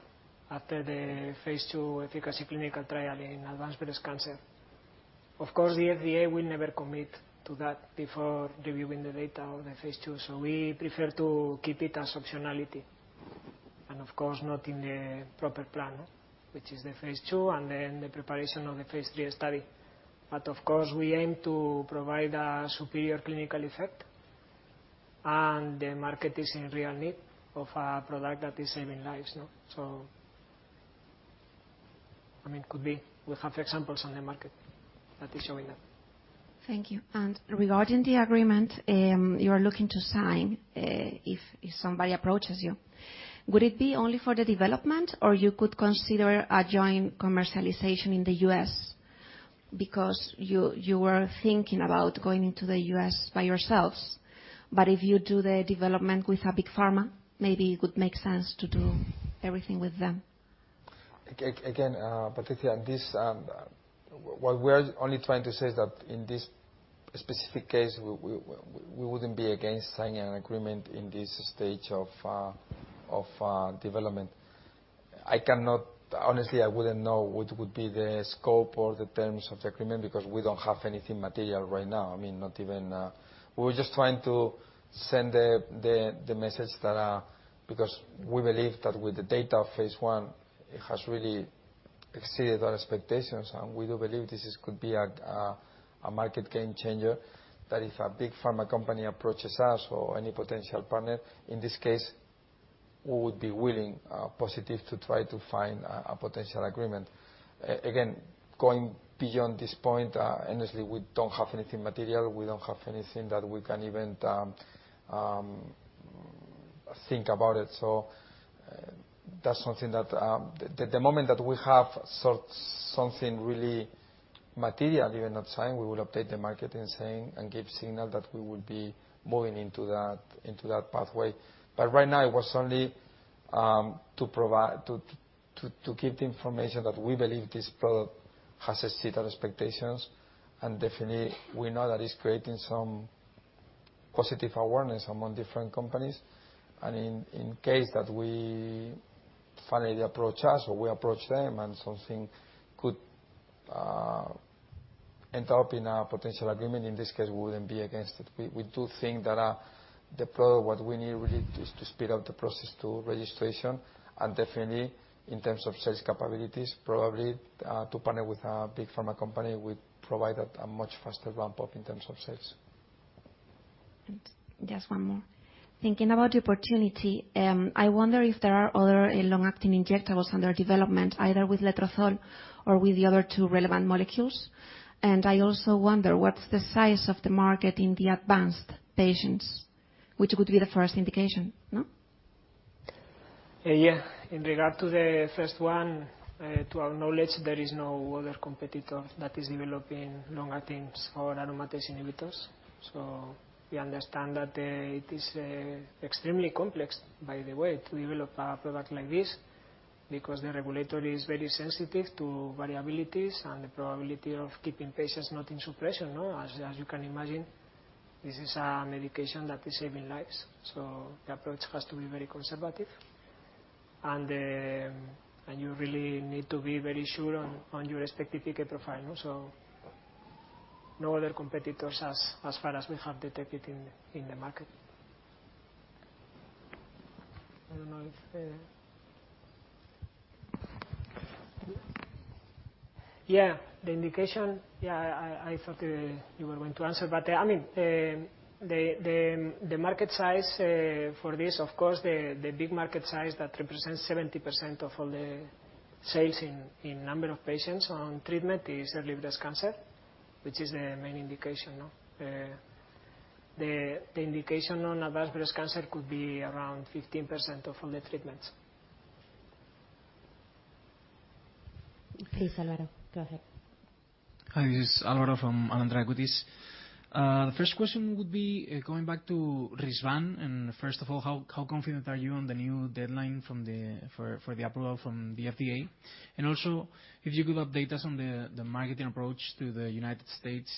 after the phase II efficacy clinical trial in advanced breast cancer. Of course, the FDA will never commit to that before reviewing the data on the phase II, we prefer to keep it as optionality and, of course, not in the proper plan, which is the phase II and then the preparation of the phase III study. Of course we aim to provide a superior clinical effect, and the market is in real need of a product that is saving lives, you know. I mean, it could be. We have examples on the market that is showing that. Thank you. Regarding the agreement you are looking to sign, if somebody approaches you. Would it be only for the development or you could consider a joint commercialization in the U.S. because you were thinking about going into the U.S. by yourselves, but if you do the development with a big pharma, maybe it would make sense to do everything with them? Again, Patricia, this, what we are only trying to say is that in this specific case, we wouldn't be against signing an agreement in this stage of development. Honestly, I wouldn't know what would be the scope or the terms of the agreement because we don't have anything material right now. I mean, not even. We're just trying to send the message that because we believe that with the data of phase I, it has really exceeded our expectations, and we do believe this is could be a market game changer. That if a big pharma company approaches us or any potential partner, in this case, we would be willing positive to try to find a potential agreement. Again, going beyond this point, honestly, we don't have anything material. We don't have anything that we can even think about it. That's something that, the moment that we have something really material even at sign, we will update the market in saying and give signal that we will be moving into that, into that pathway. Right now it was only to provide, to give the information that we believe this product has exceeded expectations and definitely we know that it's creating some positive awareness among different companies. In case that we finally they approach us or we approach them and something could end up in a potential agreement, in this case, we wouldn't be against it. We do think that, the product, what we need really is to speed up the process to registration and definitely in terms of sales capabilities, probably, to partner with a big pharma company will provide a much faster ramp-up in terms of sales. Just one more. Thinking about the opportunity, I wonder if there are other long-acting injectables under development, either with letrozole or with the other two relevant molecules. I also wonder what's the size of the market in the advanced patients, which would be the first indication, no? Yeah. In regard to the first one, to our knowledge, there is no other competitor that is developing long-acting for aromatase inhibitors. We understand that it is extremely complex, by the way, to develop a product like this because the regulator is very sensitive to variabilities and the probability of keeping patients not in suppression, no? As you can imagine, this is a medication that is saving lives, so the approach has to be very conservative and you really need to be very sure on your expected profile. No other competitors as far as we have detected in the market. I don't know if, yeah. The indication. I thought you were going to answer, I mean, the market size for this, of course, the big market size that represents 70% of all the sales in number of patients on treatment is early breast cancer, which is the main indication, no? The indication on advanced breast cancer could be around 15% of all the treatments. Please, Alvaro, go ahead. Hi, this is Alvaro from Alantra Equities. The first question would be going back to Risvan. First of all, how confident are you on the new deadline for the approval from the FDA? Also, if you could update us on the marketing approach to the United States.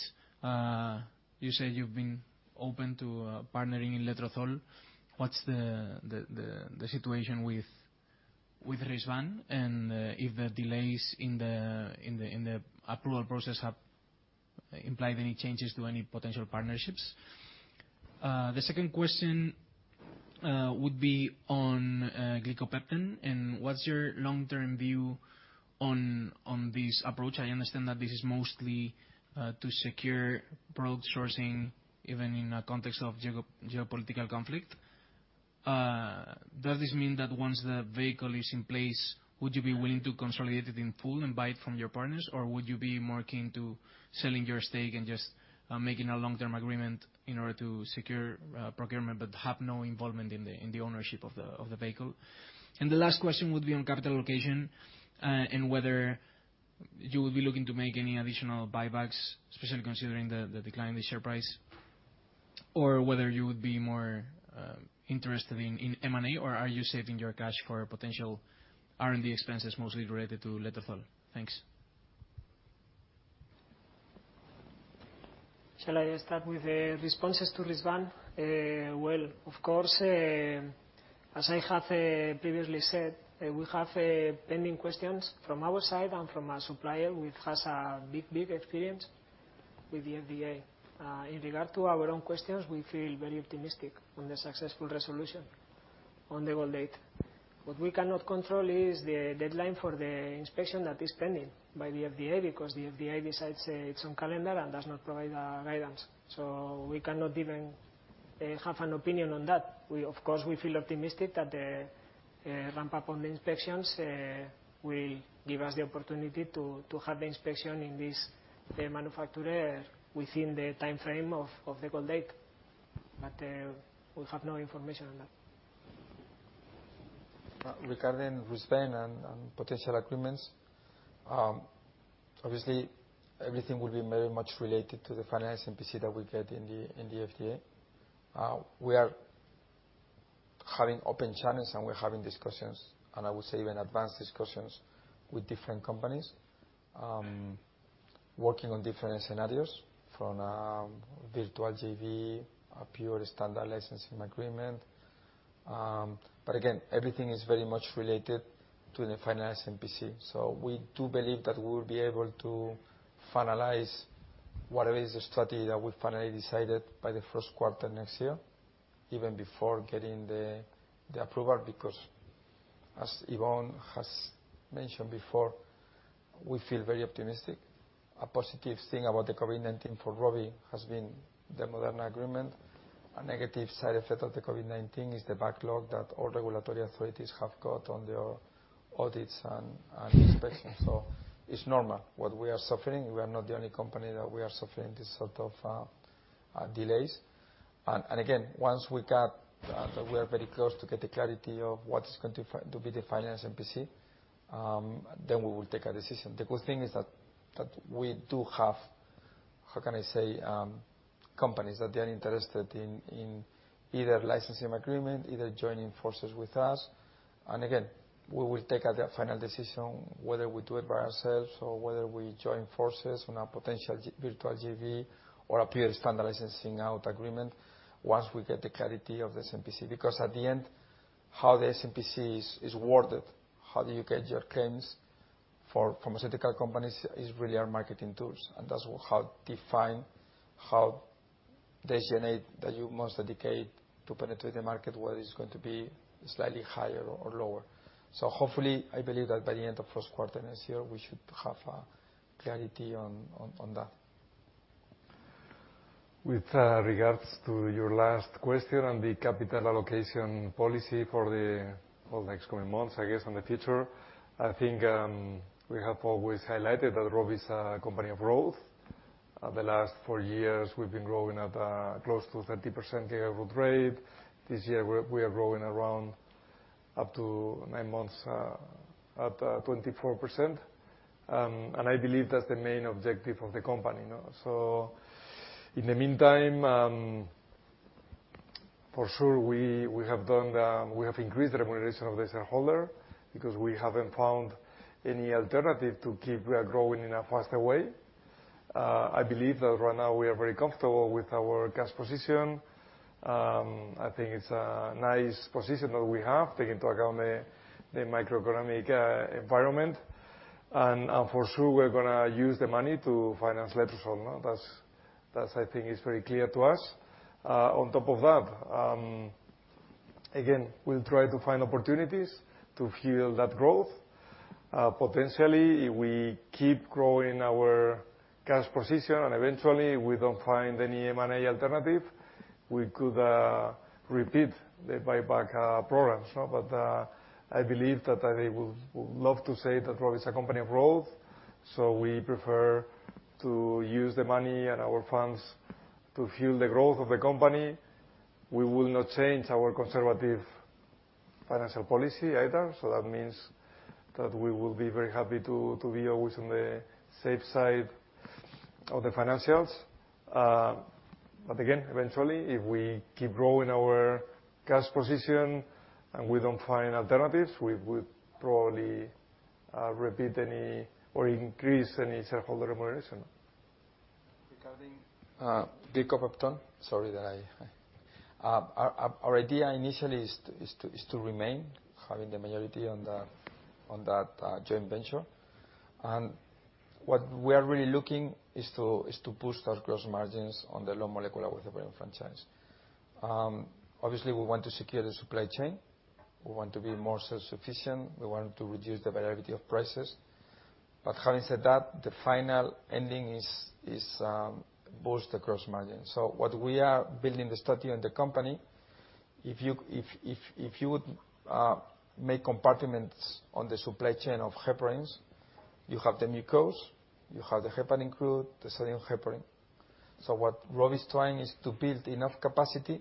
You said you've been open to partnering in letrozole. What's the situation with Risvan and if the delays in the approval process have implied any changes to any potential partnerships? The second question would be on glycopeptide and what's your long-term view on this approach? I understand that this is mostly to secure product sourcing, even in a context of geopolitical conflict. Does this mean that once the vehicle is in place, would you be willing to consolidate it in full and buy it from your partners, or would you be more keen to selling your stake and just making a long-term agreement in order to secure procurement, but have no involvement in the ownership of the vehicle? The last question would be on capital allocation, and whether you will be looking to make any additional buybacks, especially considering the decline in the share price, or whether you would be more interested in M&A, or are you saving your cash for potential R&D expenses, mostly related to letrozole? Thanks. Shall I start with the responses to Risvan? Well, of course, as I have previously said, we have pending questions from our side and from our supplier, which has a big experience with the FDA. In regard to our own questions, we feel very optimistic on the successful resolution on the goal date. What we cannot control is the deadline for the inspection that is pending by the FDA, because the FDA decides its own calendar and does not provide a guidance. We cannot even have an opinion on that. Of course, we feel optimistic that the ramp-up on the inspections will give us the opportunity to have the inspection in this, the manufacturer within the time frame of the goal date. We have no information on that. Regarding Risvan and potential agreements, obviously everything will be very much related to the final SMPC that we get in the FDA. We are having open channels, and we're having discussions, and I would say even advanced discussions, with different companies, working on different scenarios from virtual JV, a pure standard licensing agreement. Again, everything is very much related to the final SMPC. We do believe that we will be able to finalize whatever is the strategy that we finally decided by the first quarter next year, even before getting the approval. As Iván has mentioned before, we feel very optimistic. A positive thing about the COVID-19 for Rovi has been the Moderna agreement. A negative side effect of the COVID-19 is the backlog that all regulatory authorities have got on their audits and inspections. It's normal what we are suffering. We are not the only company that we are suffering this sort of delays. Again, once we are very close to get the clarity of what is going to be the final SMPC, then we will take a decision. The good thing is that we do have, how can I say, companies that they are interested in either licensing agreement, either joining forces with us. Again, we will take a final decision whether we do it by ourselves or whether we join forces on a potential virtual JV or a pure standard licensing out agreement once we get the clarity of the SMPC. At the end, how the SMPC is worded, how do you get your claims for pharmaceutical companies is really our marketing tools. That's how define how the journey that you must dedicate to penetrate the market, whether it's going to be slightly higher or lower. Hopefully, I believe that by the end of first quarter next year, we should have clarity on that. With regards to your last question on the capital allocation policy for the next coming months, I guess, and the future, I think, we have always highlighted that Rovi is a company of growth. The last four years we've been growing at close to 30% annual rate. This year we're, we are growing around up to 9 months, at 24%. I believe that's the main objective of the company, you know. In the meantime, for sure we have done, we have increased the remuneration of the shareholder because we haven't found any alternative to keep growing in a faster way. I believe that right now we are very comfortable with our cash position. I think it's a nice position that we have, taking into account the macroeconomic environment. For sure we're gonna use the money to finance letrozole, no. That's, that I think is very clear to us. On top of that, again, we'll try to find opportunities to fuel that growth. Potentially if we keep growing our cash position and eventually we don't find any M&A alternative, we could repeat the buyback programs. I believe that I would love to say that Rovi is a company of growth. We prefer to use the money and our funds to fuel the growth of the company. We will not change our conservative financial policy either. That means that we will be very happy to be always on the safe side of the financials. Again, eventually if we keep growing our cash position and we don't find alternatives, we would probably repeat any or increase any shareholder remuneration. Regarding Glicopepton. Sorry that I—our idea initially is to remain having the majority on that joint venture. What we are really looking is to boost our gross margins on the low molecular weight heparin franchise. Obviously we want to secure the supply chain. We want to be more self-sufficient. We want to reduce the variability of prices. Having said that, the final ending is boost the gross margin. What we are building the strategy on the company, if you would make compartments on the supply chain of heparins, you have the new coats, you have the heparin crude, the sodium heparin. What Rovi is trying is to build enough capacity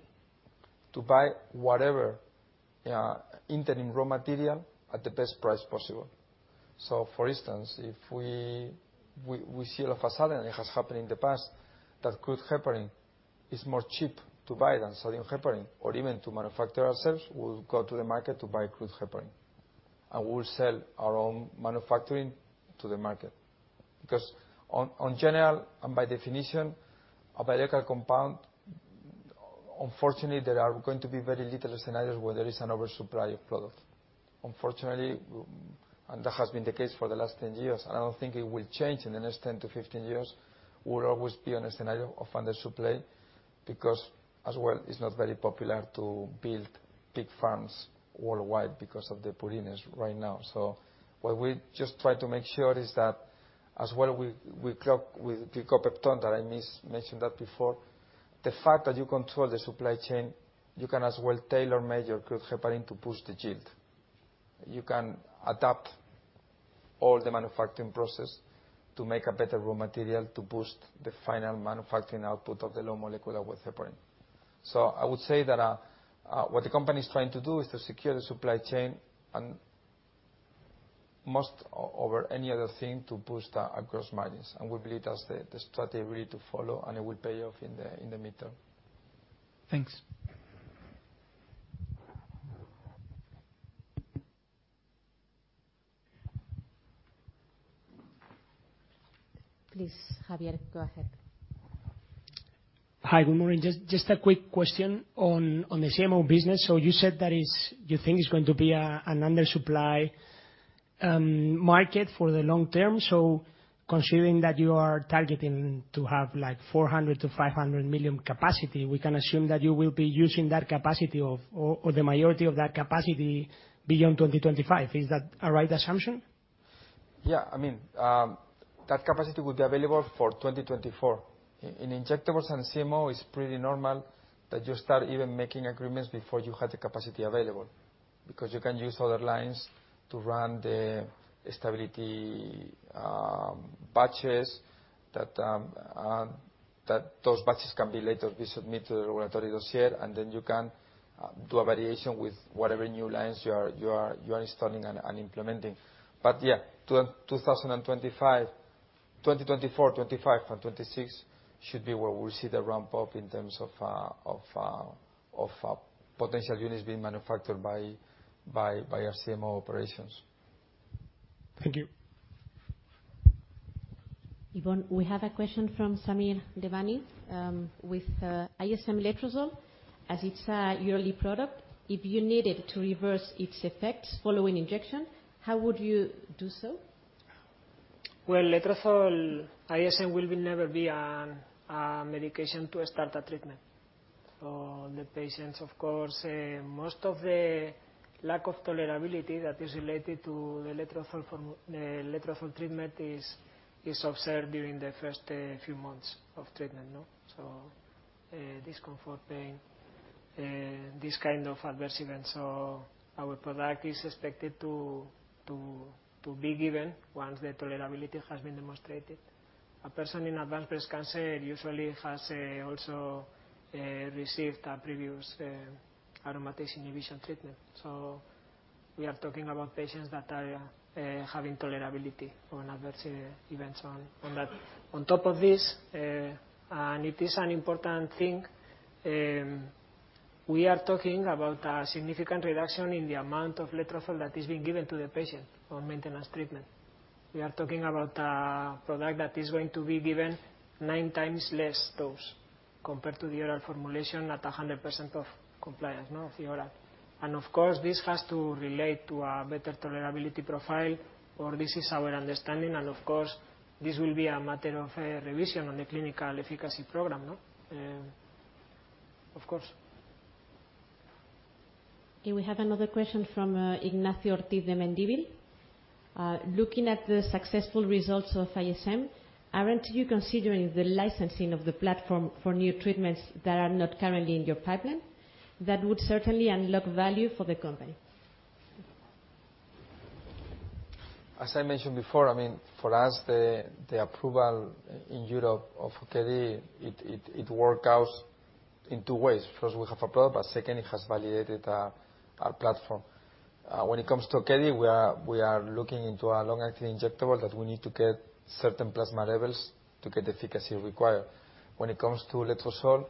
to buy whatever entering raw material at the best price possible. For instance, if we see all of a sudden, it has happened in the past, that crude heparin is more cheap to buy than sodium heparin or even to manufacture ourselves, we'll go to the market to buy crude heparin and we'll sell our own manufacturing to the market. On general and by definition, a biological compound, unfortunately there are going to be very little scenarios where there is an oversupply of product. Unfortunately, and that has been the case for the last 10 years, and I don't think it will change in the next 10 years-15 years. We'll always be on a scenario of under supply because as well, it's not very popular to build pig farms worldwide because of the poorness right now. What we just try to make sure is that as well we crop with Glicopeptone, that I mis-mentioned that before. The fact that you control the supply chain, you can as well tailor-measure crude heparin to boost the yield. You can adapt all the manufacturing process to make a better raw material to boost the final manufacturing output of the low molecular weight heparin. I would say that what the company is trying to do is to secure the supply chain and most over any other thing, to boost our gross margins. We believe that's the strategy really to follow and it will pay off in the, in the midterm. Thanks. Please, Javier, go ahead. Hi, good morning. Just a quick question on the CMO business. You said that is—you think it's going to be a, an under supply market for the long term. Considering that you are targeting to have like 400 million-500 million capacity, we can assume that you will be using that capacity or the majority of that capacity beyond 2025. Is that a right assumption? Yeah. I mean, that capacity will be available for 2024. In injectables and CMO, it's pretty normal that you start even making agreements before you have the capacity available, because you can use other lines to run the stability batches that, and that those batches can be later be submitted to the regulatory dossier and then you can do a variation with whatever new lines you are installing and implementing. Yeah, 2025, 2024, 25 and 26 should be where we see the ramp up in terms of potential units being manufactured by our CMO operations. Thank you. Iván, we have a question from Samir Devani, with, ISM letrozole as it's a yearly product, if you needed to reverse its effects following injection, how would you do so? Well, letrozole ISM will never be a medication to start a treatment for the patients. Of course, most of the lack of tolerability that is related to the letrozole treatment is observed during the first few months of treatment, no? Discomfort, pain. This kind of adverse events. Our product is expected to be given once the tolerability has been demonstrated. A person in advanced breast cancer usually has also received a previous aromatase inhibition treatment. We are talking about patients that are having tolerability or an adverse event on that. On top of this, and it is an important thing, we are talking about a significant reduction in the amount of letrozole that is being given to the patient on maintenance treatment. We are talking about a product that is going to be given 9x less dose compared to the other formulation, at 100% of compliance, no? The other. Of course, this has to relate to a better tolerability profile, or this is our understanding and, of course, this will be a matter of revision on the clinical efficacy program, no? Of course. Okay, we have another question from Ignacio Ortiz de Mendíbil. Looking at the successful results of ISM, aren't you considering the licensing of the platform for new treatments that are not currently in your pipeline? That would certainly unlock value for the company. As I mentioned before, I mean, for us, the approval in Europe of Ocaliva, it work out in two ways. First, we have approval, but second, it has validated our platform. When it comes to Ocaliva, we are looking into a long-acting injectable that we need to get certain plasma levels to get the efficacy required. When it comes to letrozole,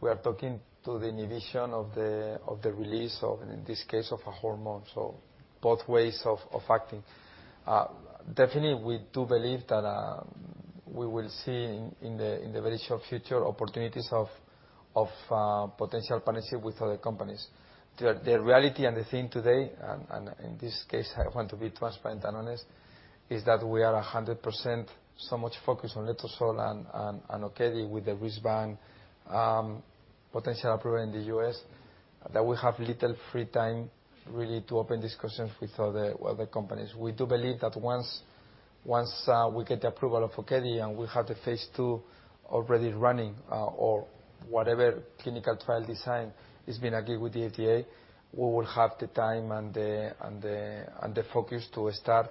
we are talking to the inhibition of the release of, in this case, of a hormone, both ways of acting. Definitely, we do believe that we will see in the very short future opportunities of potential partnership with other companies. The reality and the thing today, and in this case, I want to be transparent and honest, is that we are 100% so much focused on letrozole and Oncali with the Risvan potential approval in the U.S., that we have little free time really to open discussions with other companies. We do believe that once we get the approval of Ocaliva and we have the phase II already running, or whatever clinical trial design is being agreed with the FDA, we will have the time and the focus to start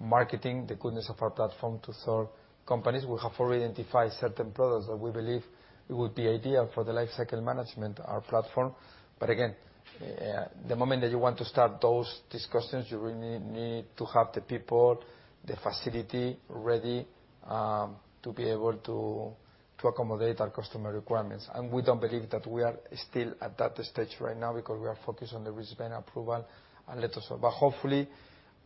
marketing the goodness of our platform to third companies. We have already identified certain products that we believe it would be ideal for the life cycle management, our platform. Again, the moment that you want to start those discussions, you really need to have the people, the facility ready, to be able to accommodate our customer requirements. We don't believe that we are still at that stage right now because we are focused on the Risvan approval and letrozole. Hopefully,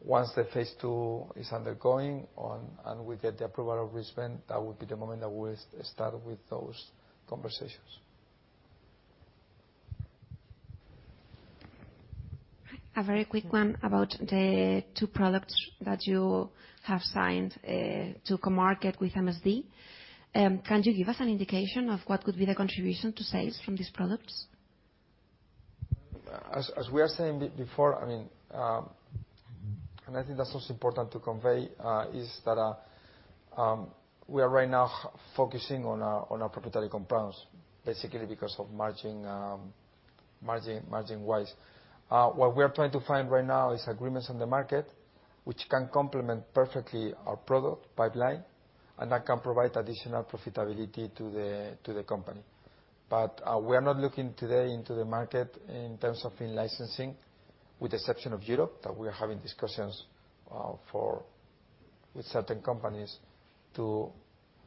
once the phase II is undergoing on, and we get the approval of Risvan, that will be the moment that we'll start with those conversations. A very quick one about the two products that you have signed, to co-market with MSD. Can you give us an indication of what could be the contribution to sales from these products? As we are saying before, I mean, and I think that's also important to convey, is that we are right now focusing on our, on our proprietary compounds, basically because of margin-wise. What we are trying to find right now is agreements on the market which can complement perfectly our product pipeline and that can provide additional profitability to the, to the company. We are not looking today into the market in terms of in licensing, with the exception of Europe, that we are having discussions for with certain companies to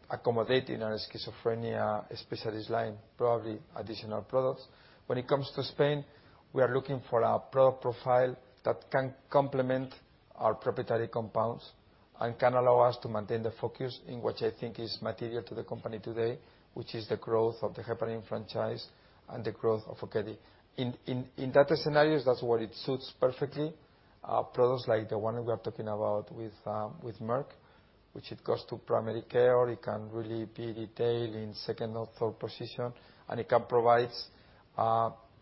accommodate in our schizophrenia specialist line, probably additional products. When it comes to Spain, we are looking for a product profile that can complement our proprietary compounds and can allow us to maintain the focus in which I think is material to the company today, which is the growth of the heparin franchise and the growth of Ocaliva. In that scenario, that's where it suits perfectly products like the one we are talking about with Merck, which it goes to primary care. It can really be detailed in second or third position, and it can provide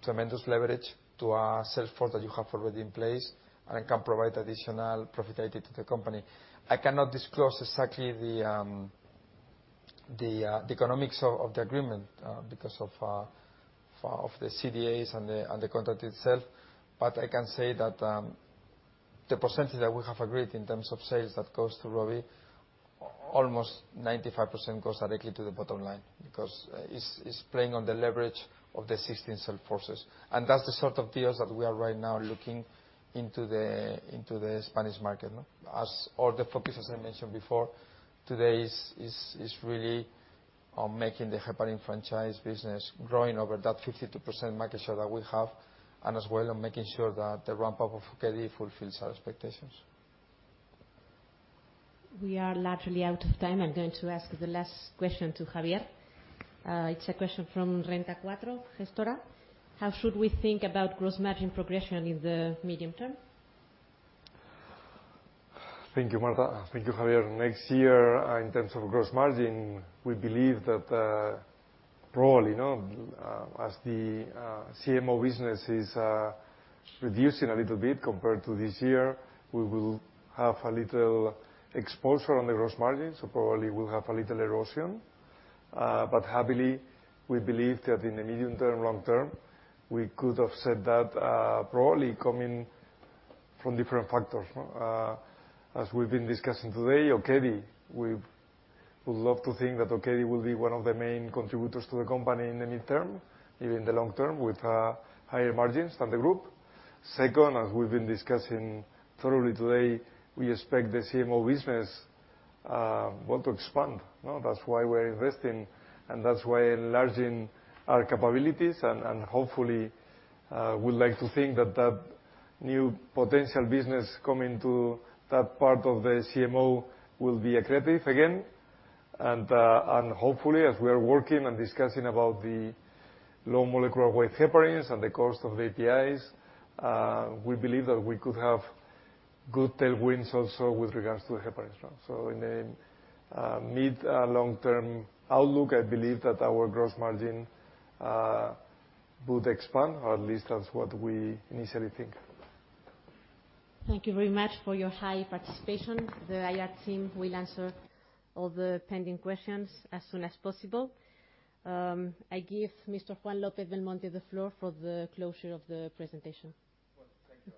tremendous leverage to our sales force that you have already in place and it can provide additional profitability to the company. I cannot disclose exactly the economics of the agreement because of the CDAs and the contract itself. I can say that the percentage that we have agreed in terms of sales that goes to Rovi, almost 95% goes directly to the bottom line because it's playing on the leverage of the existing sales forces. That's the sort of deals that we are right now looking into the, into the Spanish market, no? All the focus, as I mentioned before, today is really on making the heparin franchise business growing over that 52% market share that we have and as well on making sure that the ramp-up of Ocaliva fulfills our expectations. We are largely out of time. I'm going to ask the last question to Javier. It's a question from Renta 4 Gestora. How should we think about gross margin progression in the medium term? Thank you, Martha. Thank you, Javier. Next year, in terms of gross margin, we believe that, probably, no, as the CMO business is reducing a little bit compared to this year, we will have a little exposure on the gross margin. Probably we'll have a little erosion. Happily, we believe that in the medium term, long term, we could have said that, probably coming from different factors, no. As we've been discussing today, Ocaliva, we would love to think that Ocaliva will be one of the main contributors to the company in the near term, even in the long term, with higher margins than the group. Second, as we've been discussing thoroughly today, we expect the CMO business, well, to expand, no? That's why we're investing, and that's why enlarging our capabilities, and hopefully, we'd like to think that that new potential business coming to that part of the CMO will be accretive again. Hopefully, as we are working and discussing about the low molecular weight heparins and the cost of APIs, we believe that we could have good tailwinds also with regards to the heparin. In a mid long-term outlook, I believe that our gross margin would expand, or at least that's what we initially think. Thank you very much for your high participation. The IR team will answer all the pending questions as soon as possible. I give Mr. Juan López Belmonte the floor for the closure of the presentation. Well, thank you.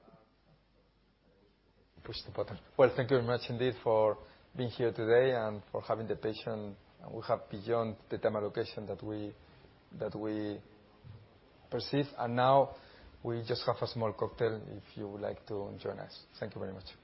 push the button. Well, thank you very much indeed for being here today and for having the patience we have beyond the time allocation that we perceive. now we just have a small cocktail if you would like to join us. Thank you very much.